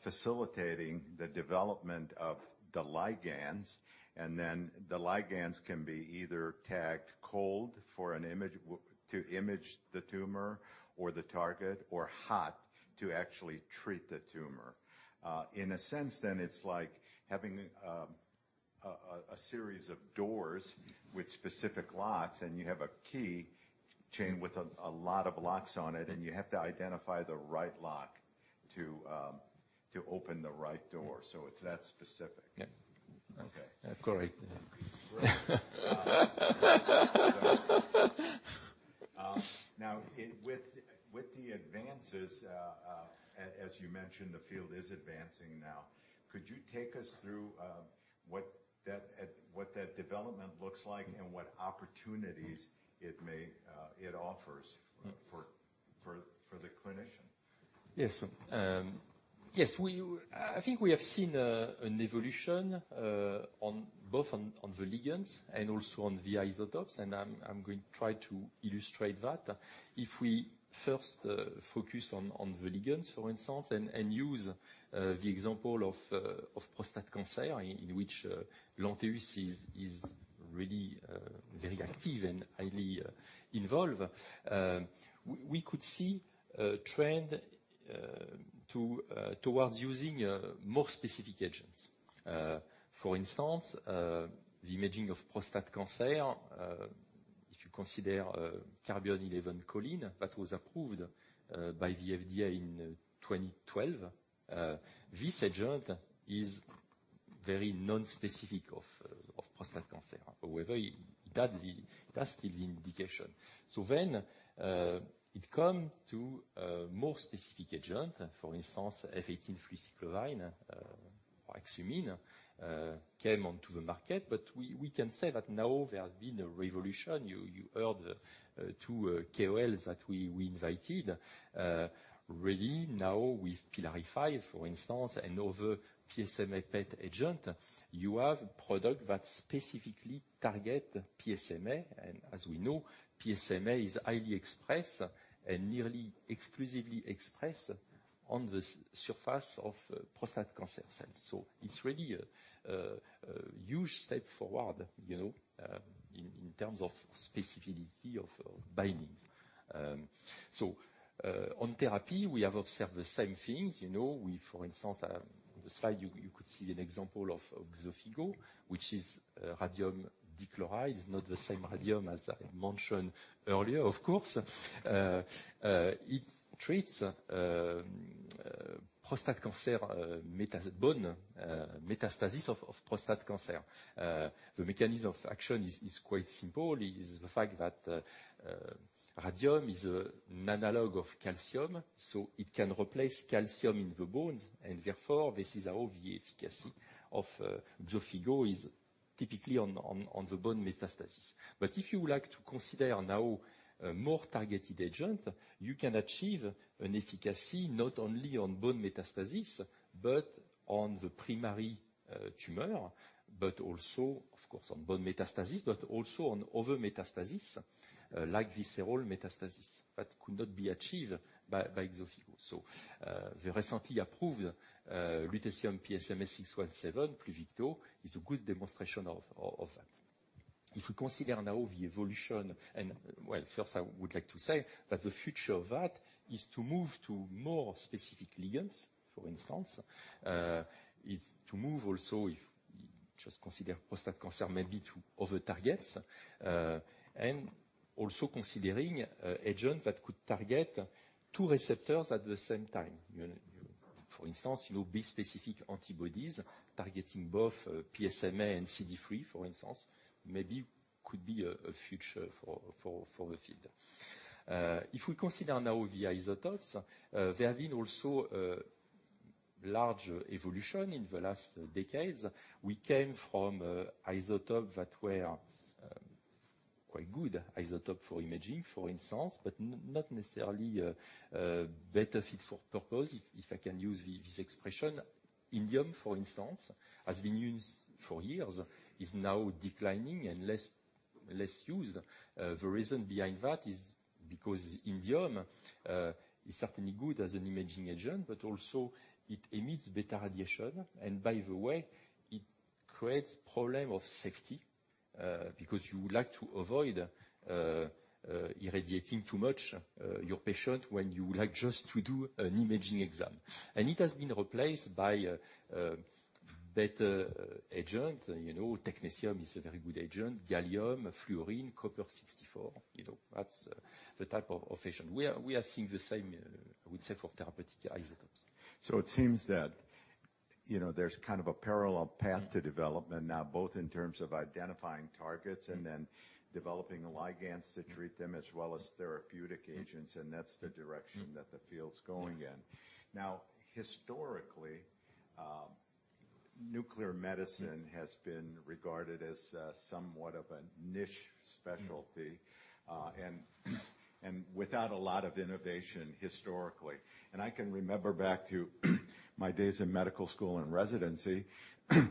facilitating the development of the ligands, and then the ligands can be either tagged cold for an image to image the tumor or the target, or hot to actually treat the tumor. In a sense, then, it's like having a series of doors with specific locks, and you have a key chain with a lot of locks on it, and you have to identify the right lock to open the right door. It's that specific. Yeah. Okay. Of course. Now with the advances, as you mentioned, the field is advancing now. Could you take us through what that development looks like and what opportunities it may offer for the clinician? Yes. Yes. I think we have seen an evolution on both the ligands and also on the isotopes, and I'm going to try to illustrate that. If we first focus on the ligands, for instance, and use the example of prostate cancer in which Lantheus is really very active and highly involved. We could see a trend towards using more specific agents. For instance, the imaging of prostate cancer, if you consider Choline C 11 that was approved by the FDA in 2012, this agent is very nonspecific of prostate cancer. However, that's the indication. It came to a more specific agent, for instance, F-18 fluciclovine, Axumin, came onto the market. We can say that now there has been a revolution. You heard two KOLs that we invited. Really now with PYLARIFY, for instance, another PSMA PET agent, you have product that specifically target PSMA. As we know, PSMA is highly expressed and nearly exclusively expressed on the surface of prostate cancer cells. It's really a huge step forward, you know, in terms of specificity of bindings. On therapy, we have observed the same things. You know, we, for instance, the slide you could see an example of XOFIGO which is radium dichloride. It's not the same radium as I mentioned earlier, of course. It treats prostate cancer bone metastasis of prostate cancer. The mechanism of action is quite simple. Is the fact that radium is an analog of calcium, so it can replace calcium in the bones and therefore this is how the efficacy of XOFIGO is typically on the bone metastasis. If you like to consider now a more targeted agent, you can achieve an efficacy not only on bone metastasis, but on the primary tumor, but also, of course, on bone metastasis, but also on other metastasis like visceral metastasis that could not be achieved by XOFIGO. The recently approved lutetium PSMA-617, Pluvicto, is a good demonstration of that. If we consider now the evolution and. Well, first I would like to say that the future of that is to move to more specific ligands, for instance. Is to move also if just consider prostate cancer maybe to other targets. Also considering an agent that could target two receptors at the same time. You know, for instance, bispecific antibodies targeting both PSMA and CD3, for instance, maybe could be a future for the field. If we consider now the isotopes, there have been also a large evolution in the last decades. We came from isotope that were quite good isotope for imaging, for instance, but not necessarily a better fit for purpose, if I can use this expression. Indium, for instance, has been used for years, is now declining and less used. The reason behind that is because indium is certainly good as an imaging agent, but also it emits beta radiation. By the way, it creates problem of safety, because you would like to avoid irradiating too much your patient when you would like just to do an imaging exam. It has been replaced by a beta agent. You know, technetium is a very good agent, gallium, fluorine, copper 64. You know, that's the type of agent. We are seeing the same, I would say for therapeutic isotopes. It seems that, you know, there's kind of a parallel path to development now, both in terms of identifying targets and then developing ligands to treat them as well as therapeutic agents, and that's the direction that the field's going in. Now, historically, nuclear medicine has been regarded as somewhat of a niche specialty, and without a lot of innovation historically. I can remember back to my days in medical school and residency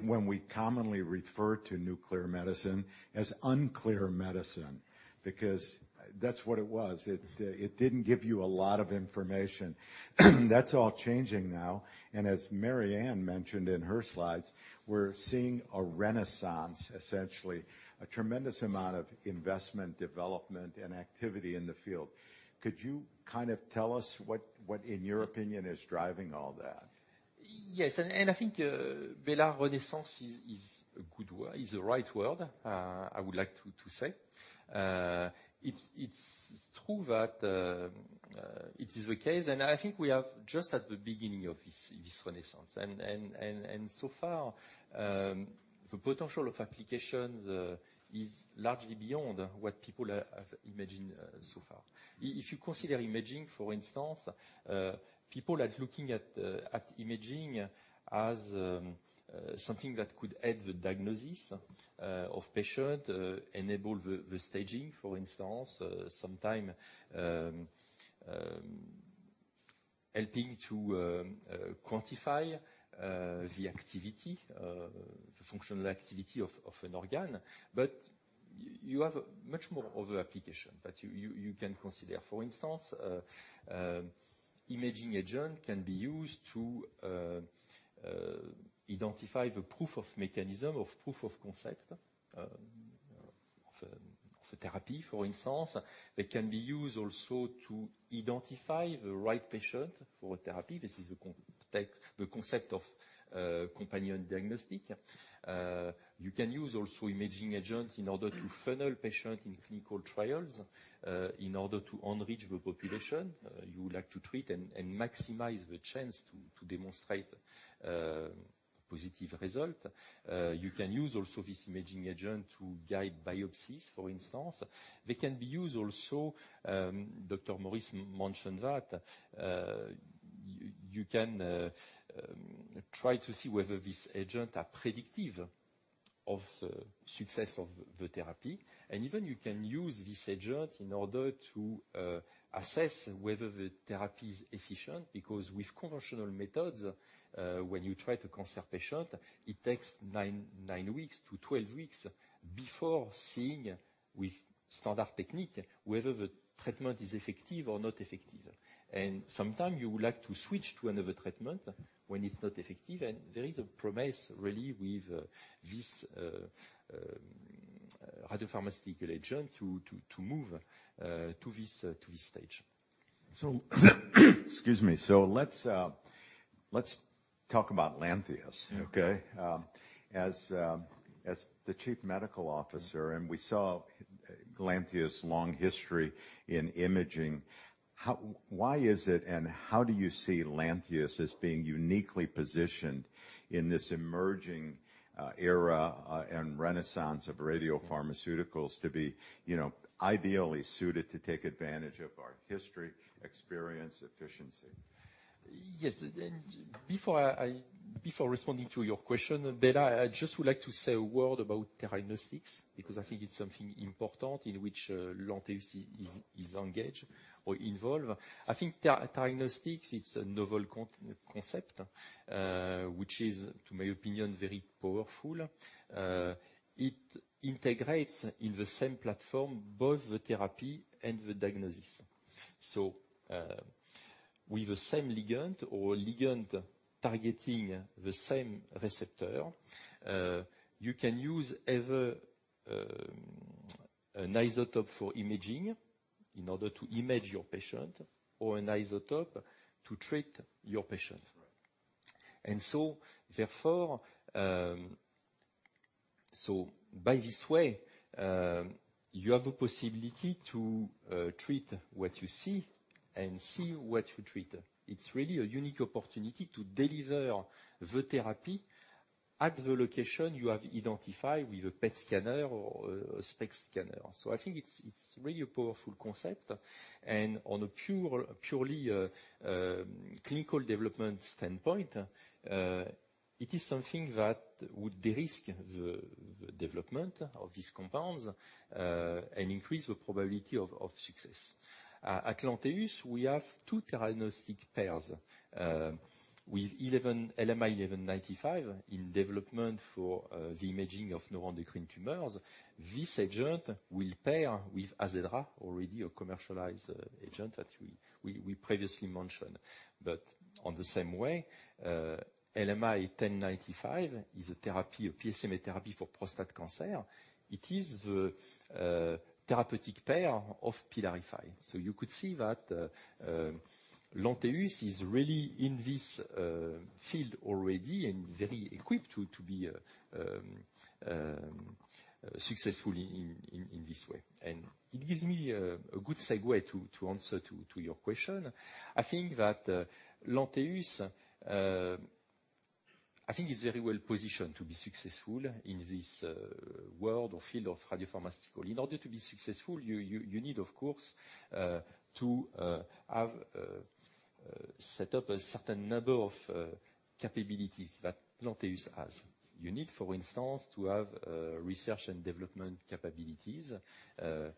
when we commonly referred to nuclear medicine as unclear medicine, because that's what it was. It didn't give you a lot of information. That's all changing now. As Mary Anne mentioned in her slides, we're seeing a renaissance, essentially, a tremendous amount of investment, development, and activity in the field. Could you kind of tell us what in your opinion is driving all that? I think a renaissance is a good word, is the right word. I would like to say. It's true that it is the case, and I think we are just at the beginning of this renaissance. So far, the potential of applications is largely beyond what people have imagined so far. If you consider imaging, for instance, people are looking at imaging as something that could aid the diagnosis of patient, enable the staging, for instance, sometimes helping to quantify the activity, the functional activity of an organ. You have much more other applications that you can consider. For instance, imaging agent can be used to identify the proof of mechanism of proof of concept of a therapy, for instance, that can be used also to identify the right patient for a therapy. This is the concept of companion diagnostic. You can use also imaging agent in order to funnel patient in clinical trials in order to enrich the population you would like to treat and maximize the chance to demonstrate positive result. You can use also this imaging agent to guide biopsies, for instance. They can be used also. Dr. Morris mentioned that you can try to see whether this agent are predictive of the success of the therapy. Even you can use this agent in order to assess whether the therapy is effective, because with conventional methods, when you try to assess the patient, it takes nine weeks to 12 weeks before seeing with standard technique whether the treatment is effective or not effective. Sometimes you would like to switch to another treatment when it's not effective, and there is a promise really with this radiopharmaceutical agent to move to this stage. Excuse me. Let's talk about Lantheus, okay? As the Chief Medical Officer, and we saw Lantheus long history in imaging, how why is it and how do you see Lantheus as being uniquely positioned in this emerging era, and renaissance of radiopharmaceuticals to be, you know, ideally suited to take advantage of our history, experience, efficiency? Yes. Before responding to your question, Bela, I just would like to say a word about theranostics, because I think it's something important in which Lantheus is engaged or involved. I think theranostics is a novel concept, which is, to my opinion, very powerful. It integrates in the same platform both the therapy and the diagnosis. With the same ligand targeting the same receptor, you can use either an isotope for imaging in order to image your patient or an isotope to treat your patient. Right. In this way, you have a possibility to treat what you see and see what you treat. It's really a unique opportunity to deliver the therapy at the location you have identified with a PET scanner or a SPECT scanner. I think it's really a powerful concept. On a purely clinical development standpoint, it is something that would de-risk the development of these compounds and increase the probability of success. At Lantheus, we have two theranostics pairs. With LMI1195 in development for the imaging of neuroendocrine tumors, this agent will pair with AZEDRA, already a commercialized agent that we previously mentioned. In the same way, 1095 is a therapy, a PSMA therapy for prostate cancer. It is the therapeutic pair of PYLARIFY. You could see that Lantheus is really in this field already and very equipped to be successful in this way. It gives me a good segue to answer your question. I think that Lantheus is very well positioned to be successful in this world or field of radiopharmaceutical. In order to be successful, you need of course to have set up a certain number of capabilities that Lantheus has. You need, for instance, to have research and development capabilities. Here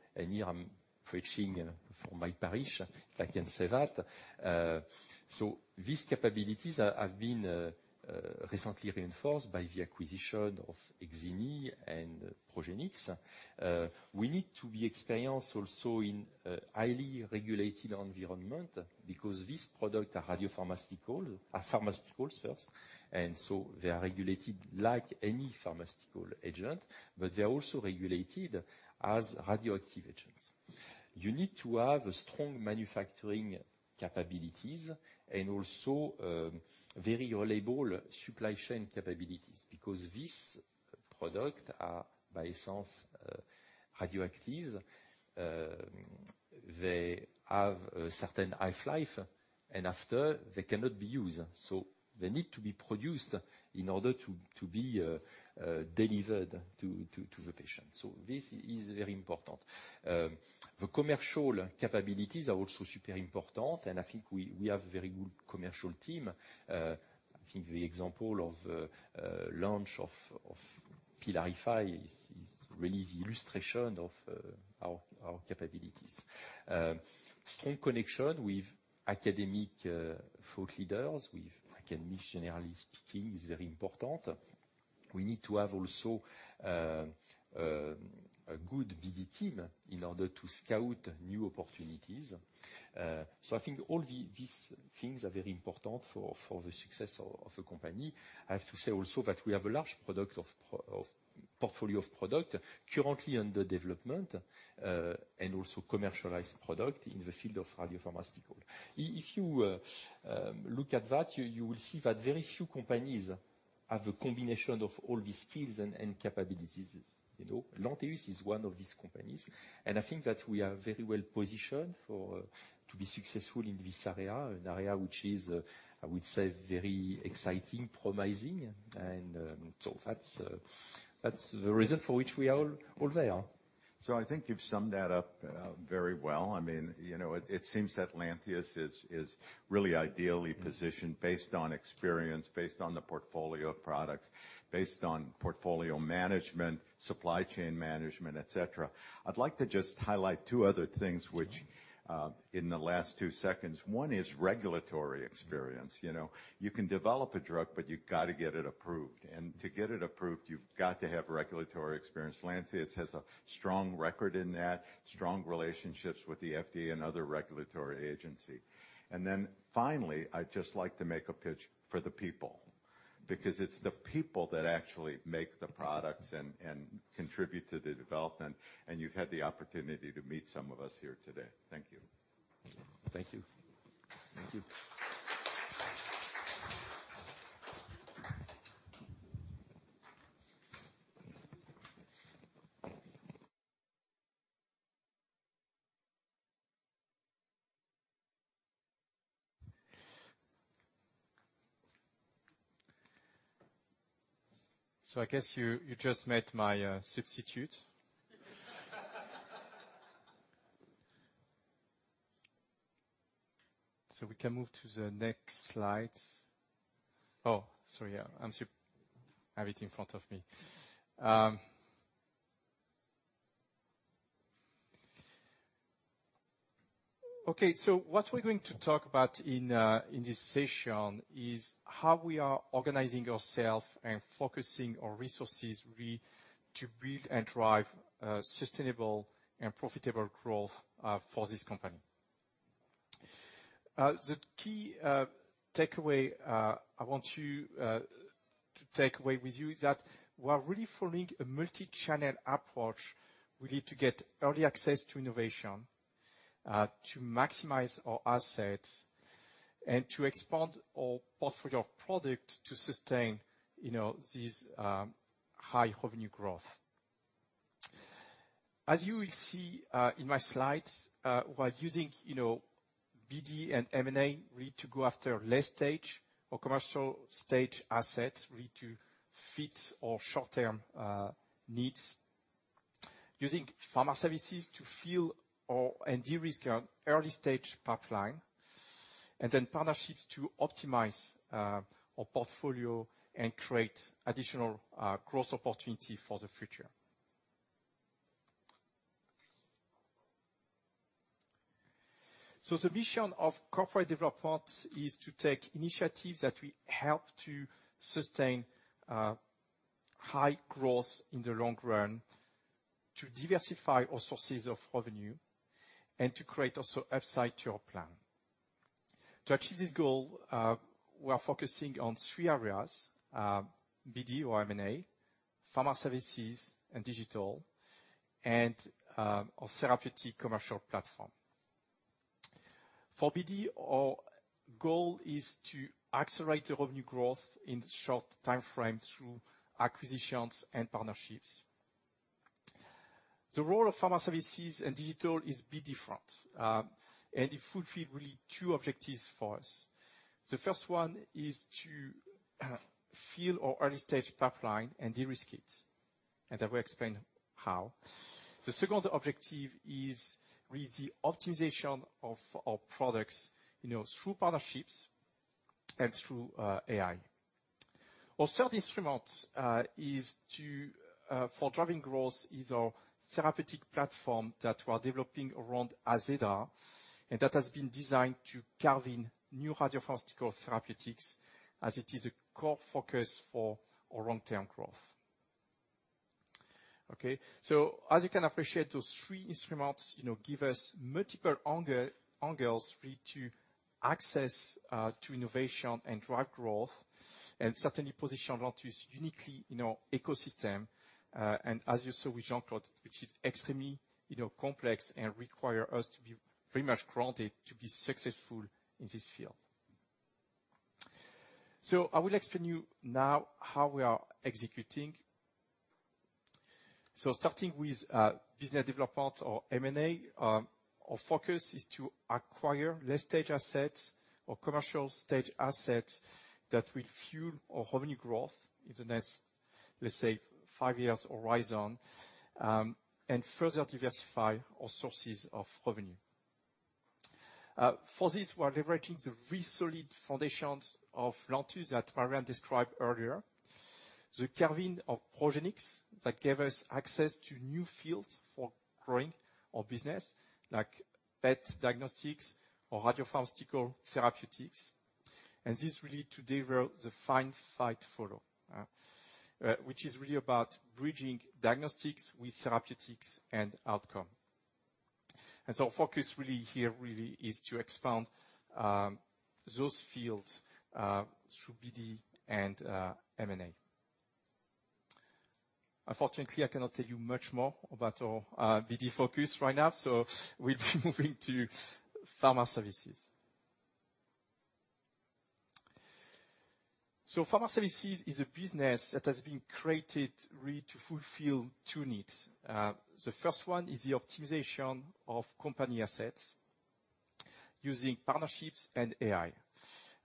I'm preaching from my parish, if I can say that. These capabilities have been recently reinforced by the acquisition of Exini and Progenics. We need to be experienced also in a highly regulated environment, because this product are radiopharmaceutical, are pharmaceuticals first, and so they are regulated like any pharmaceutical agent, but they're also regulated as radioactive agents. You need to have strong manufacturing capabilities and also very reliable supply chain capabilities, because this product are by essence radioactives. They have a certain half-life, and after they cannot be used, so they need to be produced in order to be delivered to the patient. This is very important. The commercial capabilities are also super important, and I think we have very good commercial team. I think the example of launch of PYLARIFY is really the illustration of our capabilities. Strong connection with academic thought leaders, with academic generally speaking, is very important. We need to have also a good BD team in order to scout new opportunities. I think all these things are very important for the success of a company. I have to say also that we have a large portfolio of products currently under development, and also commercialized products in the field of radiopharmaceutical. If you look at that, you will see that very few companies have a combination of all these skills and capabilities. You know, Lantheus is one of these companies, and I think that we are very well positioned to be successful in this area, an area which is, I would say, very exciting, promising. So that's the reason for which we are all there. I think you've summed that up very well. I mean, you know, it seems that Lantheus is really ideally positioned based on experience, based on the portfolio of products, based on portfolio management, supply chain management, et cetera. I'd like to just highlight two other things which in the last two seconds. One is regulatory experience. You know, you can develop a drug, but you've got to get it approved. To get it approved, you've got to have regulatory experience. Lantheus has a strong record in that, strong relationships with the FDA and other regulatory agency. Then finally, I'd just like to make a pitch for the people, because it's the people that actually make the products and contribute to the development, and you've had the opportunity to meet some of us here today. Thank you. Thank you. Thank you. I guess you just met my substitute. We can move to the next slide. Oh, sorry. I have it in front of me. Okay, what we're going to talk about in this session is how we are organizing ourself and focusing our resources to build and drive sustainable and profitable growth for this company. The key takeaway I want you to take away with you is that we're really forming a multi-channel approach. We need to get early access to innovation to maximize our assets and to expand our portfolio of product to sustain, you know, this high revenue growth. As you will see in my slides, while using, you know, BD and M&A, we need to go after late stage or commercial stage assets. We need to fit our short-term needs. Using pharma services to fill our, and de-risk our early-stage pipeline, and then partnerships to optimize, our portfolio and create additional, growth opportunity for the future. The mission of corporate development is to take initiatives that will help to sustain, high growth in the long run, to diversify our sources of revenue, and to create also upside to our plan. To achieve this goal, we are focusing on three areas, BD or M&A, pharma services and digital, and, our therapeutic commercial platform. For BD, our goal is to accelerate the revenue growth in short time frame through acquisitions and partnerships. The role of pharma services and digital is be different, and it fulfill really two objectives for us. The first one is to fill our early-stage pipeline and de-risk it, and I will explain how. The second objective is really optimization of our products, you know, through partnerships and through AI. Our third instrument is for driving growth is our therapeutic platform that we're developing around AZEDRA, and that has been designed to carve out new radiopharmaceutical therapeutics as it is a core focus for our long-term growth. Okay, as you can appreciate, those three instruments, you know, give us multiple angles really to access innovation and drive growth, and certainly position Lantheus uniquely in our ecosystem. As you saw with Jean-Claude, which is extremely, you know, complex and require us to be very much grounded to be successful in this field. I will explain to you now how we are executing. Starting with business development or M&A, our focus is to acquire late-stage assets or commercial-stage assets that will fuel our revenue growth in the next, let's say, five years horizon, and further diversify our sources of revenue. For this, we're leveraging the very solid foundations of Lantheus that Mary Anne described earlier. The acquisition of Progenics that gave us access to new fields for growing our business like PET diagnostics or radiopharmaceutical therapeutics. This lead to develop the Find, Fight and Follow, which is really about bridging diagnostics with therapeutics and outcome. Our focus really here is to expand those fields through BD and M&A. Unfortunately, I cannot tell you much more about our BD focus right now, so we'll be moving to Pharma Services. Pharma Services is a business that has been created really to fulfill two needs. The first one is the optimization of company assets using partnerships and AI.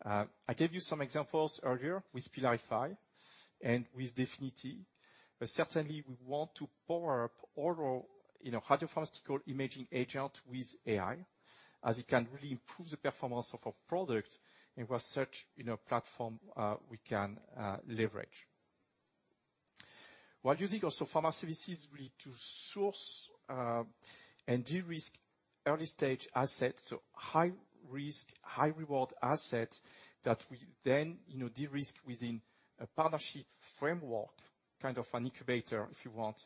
I gave you some examples earlier with PYLARIFY and with DEFINITY, but certainly we want to power up all our, you know, radiopharmaceutical imaging agent with AI, as it can really improve the performance of our product and with such, you know, platform we can leverage. We're using also Pharma Services really to source and de-risk early-stage assets, so high-risk, high-reward assets that we then, you know, de-risk within a partnership framework, kind of an incubator, if you want,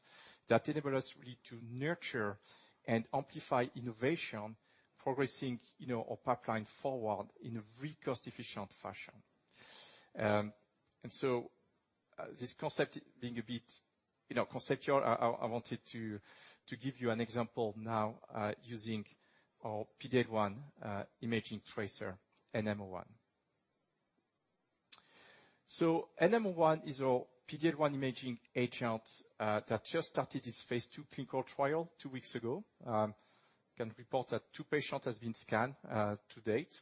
that enable us really to nurture and amplify innovation, progressing, you know, our pipeline forward in a very cost-efficient fashion. This concept being a bit, you know, conceptual, I wanted to give you an example now using our PD-L1 imaging tracer, NM-01. NM-01 is our PD-L1 imaging agent that just started its phase 2 clinical trial two weeks ago. Can report that two patients has been scanned to date.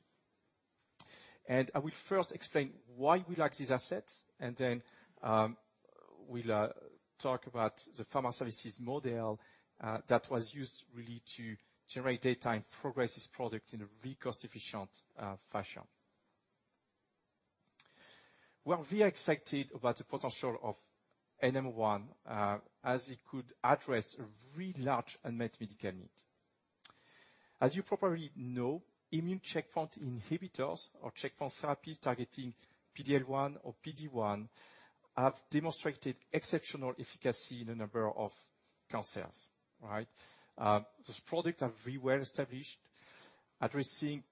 I will first explain why we like this asset and then we'll talk about the Pharma Services model that was used really to generate data and progress this product in a very cost-efficient fashion. We are very excited about the potential of NM-01 as it could address a very large unmet medical need. As you probably know, immune checkpoint inhibitors or checkpoint therapies targeting PD-L1 or PD-1 have demonstrated exceptional efficacy in a number of cancers, right? This product are very well established, addressing,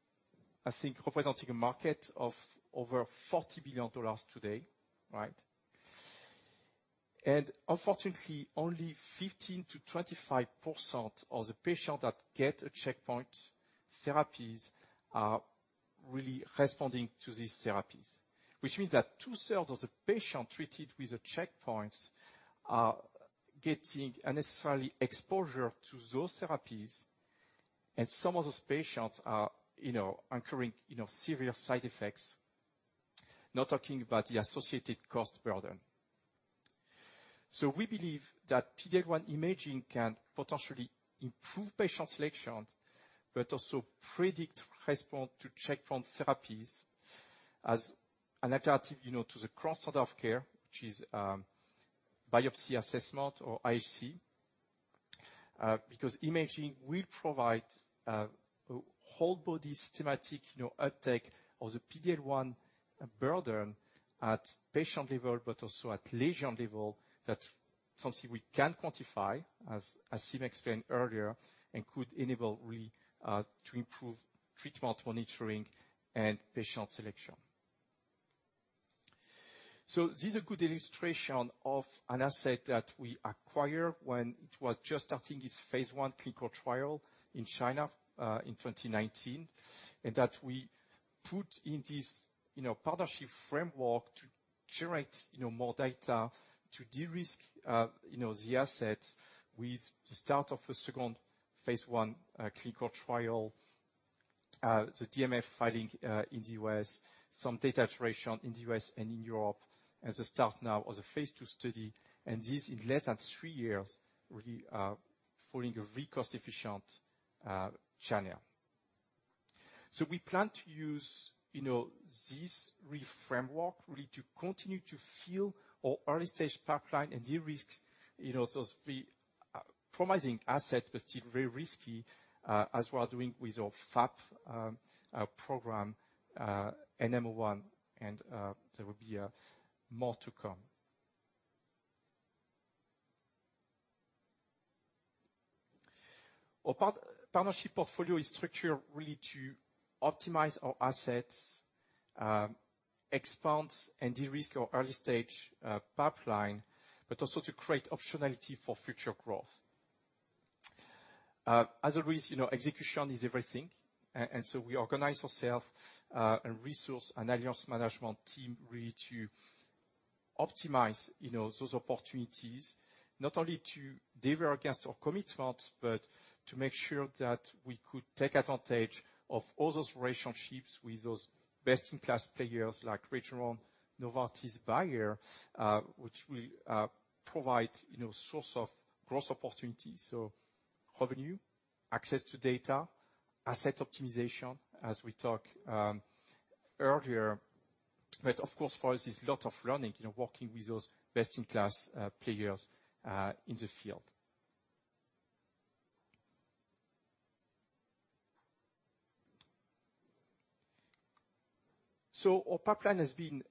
I think, representing a market of over $40 billion today, right? Unfortunately, only 15%-25% of the patients that get checkpoint therapies are really responding to these therapies, which means that 2/3 of the patients treated with the checkpoints are getting unnecessarily exposure to those therapies, and some of those patients are, you know, incurring, you know, severe side effects, not talking about the associated cost burden. We believe that PD-L1 imaging can potentially improve patient selection, but also predict response to checkpoint therapies as an alternative, you know, to the current standard of care, which is biopsy assessment or IHC, because imaging will provide whole body systematic, you know, uptake of the PD-L1 burden at patient level, but also at lesion level, that's something we can quantify, as Jim explained earlier, and could enable really to improve treatment monitoring and patient selection. This is a good illustration of an asset that we acquire when it was just starting its phase 1 clinical trial in China in 2019, and that we put in this, you know, partnership framework to generate, you know, more data to de-risk, you know, the asset with the start of a second phase I clinical trial, the DMF filing in the U.S., some data iteration in the U.S. and in Europe, and the start now of the phase II study, and this in less than three years, really, following a very cost-efficient channel. We plan to use, you know, this REFramework really to continue to fuel our early-stage pipeline and de-risk, you know, those very promising assets, but still very risky, as we are doing with our FAP program, NM-01, and there will be more to come. Our partnership portfolio is structured really to optimize our assets, expand and de-risk our early-stage pipeline, but also to create optionality for future growth. As always, you know, execution is everything. We organize ourselves and resource and alliance management team really to optimize, you know, those opportunities, not only to deliver against our commitments, but to make sure that we could take advantage of all those relationships with those best-in-class players like Regeneron, Novartis, Bayer, which will provide, you know, source of growth opportunities. Revenue, access to data, asset optimization, as we talked earlier. Of course, for us, it's a lot of learning, you know, working with those best-in-class players in the field. Our pipeline has been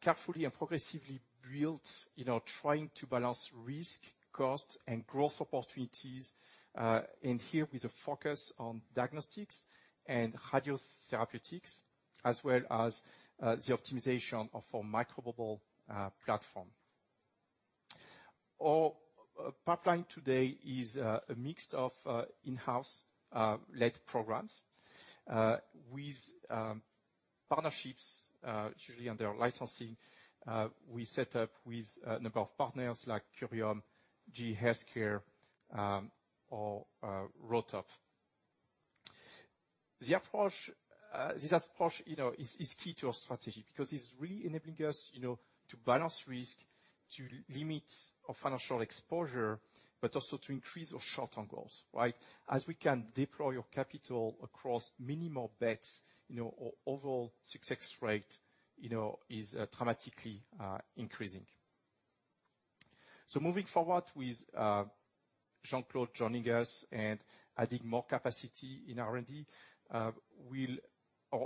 carefully and progressively built, you know, trying to balance risk, costs, and growth opportunities, and here with a focus on diagnostics and radiotherapeutics, as well as the optimization of our microbubble platform. Our pipeline today is a mix of in-house led programs with partnerships, usually under our licensing we set up with a number of partners like Curium, GE HealthCare, or ROTOP. This approach is key to our strategy because it's really enabling us, you know, to balance risk, to limit our financial exposure, but also to increase our short-term goals, right? As we can deploy your capital across many more bets, you know, our overall success rate, you know, is dramatically increasing. Moving forward with Jean-Claude joining us and adding more capacity in R&D, our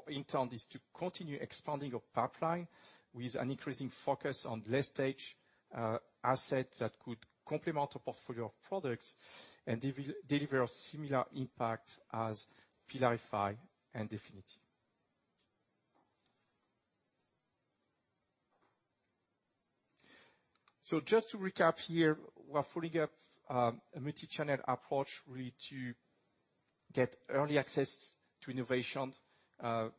intent is to continue expanding our pipeline with an increasing focus on late-stage assets that could complement our portfolio of products and deliver a similar impact as PYLARIFY and DEFINITY. Just to recap here, we're fully up a multichannel approach really to get early access to innovation, to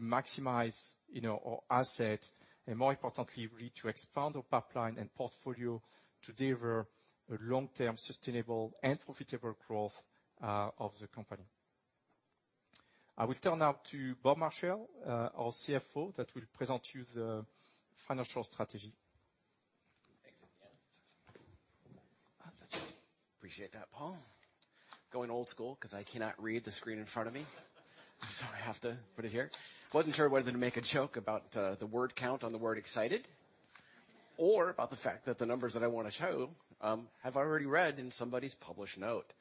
maximize, you know, our asset, and more importantly, really to expand our pipeline and portfolio to deliver a long-term sustainable and profitable growth of the company. I will turn now to Bob Marshall, our CFO, that will present to you the financial strategy. Appreciate that, Paul. Going old school because I cannot read the screen in front of me. I have to put it here. Wasn't sure whether to make a joke about the word count on the word excited or about the fact that the numbers that I want to show have already been read in somebody's published note.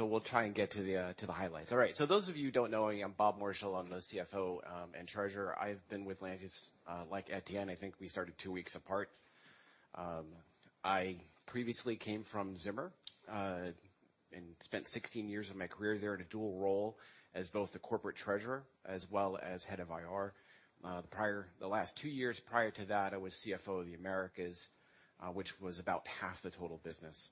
We'll try and get to the highlights. All right, those of you who don't know me, I'm Bob Marshall. I'm the CFO and in charge. I've been with Lantheus like Etienne. I think we started two weeks apart. I previously came from Zimmer and spent 16 years of my career there in a dual role as both the corporate treasurer as well as Head of IR. Prior to that, the last two years, I was CFO of the Americas, which was about half the total business.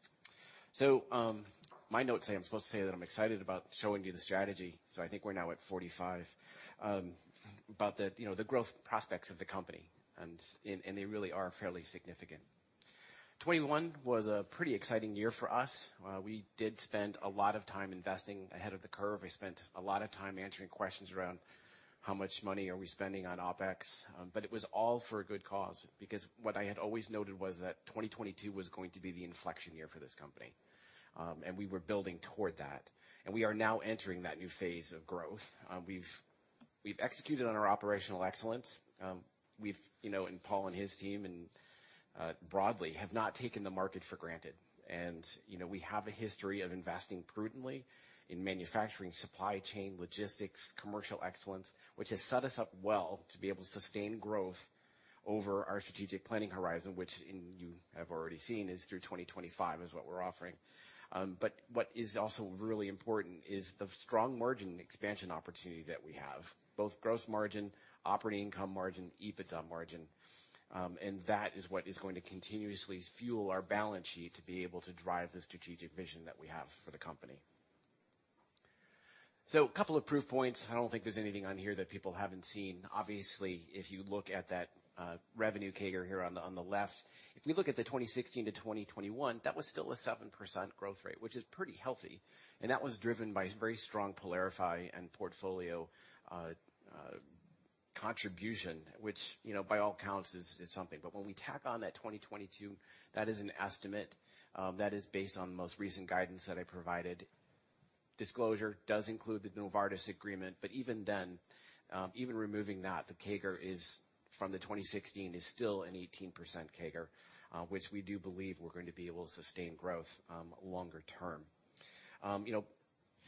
My notes say I'm supposed to say that I'm excited about showing you the strategy, so I think we're now at 45, you know, the growth prospects of the company, and they really are fairly significant. 2021 was a pretty exciting year for us. We did spend a lot of time investing ahead of the curve. We spent a lot of time answering questions around how much money are we spending on OpEx. It was all for a good cause, because what I had always noted was that 2022 was going to be the inflection year for this company. We were building toward that. We are now entering that new phase of growth. We've executed on our operational excellence. You know, Paul and his team broadly have not taken the market for granted. You know, we have a history of investing prudently in manufacturing, supply chain, logistics, commercial excellence, which has set us up well to be able to sustain growth over our strategic planning horizon, which you have already seen is through 2025, which is what we're offering. What is also really important is the strong margin expansion opportunity that we have, both gross margin, operating income margin, EBITDA margin. That is what is going to continuously fuel our balance sheet to be able to drive the strategic vision that we have for the company. A couple of proof points. I don't think there's anything on here that people haven't seen. Obviously, if you look at that, revenue CAGR here on the left. If you look at the 2016 to 2021, that was still a 7% growth rate, which is pretty healthy, and that was driven by very strong PYLARIFY and portfolio contribution, which, you know, by all accounts is something. But when we tack on that 2022, that is an estimate, that is based on the most recent guidance that I provided. Disclosure does include the Novartis agreement, but even then, even removing that, the CAGR from the 2016 is still an 18% CAGR, which we do believe we're going to be able to sustain growth longer term. You know.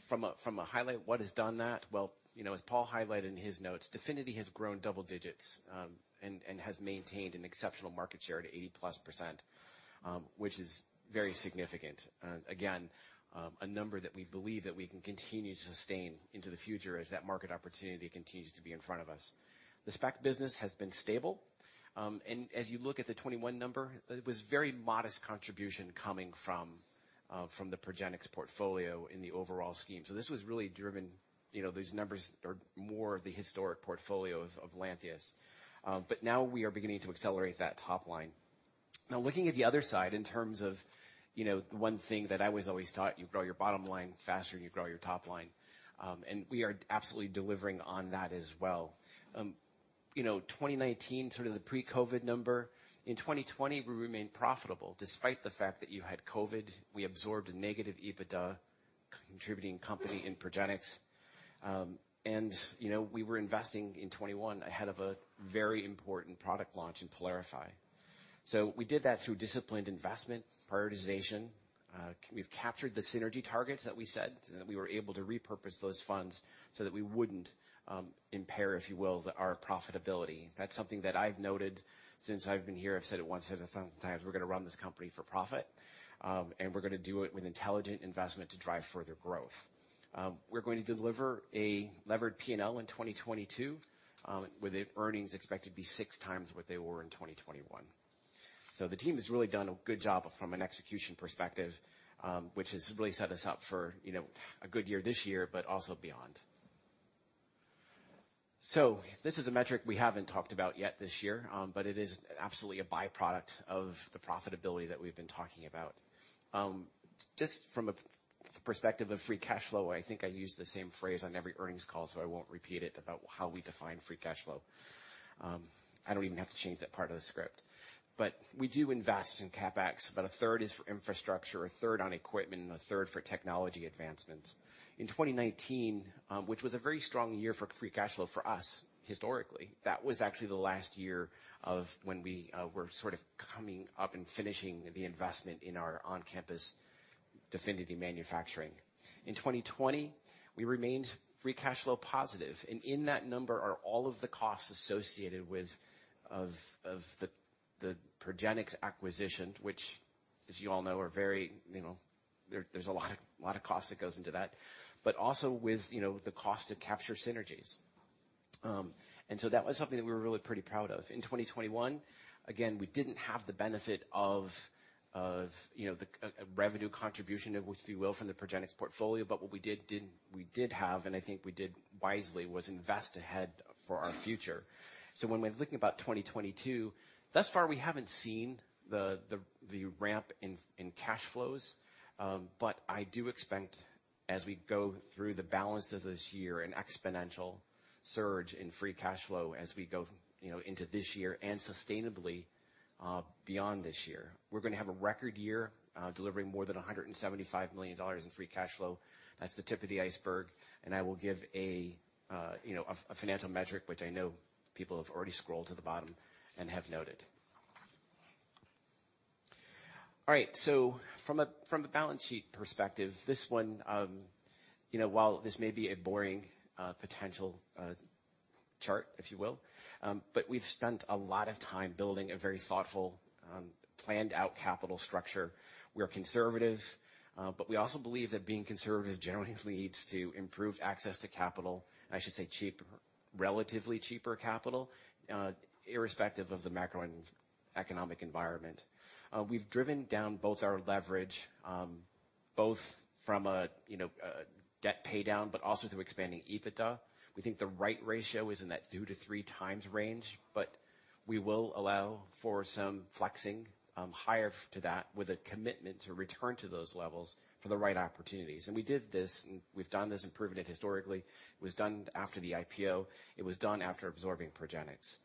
From a high level, what has driven that? Well, you know, as Paul highlighted in his notes, DEFINITY has grown double digits, and has maintained an exceptional market share to 80%+, which is very significant. Again, a number that we believe that we can continue to sustain into the future as that market opportunity continues to be in front of us. The SPECT business has been stable. And as you look at the 2021 number, it was very modest contribution coming from the Progenics portfolio in the overall scheme. This was really driven, you know, these numbers are more the historic portfolio of Lantheus. But now we are beginning to accelerate that top line. Now, looking at the other side in terms of, you know, the one thing that I was always taught, you grow your bottom line faster than you grow your top line. We are absolutely delivering on that as well. You know, 2019, sort of the pre-COVID number. In 2020, we remained profitable despite the fact that you had COVID. We absorbed a negative EBITDA contributing company in Progenics. You know, we were investing in 2021 ahead of a very important product launch in PYLARIFY. We did that through disciplined investment, prioritization. We've captured the synergy targets that we set, so that we were able to repurpose those funds so that we wouldn't impair, if you will, our profitability. That's something that I've noted since I've been here. I've said it once, said it sometimes, we're gonna run this company for profit. We're gonna do it with intelligent investment to drive further growth. We're going to deliver a levered P&L in 2022, with earnings expected to be 6 times what they were in 2021. The team has really done a good job from an execution perspective, which has really set us up for, you know, a good year this year, but also beyond. This is a metric we haven't talked about yet this year, but it is absolutely a by-product of the profitability that we've been talking about. Just from a perspective of free cash flow, I think I use the same phrase on every earnings call, so I won't repeat it about how we define free cash flow. I don't even have to change that part of the script. We do invest in CapEx. About a third is for infrastructure, a third on equipment, and a third for technology advancements. In 2019, which was a very strong year for free cash flow for us historically, that was actually the last year of when we were sort of coming up and finishing the investment in our on-campus DEFINITY manufacturing. In 2020, we remained free cash flow positive, and in that number are all of the costs associated with the Progenics acquisition, which as you all know, are very, you know, there's a lot of cost that goes into that, but also with, you know, the cost to capture synergies. That was something that we were really pretty proud of. In 2021, again, we didn't have the benefit of, you know, a revenue contribution, if you will, from the Progenics portfolio. What we did, we did have, and I think we did wisely, was invest ahead for our future. When we're looking about 2022, thus far, we haven't seen the ramp in cash flows. I do expect as we go through the balance of this year, an exponential surge in free cash flow as we go, you know, into this year and sustainably beyond this year. We're gonna have a record year delivering more than $175 million in free cash flow. That's the tip of the iceberg, and I will give a, you know, a financial metric, which I know people have already scrolled to the bottom and have noted. From a balance sheet perspective, this one, you know, while this may be a boring potential chart, if you will, but we've spent a lot of time building a very thoughtful planned out capital structure. We're conservative, but we also believe that being conservative generally leads to improved access to capital, and I should say relatively cheaper capital, irrespective of the macroeconomic environment. We've driven down both our leverage both from a you know debt pay down, but also through expanding EBITDA. We think the right ratio is in that 2-3x range, but we will allow for some flexing higher up to that with a commitment to return to those levels for the right opportunities. We've done this and proven it historically. It was done after the IPO. It was done after absorbing Progenics.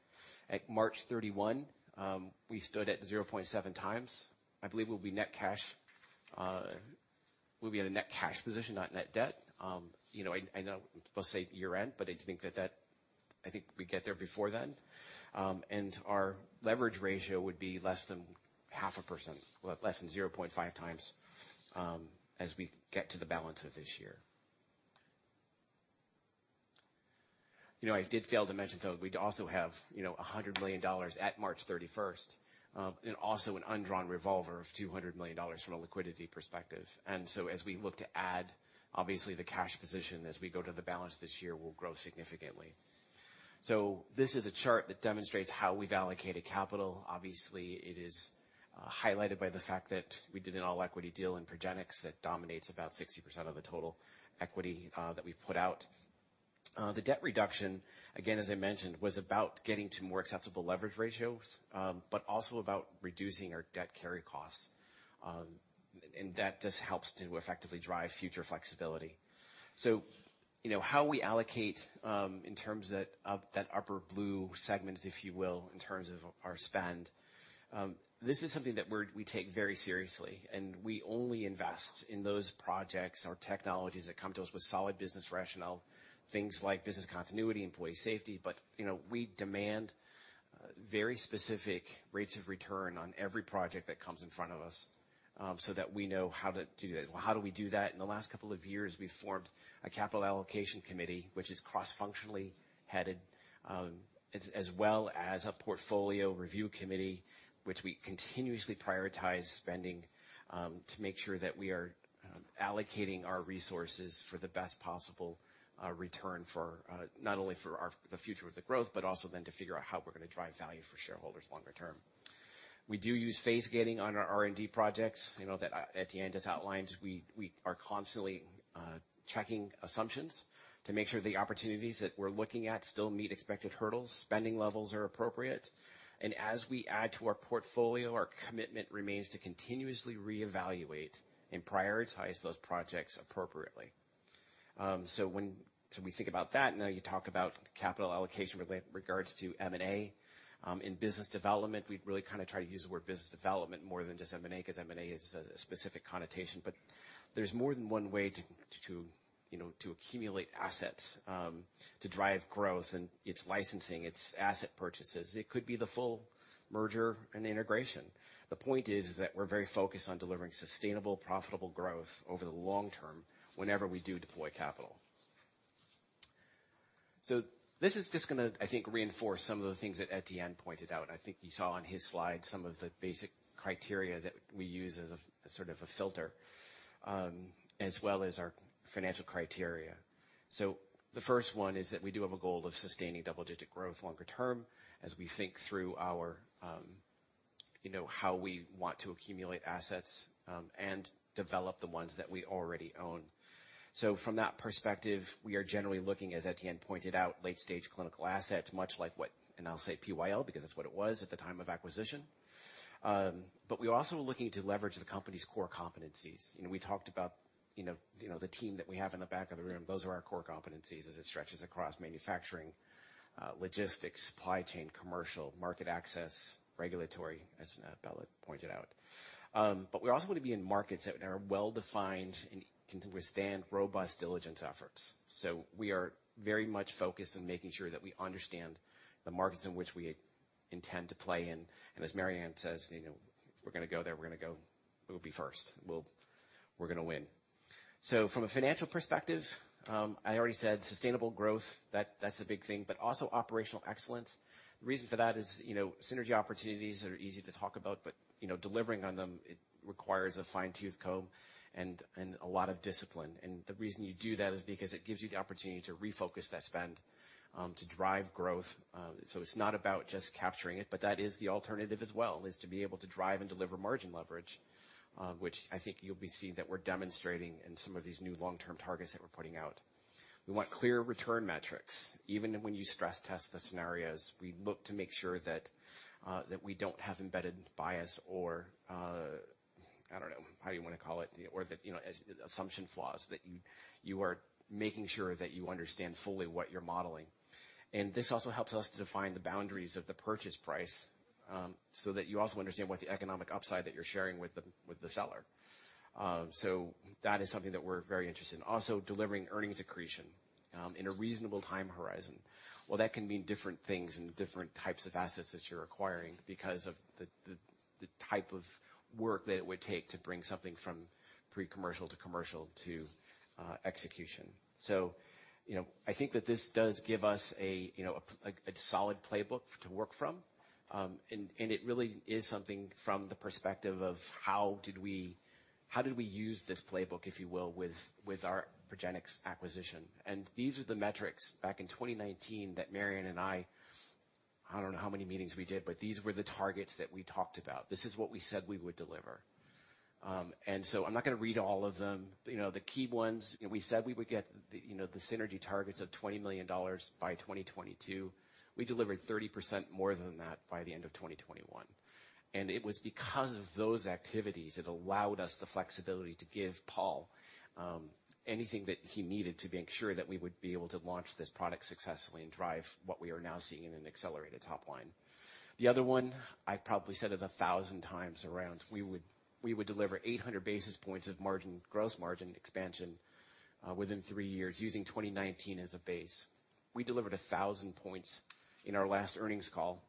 At March 31, we stood at 0.7x. I believe we'll be net cash. We'll be in a net cash position, not net debt. You know, I know people say year-end, but I think we get there before then. Our leverage ratio would be less than half a percent. Well, less than 0.5xt, as we get to the balance of this year. You know, I did fail to mention, though, we'd also have, you know, $100 million at March 31st, and also an undrawn revolver of $200 million from a liquidity perspective. As we look to add, obviously the cash position as we go to the balance this year will grow significantly. This is a chart that demonstrates how we've allocated capital. Obviously, it is highlighted by the fact that we did an all-equity deal in Progenics that dominates about 60% of the total equity that we put out. The debt reduction, again, as I mentioned, was about getting to more acceptable leverage ratios, but also about reducing our debt carry costs. And that just helps to effectively drive future flexibility. You know, how we allocate, in terms of that upper blue segment, if you will, in terms of our spend, this is something that we take very seriously, and we only invest in those projects or technologies that come to us with solid business rationale, things like business continuity, employee safety. You know, we demand very specific rates of return on every project that comes in front of us, so that we know how to do that. Well, how do we do that? In the last couple of years, we formed a capital allocation committee, which is cross-functionally headed, as well as a portfolio review committee, which we continuously prioritize spending, to make sure that we are allocating our resources for the best possible return for not only the future of the growth, but also then to figure out how we're gonna drive value for shareholders longer term. We do use phase gating on our R&D projects. You know, Etienne just outlined, we are constantly checking assumptions to make sure the opportunities that we're looking at still meet expected hurdles, spending levels are appropriate. As we add to our portfolio, our commitment remains to continuously reevaluate and prioritize those projects appropriately. When we think about that, now you talk about capital allocation regards to M&A. In business development, we'd really kinda try to use the word business development more than just M&A, 'cause M&A is a specific connotation. There's more than one way to you know, to accumulate assets to drive growth, and it's licensing, it's asset purchases. It could be the full merger and integration. The point is that we're very focused on delivering sustainable, profitable growth over the long term whenever we do deploy capital. This is just gonna, I think, reinforce some of the things that Etienne pointed out. I think you saw on his slide some of the basic criteria that we use as a sort of a filter, as well as our financial criteria. The first one is that we do have a goal of sustaining double-digit growth longer term as we think through our, you know, how we want to accumulate assets, and develop the ones that we already own. From that perspective, we are generally looking, as Etienne pointed out, late-stage clinical assets, much like PyL because that's what it was at the time of acquisition. We're also looking to leverage the company's core competencies. You know, we talked about, you know, the team that we have in the back of the room. Those are our core competencies as it stretches across manufacturing, logistics, supply chain, commercial, market access, regulatory, as Bela pointed out. We also want to be in markets that are well-defined and can withstand robust diligence efforts. We are very much focused on making sure that we understand the markets in which we intend to play in. As Mary Anne says, you know, if we're gonna go there, we're gonna go there. We'll be first. We're gonna win. From a financial perspective, I already said sustainable growth, that's a big thing, but also operational excellence. The reason for that is, you know, synergy opportunities are easy to talk about, but, you know, delivering on them, it requires a fine-tooth comb and a lot of discipline. The reason you do that is because it gives you the opportunity to refocus that spend, to drive growth. So it's not about just capturing it, but that is the alternative as well, is to be able to drive and deliver margin leverage, which I think you'll be seeing that we're demonstrating in some of these new long-term targets that we're putting out. We want clear return metrics. Even when you stress test the scenarios, we look to make sure that we don't have embedded bias or I don't know, how you wanna call it, you know, or that, you know, assumption flaws, that you are making sure that you understand fully what you're modeling. This also helps us to define the boundaries of the purchase price, so that you also understand what the economic upside that you're sharing with the seller. So that is something that we're very interested in. Also, delivering earnings accretion, in a reasonable time horizon. Well, that can mean different things and different types of assets that you're acquiring because of the type of work that it would take to bring something from pre-commercial to commercial to execution. You know, I think that this does give us a you know like a solid playbook to work from. It really is something from the perspective of how did we use this playbook, if you will, with our Progenics acquisition? These are the metrics back in 2019 that Mary Anne and I don't know how many meetings we did, but these were the targets that we talked about. This is what we said we would deliver. I'm not gonna read all of them. You know, the key ones, you know, we said we would get the, you know, the synergy targets of $20 million by 2022. We delivered 30% more than that by the end of 2021. It was because of those activities, it allowed us the flexibility to give Paul anything that he needed to make sure that we would be able to launch this product successfully and drive what we are now seeing in an accelerated top line. The other one, I probably said it a thousand times around, we would deliver 800 basis points of margin, gross margin expansion, within three years using 2019 as a base. We delivered 1,000 points in our last earnings call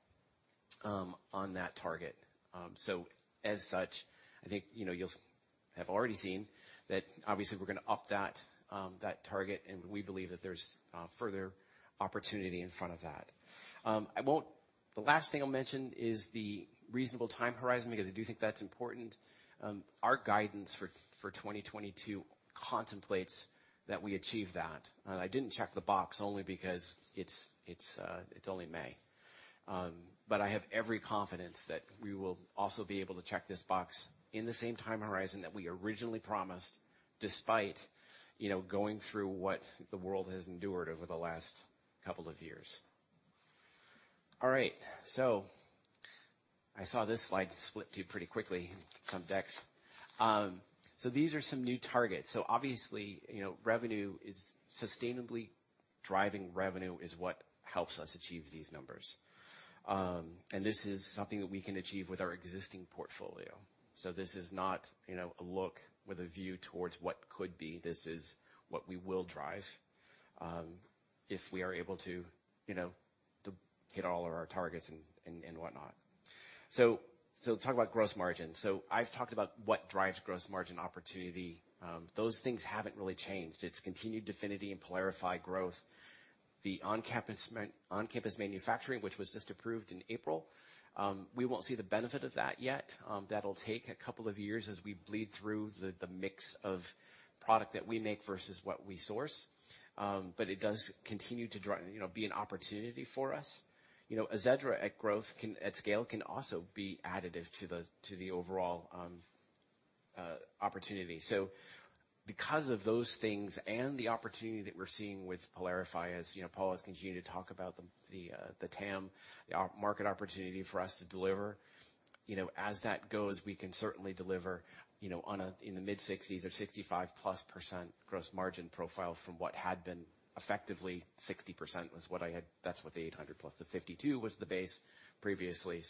on that target. So as such, I think, you know, you'll have already seen that obviously we're gonna up that target, and we believe that there's further opportunity in front of that. The last thing I'll mention is the reasonable time horizon, because I do think that's important. Our guidance for 2022 contemplates that we achieve that. I didn't check the box only because it's only May. I have every confidence that we will also be able to check this box in the same time horizon that we originally promised despite, you know, going through what the world has endured over the last couple of years. All right, I saw this slide split too pretty quickly in some decks. These are some new targets. Obviously, you know, sustainably driving revenue is what helps us achieve these numbers. This is something that we can achieve with our existing portfolio. This is not, you know, a look with a view towards what could be. This is what we will drive, if we are able to, you know, to hit all of our targets and whatnot. Talk about gross margin. I've talked about what drives gross margin opportunity. Those things haven't really changed. It's continued DEFINITY and PYLARIFY growth. The on-campus manufacturing, which was just approved in April, we won't see the benefit of that yet. That'll take a couple of years as we bleed through the mix of product that we make versus what we source. But it does continue to you know, be an opportunity for us. You know, AZEDRA at growth at scale can also be additive to the overall opportunity. Because of those things and the opportunity that we're seeing with PYLARIFY, you know, Paul has continued to talk about the TAM, the market opportunity for us to deliver. You know, as that goes, we can certainly deliver, you know, in the mid-60s or 65+% gross margin profile from what had been effectively 60%. That is what the 800+, the 52 was the base previously.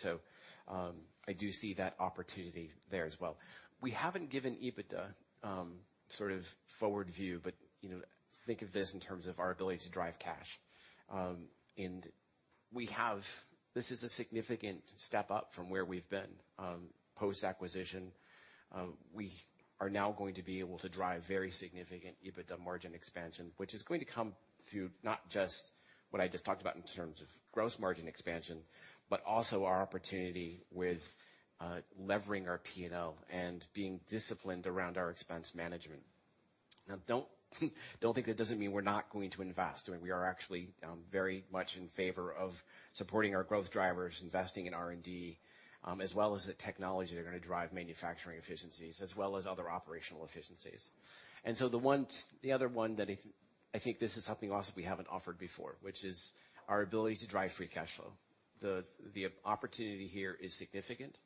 I do see that opportunity there as well. We haven't given EBITDA sort of forward view, but, you know, think of this in terms of our ability to drive cash. We have this is a significant step up from where we've been post-acquisition. We are now going to be able to drive very significant EBITDA margin expansion, which is going to come through not just what I just talked about in terms of gross margin expansion, but also our opportunity with levering our P&L and being disciplined around our expense management. Now, don't think that doesn't mean we're not going to invest. I mean, we are actually very much in favor of supporting our growth drivers, investing in R&D, as well as the technology that are gonna drive manufacturing efficiencies as well as other operational efficiencies. The other one that I think this is something else we haven't offered before, which is our ability to drive free cash flow. The opportunity here is significant.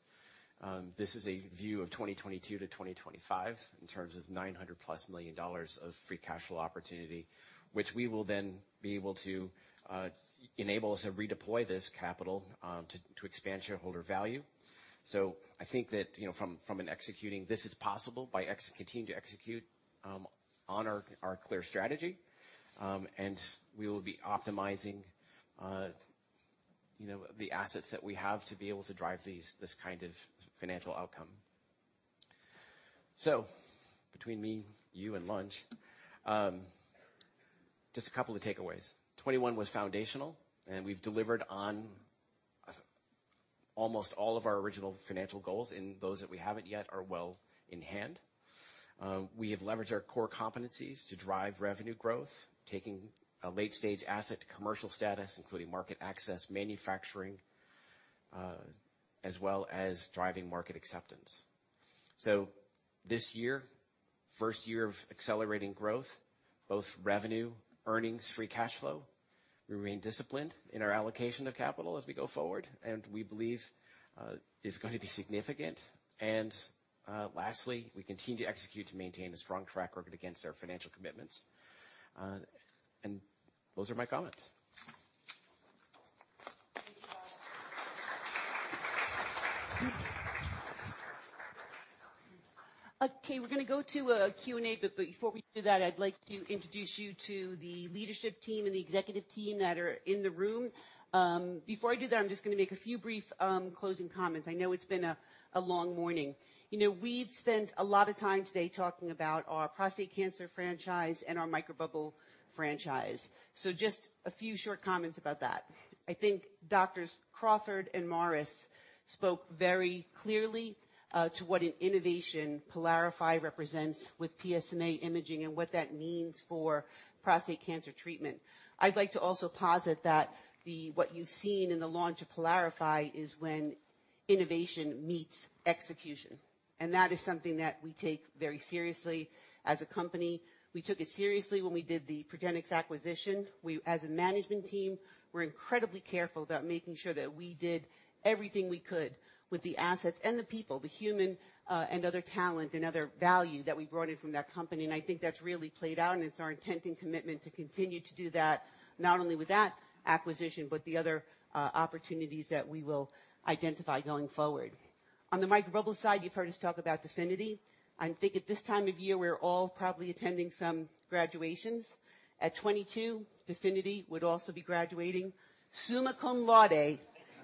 This is a view of 2022-2025 in terms of $900+ million of free cash flow opportunity, which we will then be able to enable us to redeploy this capital, to expand shareholder value. I think that from an execution this is possible by continuing to execute on our clear strategy. We will be optimizing the assets that we have to be able to drive this kind of financial outcome. Between me, you and lunch, just a couple of takeaways. 2021 was foundational, and we've delivered on almost all of our original financial goals, and those that we haven't yet are well in hand. We have leveraged our core competencies to drive revenue growth, taking a late-stage asset to commercial status, including market access, manufacturing, as well as driving market acceptance. This year, first year of accelerating growth, both revenue, earnings, free cash flow. We remain disciplined in our allocation of capital as we go forward, and we believe is going to be significant. Lastly, we continue to execute to maintain a strong track record against our financial commitments. Those are my comments. Okay, we're gonna go to a Q&A, but before we do that, I'd like to introduce you to the leadership team and the executive team that are in the room. Before I do that, I'm just gonna make a few brief closing comments. I know it's been a long morning. You know, we've spent a lot of time today talking about our prostate cancer franchise and our microbubble franchise. Just a few short comments about that. I think Doctors Crawford and Morris spoke very clearly to what an innovation PYLARIFY represents with PSMA imaging and what that means for prostate cancer treatment. I'd like to also posit that what you've seen in the launch of PYLARIFY is when innovation meets execution. That is something that we take very seriously as a company. We took it seriously when we did the Progenics acquisition. We, as a management team, were incredibly careful about making sure that we did everything we could with the assets and the people, the human, and other talent and other value that we brought in from that company. I think that's really played out, and it's our intent and commitment to continue to do that, not only with that acquisition, but the other, opportunities that we will identify going forward. On the microbubble side, you've heard us talk about DEFINITY. I think at this time of year, we're all probably attending some graduations. At 22, DEFINITY would also be graduating summa cum laude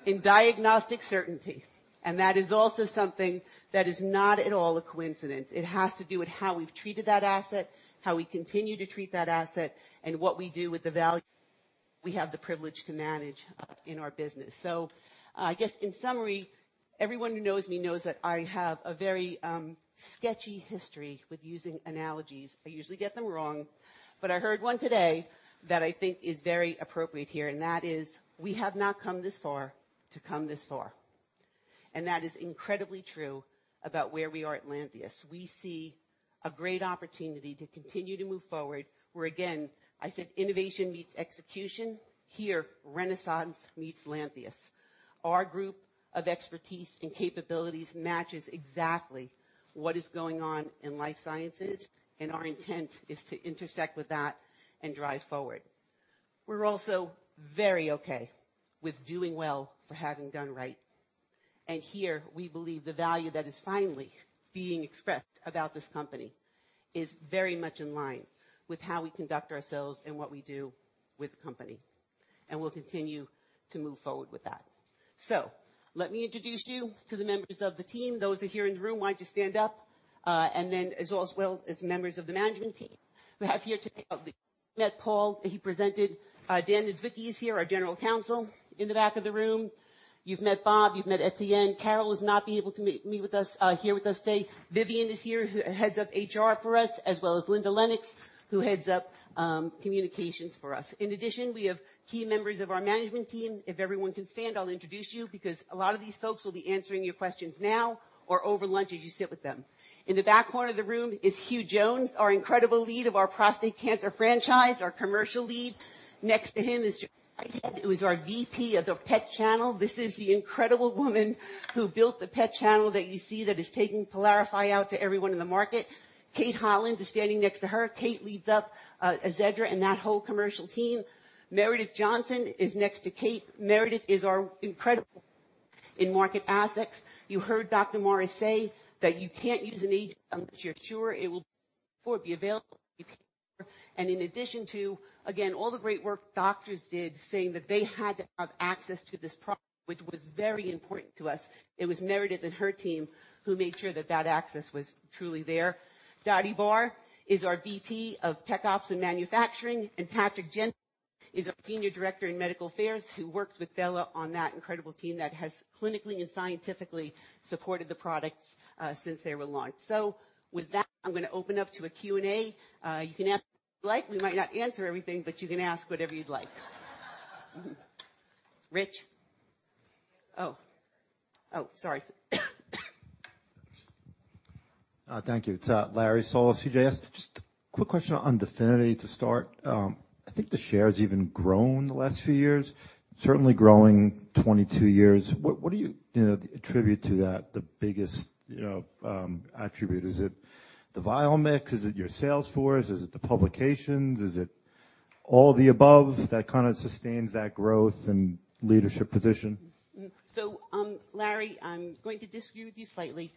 in diagnostic certainty. That is also something that is not at all a coincidence. It has to do with how we've treated that asset, how we continue to treat that asset, and what we do with the value we have the privilege to manage in our business. I guess in summary, everyone who knows me knows that I have a very sketchy history with using analogies. I usually get them wrong, but I heard one today that I think is very appropriate here, and that is we have not come this far to come this far. That is incredibly true about where we are at Lantheus. We see a great opportunity to continue to move forward, where again, I said innovation meets execution. Here, renaissance meets Lantheus. Our group of expertise and capabilities matches exactly what is going on in life sciences, and our intent is to intersect with that and drive forward. We're also very okay with doing well for having done right. Here, we believe the value that is finally being expressed about this company is very much in line with how we conduct ourselves and what we do with the company. We'll continue to move forward with that. Let me introduce you to the members of the team. Those who are here in the room, why don't you stand up? And then as well as members of the management team. We have here today, you met Paul Blanchfield, he presented. Dan Niedzwiecki is here, our general counsel in the back of the room. You've met Bob Marshall, you've met Etienne. Carol has not been able to be here with us today. Vivian is here, who heads up HR for us, as well as Linda Lennox, who heads up communications for us. In addition, we have key members of our management team. If everyone can stand, I'll introduce you, because a lot of these folks will be answering your questions now or over lunch as you sit with them. In the back corner of the room is Hugh Jones, our incredible lead of our prostate cancer franchise, our commercial lead. Next to him is Joan Whitehead, who is our VP of the PET Channel. This is the incredible woman who built the PET Channel that you see that is taking PYLARIFY out to everyone in the market. Kate Holland is standing next to her. Kate leads up, AZEDRA and that whole commercial team. Meredith Johnson is next to Kate. Meredith is our incredible in-market access. You heard Dr. Morris say that you can't use an agent unless you're sure it will be available. In addition to, again, all the great work doctors did, saying that they had to have access to this product, which was very important to us, it was Meredith and her team who made sure that that access was truly there. Dottie Barr is our VP of Tech Ops and Manufacturing, and Patrick Jensen is our Senior Director in Medical Affairs, who works with Bela on that incredible team that has clinically and scientifically supported the products since they were launched. With that, I'm gonna open up to a Q&A. You can ask what you like. We might not answer everything, but you can ask whatever you'd like. Rich? Oh. Oh, sorry. Thank you. It's Larry Solow, CJS. Just a quick question on DEFINITY to start. I think the share has even grown in the last few years. Certainly growing 22 years. What do you know, attribute to that, the biggest, you know, attribute? Is it the VIALMIX? Is it your sales force? Is it the publications? Is it all the above that kind of sustains that growth and leadership position? Larry, I'm going to disagree with you slightly,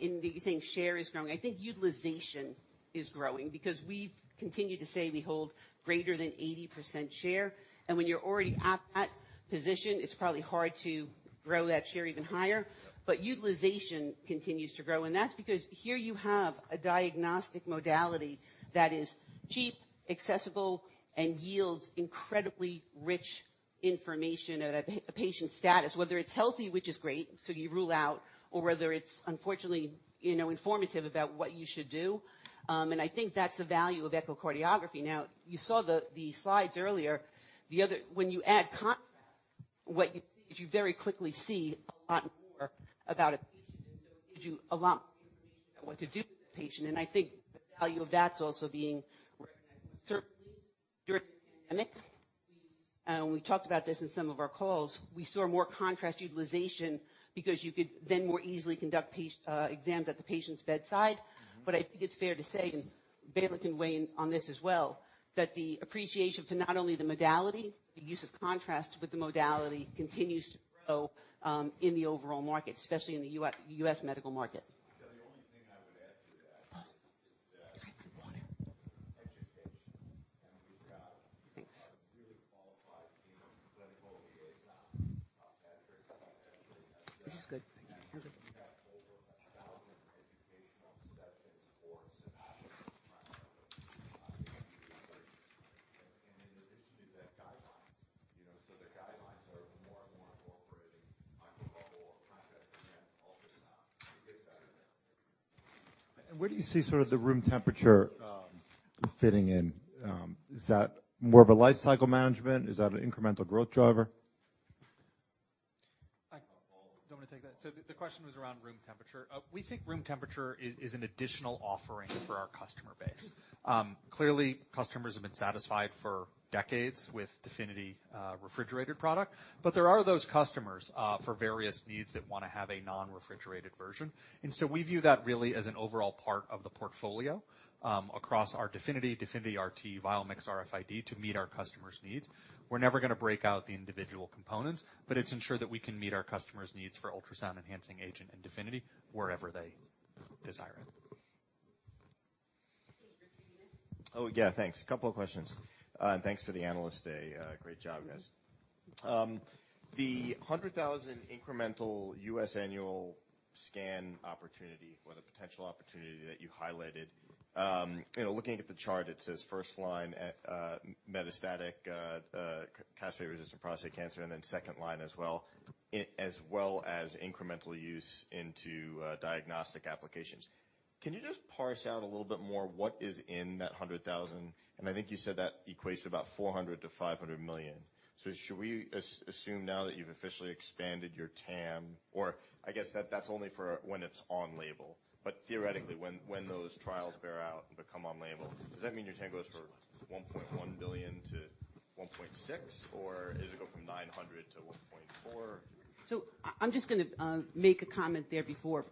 in that you're saying share is growing. I think utilization is growing because we've continued to say we hold greater than 80% share. When you're already at that position, it's probably hard to grow that share even higher. Yeah. Utilization continues to grow, and that's because here you have a diagnostic modality that is cheap, accessible, and yields incredibly rich information about a patient status, whether it's healthy, which is great, so you rule out, or whether it's unfortunately, you know, informative about what you should do. I think that's the value of echocardiography. Now, you saw the slides earlier. When you add contrast, what you see is you very quickly see a lot more about a patient, and so it gives you a lot more information about what to do with the patient. I think the value of that's also being recognized. Certainly during the pandemic, we talked about this in some of our calls. We saw more contrast utilization because you could then more easily conduct exams at the patient's bedside. Mm-hmm. I think it's fair to say, and Bela can weigh in on this as well, that the appreciation for not only the modality, the use of contrast with the modality continues to grow, in the overall market, especially in the U.S. medical market. decades with DEFINITY refrigerated product. There are those customers for various needs that wanna have a non-refrigerated version. We view that really as an overall part of the portfolio across our DEFINITY RT, VIALMIX RFID to meet our customers' needs. We're never gonna break out the individual components, but it's to ensure that we can meet our customers' needs for ultrasound-enhancing agent and DEFINITY wherever they desire it. Rich, are you next? Oh, yeah, thanks. A couple of questions. Thanks to the analyst today. Great job, guys. The 100,000 incremental U.S. annual scan opportunity or the potential opportunity that you highlighted, you know, looking at the chart, it says first line at metastatic castration-resistant prostate cancer, and then second line as well. As well as incremental use into diagnostic applications. Can you just parse out a little bit more what is in that 100,000? I think you said that equates to about $400 million-$500 million. Should we assume now that you've officially expanded your TAM, or I guess that's only for when it's on label. Theoretically, when those trials bear out and become on label, does that mean your TAM goes for $1.1 billion-$1.6 billion? Does it go from 900 to 1.4? I'm just gonna make a comment there before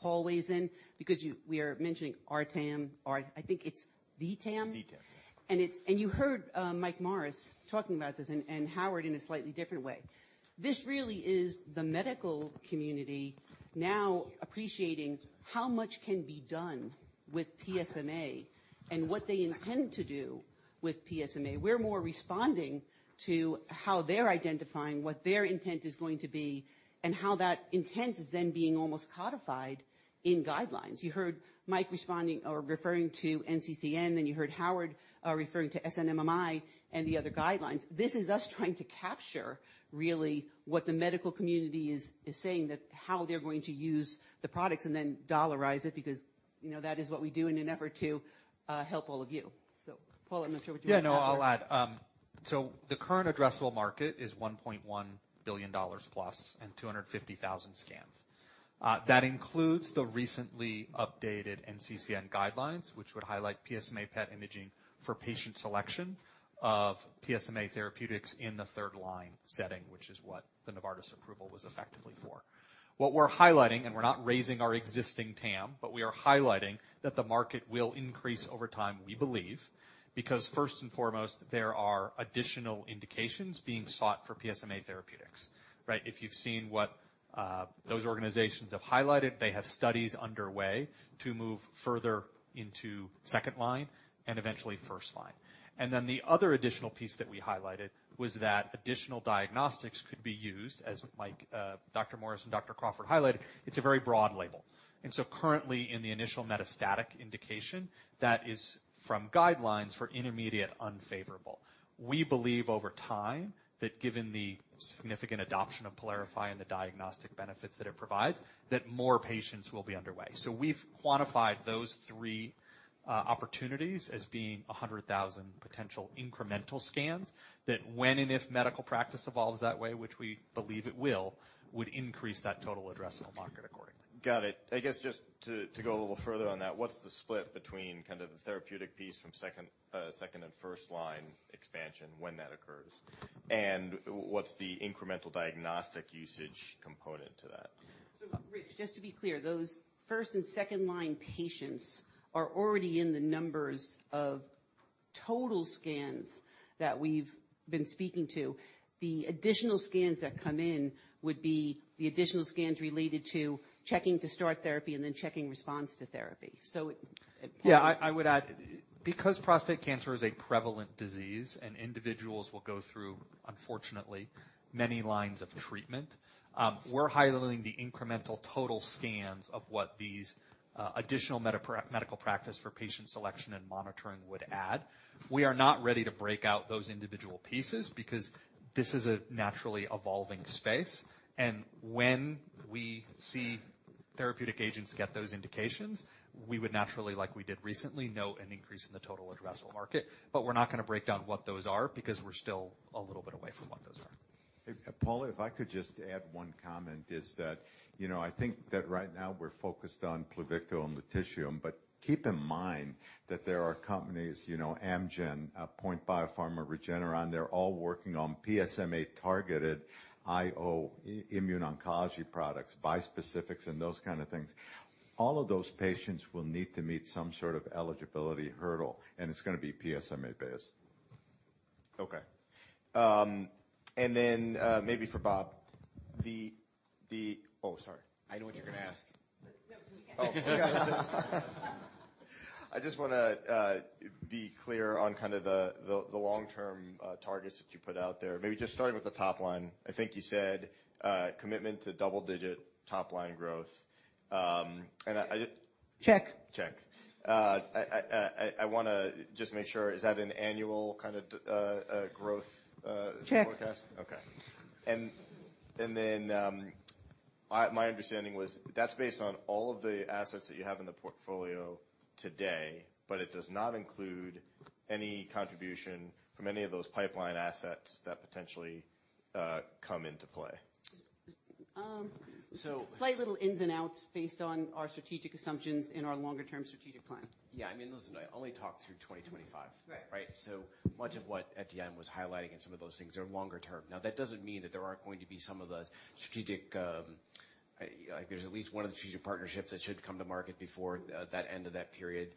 Paul weighs in because we are mentioning our TAM. I think it's the TAM? The TAM. You heard Mike Morris talking about this and Howard in a slightly different way. This really is the medical community now appreciating how much can be done with PSMA and what they intend to do with PSMA. We're more responding to how they're identifying what their intent is going to be and how that intent is then being almost codified in guidelines. You heard Mike responding or referring to NCCN, then you heard Howard referring to SNMMI and the other guidelines. This is us trying to capture really what the medical community is saying that how they're going to use the products and then dollarize it because, you know, that is what we do in an effort to help all of you. Paul, I'm not sure what you wanna add there. Yeah. No, I'll add. So the current addressable market is $1.1 billion plus and 250,000 scans. That includes the recently updated NCCN guidelines, which would highlight PSMA PET imaging for patient selection of PSMA therapeutics in the third line setting, which is what the Novartis approval was effectively for. What we're highlighting, and we're not raising our existing TAM, but we are highlighting that the market will increase over time, we believe, because first and foremost, there are additional indications being sought for PSMA therapeutics, right? If you've seen what those organizations have highlighted, they have studies underway to move further into second line and eventually first line. Then the other additional piece that we highlighted was that additional diagnostics could be used, as like Dr. Morris and Dr. Crawford highlighted. It's a very broad label. Currently in the initial metastatic indication, that is from guidelines for intermediate unfavorable. We believe over time that given the significant adoption of PYLARIFY and the diagnostic benefits that it provides, that more patients will be underway. We've quantified those three opportunities as being 100,000 potential incremental scans that when and if medical practice evolves that way, which we believe it will, would increase that total addressable market accordingly. Got it. I guess just to go a little further on that, what's the split between kind of the therapeutic piece from second- and first-line expansion when that occurs? What's the incremental diagnostic usage component to that? Rich, just to be clear, those first and second line patients are already in the numbers of total scans that we've been speaking to. The additional scans that come in would be the additional scans related to checking to start therapy and then checking response to therapy. Yeah, I would add, because prostate cancer is a prevalent disease and individuals will go through, unfortunately, many lines of treatment, we're highlighting the incremental total scans of what these additional medical practice for patient selection and monitoring would add. We are not ready to break out those individual pieces because this is a naturally evolving space. When we see therapeutic agents get those indications, we would naturally, like we did recently, see an increase in the total addressable market. But we're not gonna break down what those are because we're still a little bit away from what those are. Paul, if I could just add one comment is that, you know, I think that right now we're focused on Pluvicto and Lutetium. Keep in mind that there are companies, you know, Amgen, POINT Biopharma, Regeneron, they're all working on PSMA-targeted immune oncology products, bispecifics, and those kind of things. All of those patients will need to meet some sort of eligibility hurdle, and it's gonna be PSMA based. Okay. Maybe for Bob. Oh, sorry. I know what you're gonna ask. No. I just wanna be clear on kind of the long-term targets that you put out there. Maybe just starting with the top line. I think you said commitment to double digit top line growth. I just- Check. Check. I wanna just make sure, is that an annual kind of growth? Check Forecast? Okay. My understanding was that's based on all of the assets that you have in the portfolio today, but it does not include any contribution from any of those pipeline assets that potentially come into play. Um. So- Slight little ins and outs based on our strategic assumptions in our longer term strategic plan. Yeah. I mean, listen, I only talked through 2025. Right. Right? Much of what at the end was highlighting in some of those things are longer term. Now, that doesn't mean that there aren't going to be some of the strategic, like there's at least one of the strategic partnerships that should come to market before that end of that period.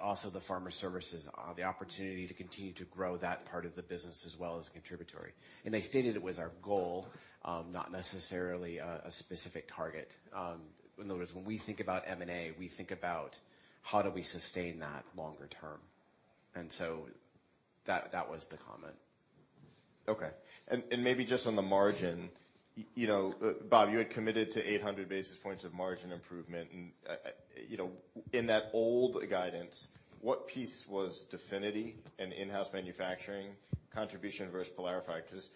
Also the pharma services, the opportunity to continue to grow that part of the business as well as contributory. I stated it was our goal, not necessarily a specific target. In other words, when we think about M&A, we think about how do we sustain that longer term. That was the comment. Okay. Maybe just on the margin, you know, Bob, you had committed to 800 basis points of margin improvement. You know, in that old guidance, what piece was DEFINITY and in-house manufacturing contribution versus PYLARIFY? 'Cause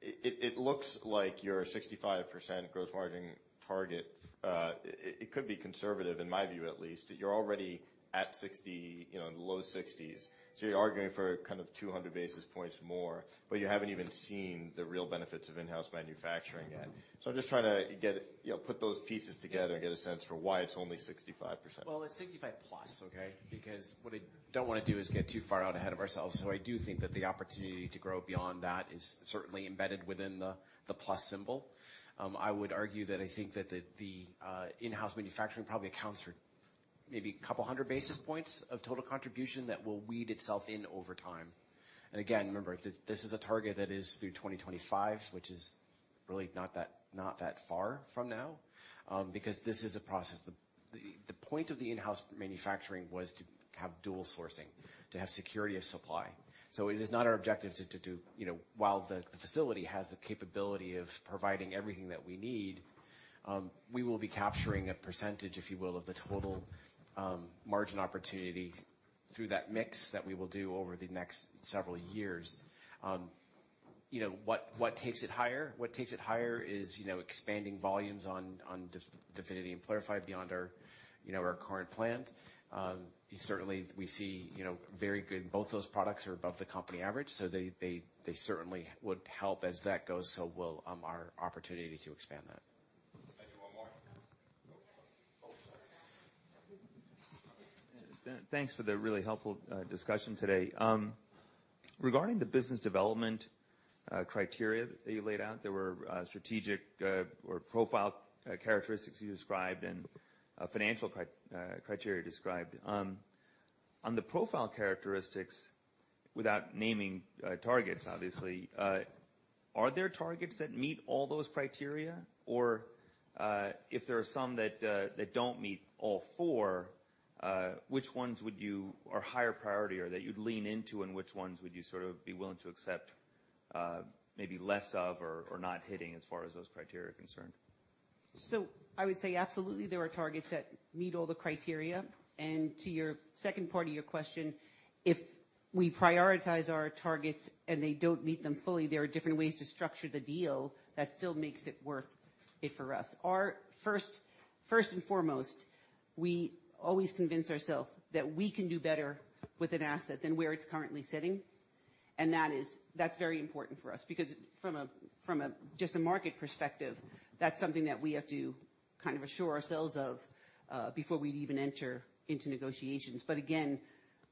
it looks like your 65% gross margin target, it could be conservative, in my view at least. You're already at 60, you know, in the low 60s, so you're arguing for kind of 200 basis points more, but you haven't even seen the real benefits of in-house manufacturing yet. So I'm just trying to get, you know, put those pieces together and get a sense for why it's only 65%. Well, it's 65+, okay? Because what I don't wanna do is get too far out ahead of ourselves. I do think that the opportunity to grow beyond that is certainly embedded within the plus symbol. I would argue that I think that the in-house manufacturing probably accounts for maybe 200 basis points of total contribution that will work itself in over time. Again, remember, this is a target that is through 2025, which is really not that far from now, because this is a process. The point of the in-house manufacturing was to have dual sourcing, to have security of supply. It is not our objective to do. You know, while the facility has the capability of providing everything that we need, we will be capturing a percentage, if you will, of the total margin opportunity through that mix that we will do over the next several years. You know, what takes it higher? What takes it higher is, you know, expanding volumes on DEFINITY and PYLARIFY beyond our current plant. Certainly we see, you know, very good, both those products are above the company average, so they certainly would help as that goes, so will our opportunity to expand that. Thanks for the really helpful discussion today. Regarding the business development criteria that you laid out, there were strategic or profile characteristics you described and a financial criteria described. On the profile characteristics, without naming targets, obviously, are there targets that meet all those criteria? If there are some that don't meet all four, which ones would you or higher priority or that you'd lean into and which ones would you sort of be willing to accept, maybe less of or not hitting as far as those criteria are concerned? I would say absolutely there are targets that meet all the criteria and to your second part of your question, if we prioritize our targets and they don't meet them fully, there are different ways to structure the deal that still makes it worth it for us. Our first and foremost, we always convince ourselves that we can do better with an asset than where it's currently sitting. That's very important for us because from a just a market perspective, that's something that we have to kind of assure ourselves of before we'd even enter into negotiations. Again,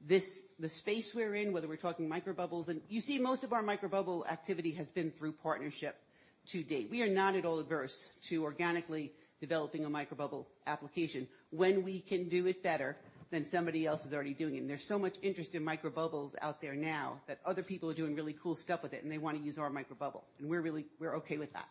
this the space we're in, whether we're talking microbubbles and you see most of our microbubble activity has been through partnership to date. We are not at all adverse to organically developing a microbubble application when we can do it better than somebody else is already doing it. There's so much interest in microbubbles out there now that other people are doing really cool stuff with it, and they wanna use our microbubble, and we're really okay with that.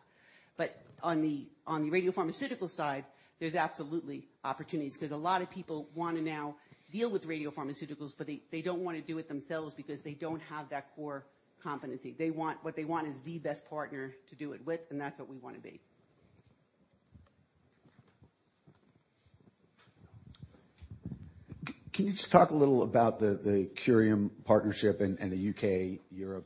On the radiopharmaceutical side, there's absolutely opportunities 'cause a lot of people wanna now deal with radiopharmaceuticals, but they don't wanna do it themselves because they don't have that core competency. What they want is the best partner to do it with, and that's what we wanna be. Can you just talk a little about the Curium partnership and the U.K., Europe,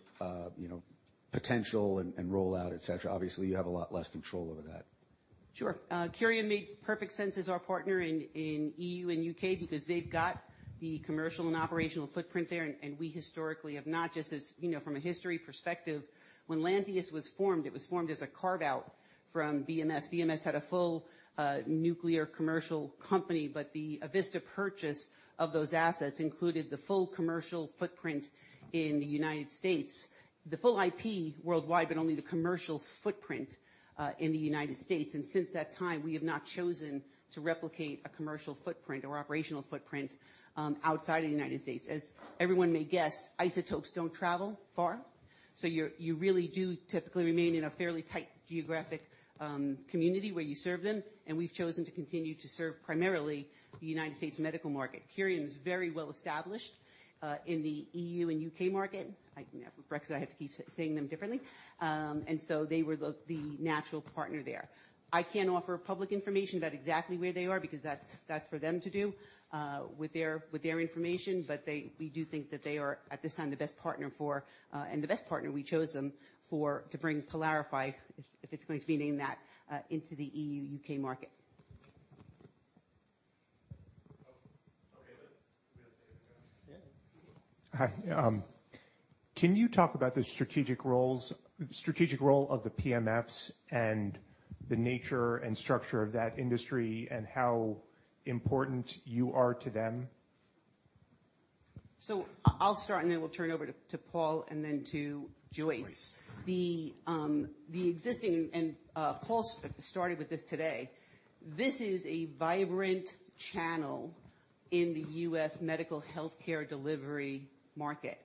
potential and rollout, et cetera. Obviously, you have a lot less control over that. Sure. Curium made perfect sense as our partner in EU and U.K. because they've got the commercial and operational footprint there, and we historically have not just as, you know, from a history perspective. When Lantheus was formed, it was formed as a carve-out from BMS. BMS had a full nuclear commercial company, but the Avista purchase of those assets included the full commercial footprint in the United States, the full IP worldwide, but only the commercial footprint in the United States. Since that time, we have not chosen to replicate a commercial footprint or operational footprint outside of the United States. As everyone may guess, isotopes don't travel far, so you really do typically remain in a fairly tight geographic community where you serve them, and we've chosen to continue to serve primarily the United States medical market. Curium is very well established in the EU and U.K. market. You know, with Brexit, I have to keep saying them differently. They were the natural partner there. I can't offer public information about exactly where they are because that's for them to do with their information. We do think that they are, at this time, the best partner for, and the best partner we chose them for to bring PYLARIFY, if it's going to be named that, into the EU, U.K. market. Okay. We have time for John. Hi. Can you talk about the strategic role of the PMFs and the nature and structure of that industry and how important you are to them? I'll start, and then we'll turn it over to Paul and then to Joyce. The existing and Paul started with this today. This is a vibrant channel in the U.S. medical healthcare delivery market,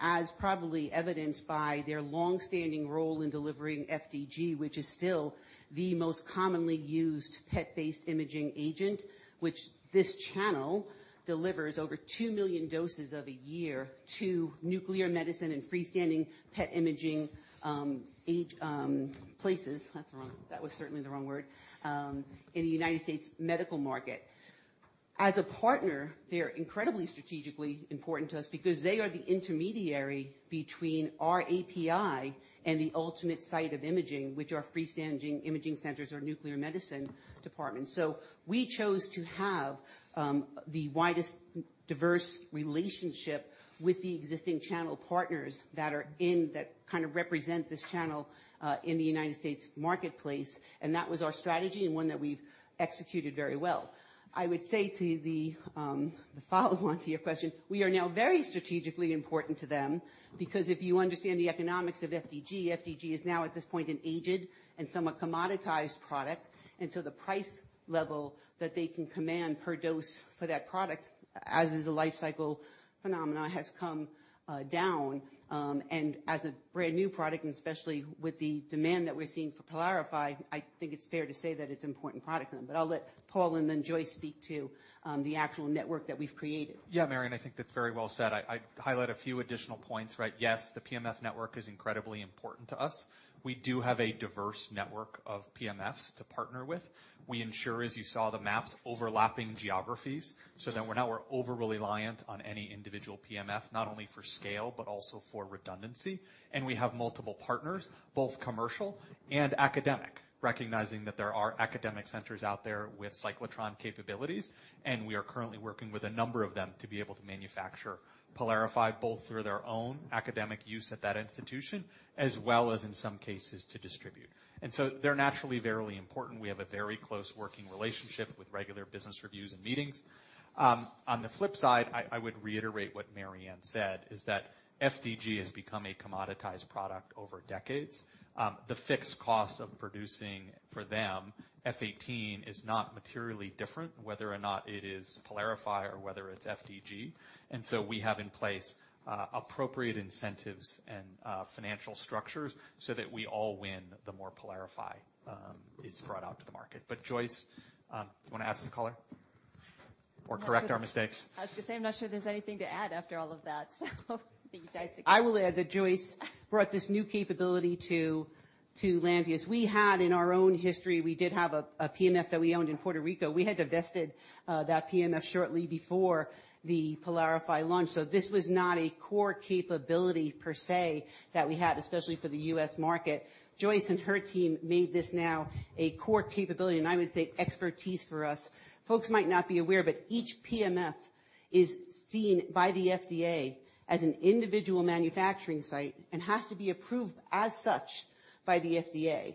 as probably evidenced by their long-standing role in delivering FDG, which is still the most commonly used PET-based imaging agent. Which this channel delivers over 2 million doses of a year to nuclear medicine and freestanding PET imaging places. That's wrong. That was certainly the wrong word. In the United States medical market. As a partner, they're incredibly strategically important to us because they are the intermediary between our API and the ultimate site of imaging, which are freestanding imaging centers or nuclear medicine departments. We chose to have the widest diverse relationship with the existing channel partners that kind of represent this channel in the United States marketplace, and that was our strategy and one that we've executed very well. I would say to the follow-on to your question, we are now very strategically important to them because if you understand the economics of FDG is now at this point an aged and somewhat commoditized product. The price level that they can command per dose for that product, as is a life cycle phenomenon, has come down. As a brand new product, and especially with the demand that we're seeing for PYLARIFY, I think it's fair to say that it's important product. But I'll let Paul and then Joyce speak to the actual network that we've created. Yeah, Mary Anne, I think that's very well said. I'd highlight a few additional points, right? Yes, the PMF network is incredibly important to us. We do have a diverse network of PMFs to partner with. We ensure, as you saw the maps, overlapping geographies, so that we're not over-reliant on any individual PMF, not only for scale, but also for redundancy. We have multiple partners, both commercial and academic, recognizing that there are academic centers out there with cyclotron capabilities, and we are currently working with a number of them to be able to manufacture PYLARIFY, both through their own academic use at that institution, as well as in some cases to distribute. They're naturally very important. We have a very close working relationship with regular business reviews and meetings. On the flip side, I would reiterate what Mary Anne said, is that FDG has become a commoditized product over decades. The fixed cost of producing for them, F-18 is not materially different, whether or not it is PYLARIFY or whether it's FDG. We have in place appropriate incentives and financial structures so that we all win the more PYLARIFY is brought out to the market. Joyce, you wanna add some color or correct our mistakes? I was gonna say, I'm not sure there's anything to add after all of that. Thank you guys. I will add that Joyce brought this new capability to Lantheus. We had in our own history we did have a PMF that we owned in Puerto Rico. We had divested that PMF shortly before the PYLARIFY launch. This was not a core capability per se that we had, especially for the U.S. market. Joyce and her team made this now a core capability, and I would say expertise for us. Folks might not be aware, but each PMF is seen by the FDA as an individual manufacturing site and has to be approved as such by the FDA.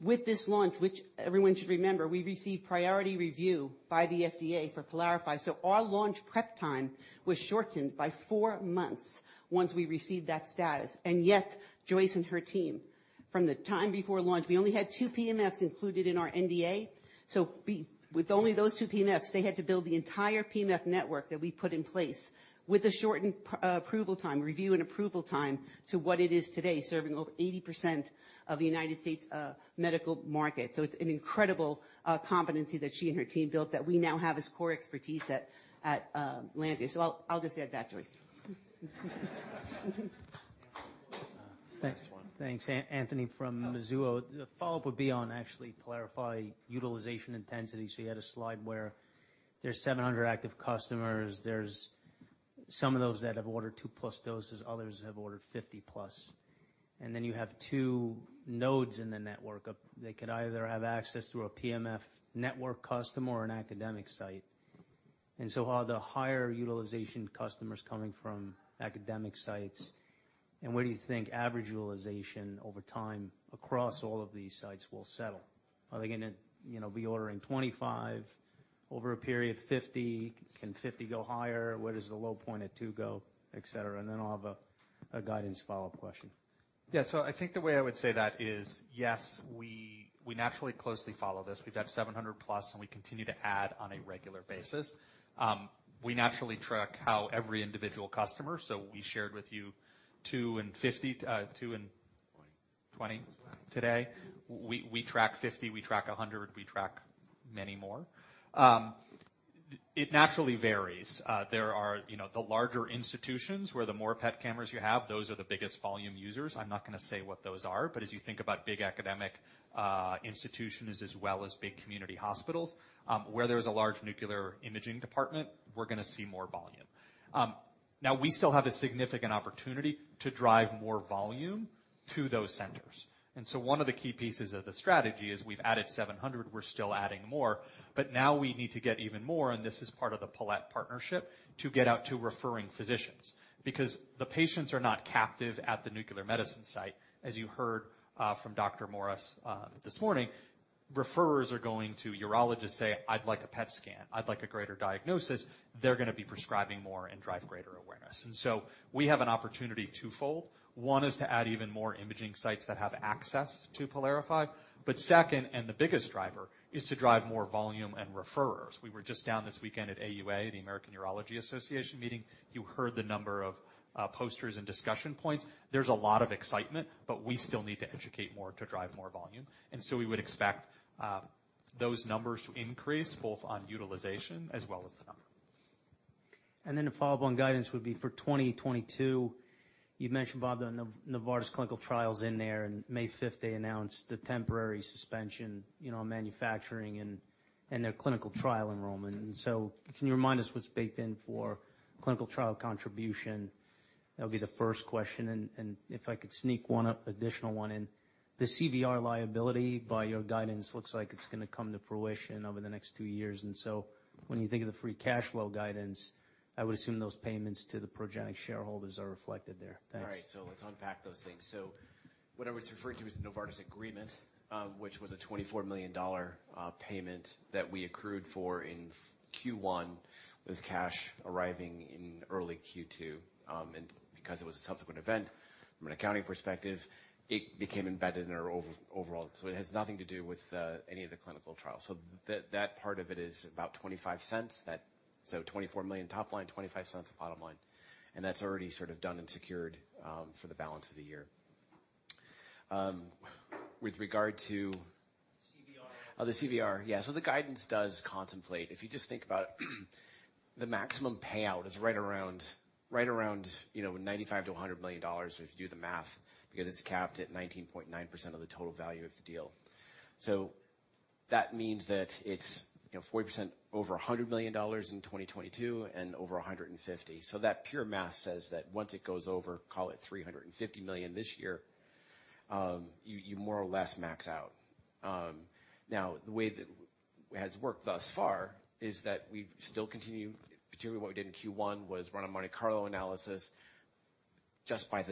With this launch, which everyone should remember, we received priority review by the FDA for PYLARIFY. Our launch prep time was shortened by four months once we received that status. Yet Joyce and her team, from the time before launch, we only had two PMFs included in our NDA. With only those two PMFs, they had to build the entire PMF network that we put in place with a shortened approval time, review and approval time to what it is today, serving over 80% of the United States medical market. It's an incredible competency that she and her team built that we now have as core expertise at Lantheus. I'll just add that, Joyce. Thanks. Thanks. Anthony from Mizuho. The follow-up would be on actually PYLARIFY utilization intensity. You had a slide where there's 700 active customers, there's some of those that have ordered 2+ doses, others have ordered 50+. Then you have two nodes in the network of they could either have access through a PMF network customer or an academic site. Are the higher utilization customers coming from academic sites? Where do you think average utilization over time across all of these sites will settle? Are they gonna, you know, be ordering 25 over a period 50? Can 50 go higher? Where does the low point at two go, et cetera? Then I'll have a guidance follow-up question. Yeah. I think the way I would say that is, yes, we naturally closely follow this. We've got 700 plus, and we continue to add on a regular basis. We naturally track how every individual customer, so we shared with you 250. 20. 20 today. We track 50, we track 100, we track many more. It naturally varies. There are, you know, the larger institutions where the more PET cameras you have, those are the biggest volume users. I'm not gonna say what those are, but as you think about big academic institutions as well as big community hospitals, where there's a large nuclear imaging department, we're gonna see more volume. Now we still have a significant opportunity to drive more volume to those centers. One of the key pieces of the strategy is we've added 700, we're still adding more, but now we need to get even more, and this is part of the Palette partnership, to get out to referring physicians. Because the patients are not captive at the nuclear medicine site. As you heard from Dr. Morris, this morning, referrers are going to urologists say, "I'd like a PET scan. I'd like a greater diagnosis." They're gonna be prescribing more and drive greater awareness. We have an opportunity twofold. One is to add even more imaging sites that have access to PYLARIFY. But second, and the biggest driver, is to drive more volume and referrers. We were just down this weekend at AUA, the American Urological Association meeting. You heard the number of posters and discussion points. There's a lot of excitement, but we still need to educate more to drive more volume. We would expect those numbers to increase both on utilization as well as the number. Then a follow-up on guidance would be for 2022. You've mentioned, Bob, the Novartis clinical trial's in there, and May 5th they announced the temporary suspension, you know, on manufacturing and their clinical trial enrollment. Can you remind us what's baked in for clinical trial contribution? That would be the first question. If I could sneak one additional one in. The CVR liability by your guidance looks like it's gonna come to fruition over the next two years. When you think of the free cash flow guidance, I would assume those payments to the Progenics shareholders are reflected there. Thanks. All right. Let's unpack those things. What I was referring to is the Novartis agreement, which was a $24 million payment that we accrued for in Q1, with cash arriving in early Q2. Because it was a subsequent event from an accounting perspective, it became embedded in our overall. It has nothing to do with any of the clinical trials. That part of it is about $0.25. That, so $24 million top line, $0.25 bottom line. That's already sort of done and secured for the balance of the year. With regard to- CVR. Oh, the CVR. Yeah. The guidance does contemplate. If you just think about the maximum payout is right around, you know, $95 million-$100 million if you do the math, because it's capped at 19.9% of the total value of the deal. That means that it's, you know, 40% over $100 million in 2022 and over $150. That pure math says that once it goes over, call it $350 million this year, you more or less max out. Now the way that has worked thus far is that we've still continued, particularly what we did in Q1, was run a Monte Carlo analysis. Just by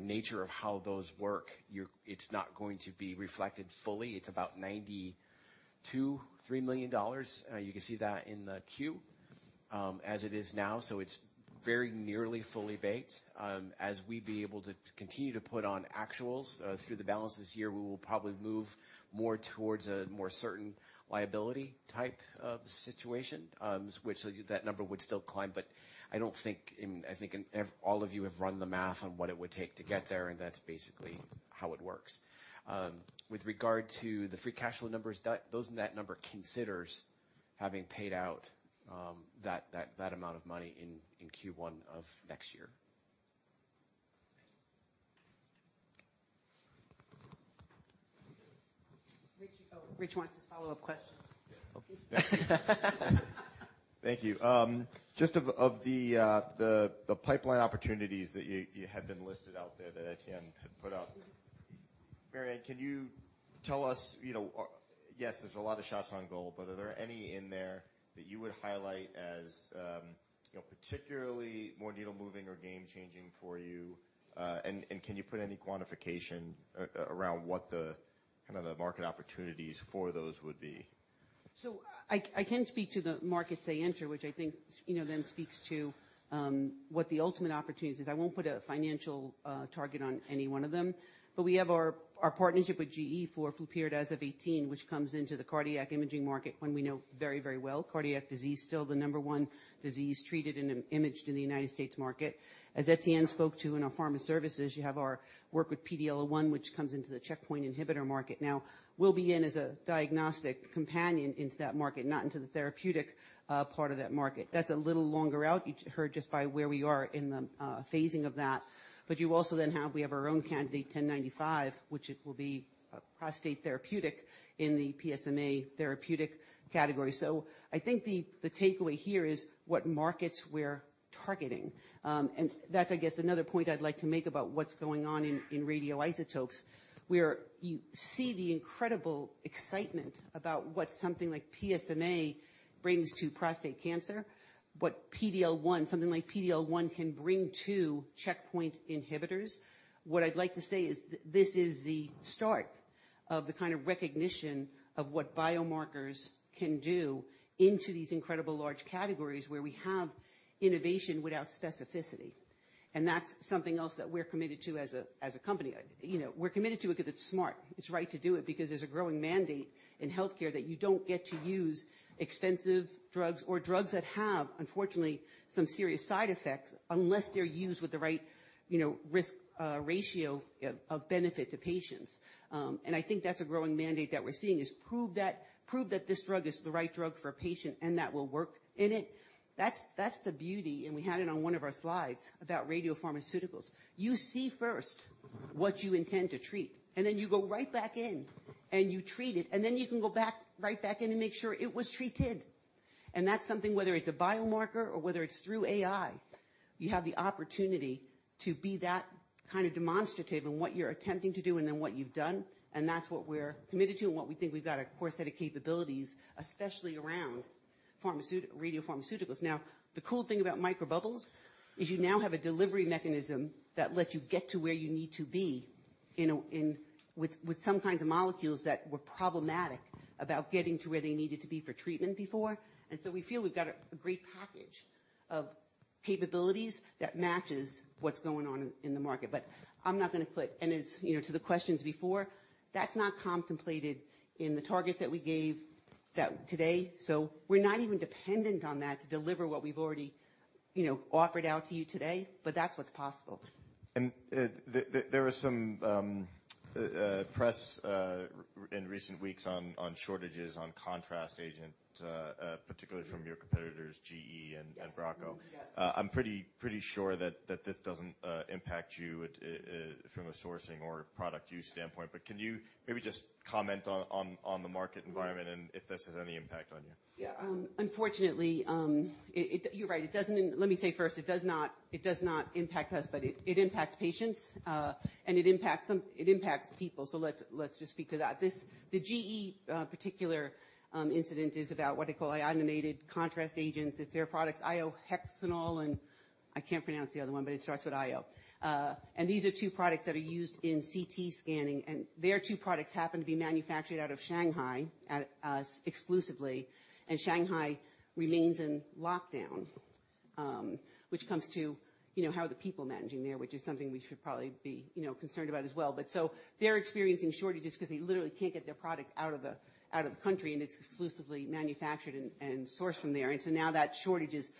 nature of how those work, it's not going to be reflected fully. It's about $92.3 million. You can see that in the Q, as it is now, so it's very nearly fully baked. As we'd be able to continue to put on actuals through the balance this year, we will probably move more towards a more certain liability type of situation, which that number would still climb. I don't think, I think all of you have run the math on what it would take to get there, and that's basically how it works. With regard to the free cash flow numbers, those net number considers having paid out that amount of money in Q1 of next year. Rich, oh, Rich wants a follow-up question. Yeah. Thank you. Just of the pipeline opportunities that you had been listed out there that Etienne had put out. Mary Anne, can you tell us, you know, yes, there's a lot of shots on goal, but are there any in there that you would highlight as, you know, particularly more needle-moving or game-changing for you? And can you put any quantification around what the kind of the market opportunities for those would be? I can speak to the markets they enter, which I think, you know, then speaks to what the ultimate opportunity is. I won't put a financial target on any one of them. We have our partnership with GE for flurpiridaz F-18, which comes into the cardiac imaging market, one we know very, very well. Cardiac disease, still the number one disease treated and imaged in the United States market. As Etienne spoke to in our pharma services, you have our work with PD-L1, which comes into the checkpoint inhibitor market. Now, we'll be in as a diagnostic companion into that market, not into the therapeutic part of that market. That's a little longer out. You heard just by where we are in the phasing of that. You also then have, we have our own candidate, 1095, which it will be a prostate therapeutic in the PSMA therapeutic category. I think the takeaway here is what markets we're targeting. And that's, I guess, another point I'd like to make about what's going on in radioisotopes, where you see the incredible excitement about what something like PSMA brings to prostate cancer, what PD-L1, something like PD-L1 can bring to checkpoint inhibitors. What I'd like to say is this is the start of the kind of recognition of what biomarkers can do into these incredible large categories where we have innovation without specificity. That's something else that we're committed to as a company. You know, we're committed to it 'cause it's smart. It's right to do it because there's a growing mandate in healthcare that you don't get to use expensive drugs or drugs that have, unfortunately, some serious side effects unless they're used with the right, you know, risk ratio of benefit to patients. I think that's a growing mandate that we're seeing, is prove that this drug is the right drug for a patient and that we'll work in it. That's the beauty, and we had it on one of our slides about radiopharmaceuticals. You see first what you intend to treat, and then you go right back in and you treat it, and then you can go back right back in and make sure it was treated. That's something, whether it's a biomarker or whether it's through AI, you have the opportunity to be that kind of demonstrative in what you're attempting to do and in what you've done, and that's what we're committed to and what we think we've got a core set of capabilities, especially around radiopharmaceuticals. Now, the cool thing about microbubbles is you now have a delivery mechanism that lets you get to where you need to be with some kinds of molecules that were problematic about getting to where they needed to be for treatment before. We feel we've got a great package of capabilities that matches what's going on in the market. I'm not gonna, and as you know, to the questions before, that's not contemplated in the targets that we gave that today. We're not even dependent on that to deliver what we've already, you know, offered out to you today, but that's what's possible. There was some press in recent weeks on shortages of contrast agent, particularly from your competitors, GE and Bracco. Yes. I'm pretty sure that this doesn't impact you at all from a sourcing or product use standpoint, but can you maybe just comment on the market environment and if this has any impact on you? Yeah. Unfortunately, you're right. It doesn't impact us, but it impacts patients, and it impacts people. Let's just speak to that. This, the GE particular incident is about what they call iodinated contrast agents. It's their products, iohexol, and I can't pronounce the other one, but it starts with io. And these are two products that are used in CT scanning, and their two products happen to be manufactured out of Shanghai exclusively, and Shanghai remains in lockdown. Which comes to, you know, how are the people managing there, which is something we should probably be, you know, concerned about as well. They're experiencing shortages 'cause they literally can't get their product out of the country, and it's exclusively manufactured and sourced from there. Now that shortage is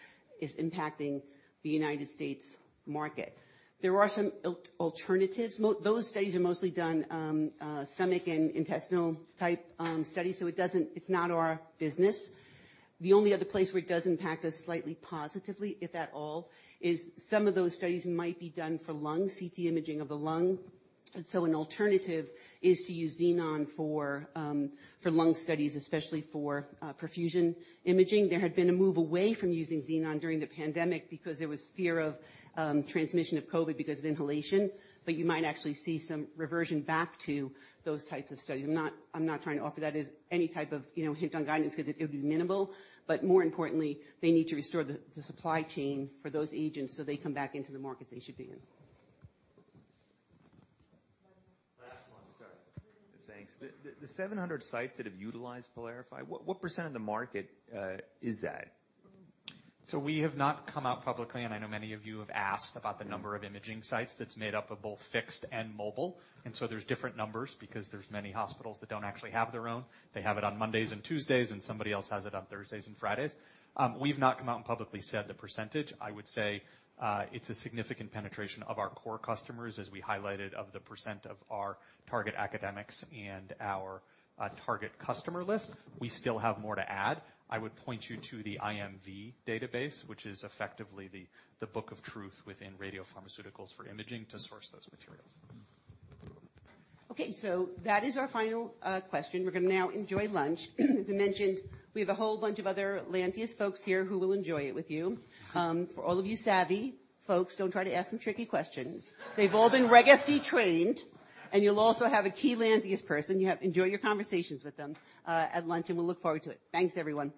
impacting the United States market. There are some alternatives. Those studies are mostly done stomach and intestinal type studies, so it doesn't. It's not our business. The only other place where it does impact us slightly positively, if at all, is some of those studies might be done for lung CT imaging of the lung. An alternative is to use xenon for lung studies, especially for perfusion imaging. There had been a move away from using xenon during the pandemic because there was fear of transmission of COVID because of inhalation, but you might actually see some reversion back to those types of studies. I'm not trying to offer that as any type of, you know, hint on guidance 'cause it would be minimal. More importantly, they need to restore the supply chain for those agents, so they come back into the markets they should be in. Last one. Sorry. Thanks. The 700 sites that have utilized PYLARIFY, what % of the market is that? We have not come out publicly, and I know many of you have asked about the number of imaging sites that's made up of both fixed and mobile. There's different numbers because there's many hospitals that don't actually have their own. They have it on Mondays and Tuesdays, and somebody else has it on Thursdays and Fridays. We've not come out and publicly said the percentage. I would say it's a significant penetration of our core customers as we highlighted of the percent of our target academics and our target customer list. We still have more to add. I would point you to the IMV database, which is effectively the book of truth within radiopharmaceuticals for imaging to source those materials. Okay, that is our final question. We're gonna now enjoy lunch. As I mentioned, we have a whole bunch of other Lantheus folks here who will enjoy it with you. For all of you savvy folks, don't try to ask them tricky questions. They've all been Reg FD trained, and you'll also have a key Lantheus person. Enjoy your conversations with them at lunch, and we'll look forward to it. Thanks, everyone.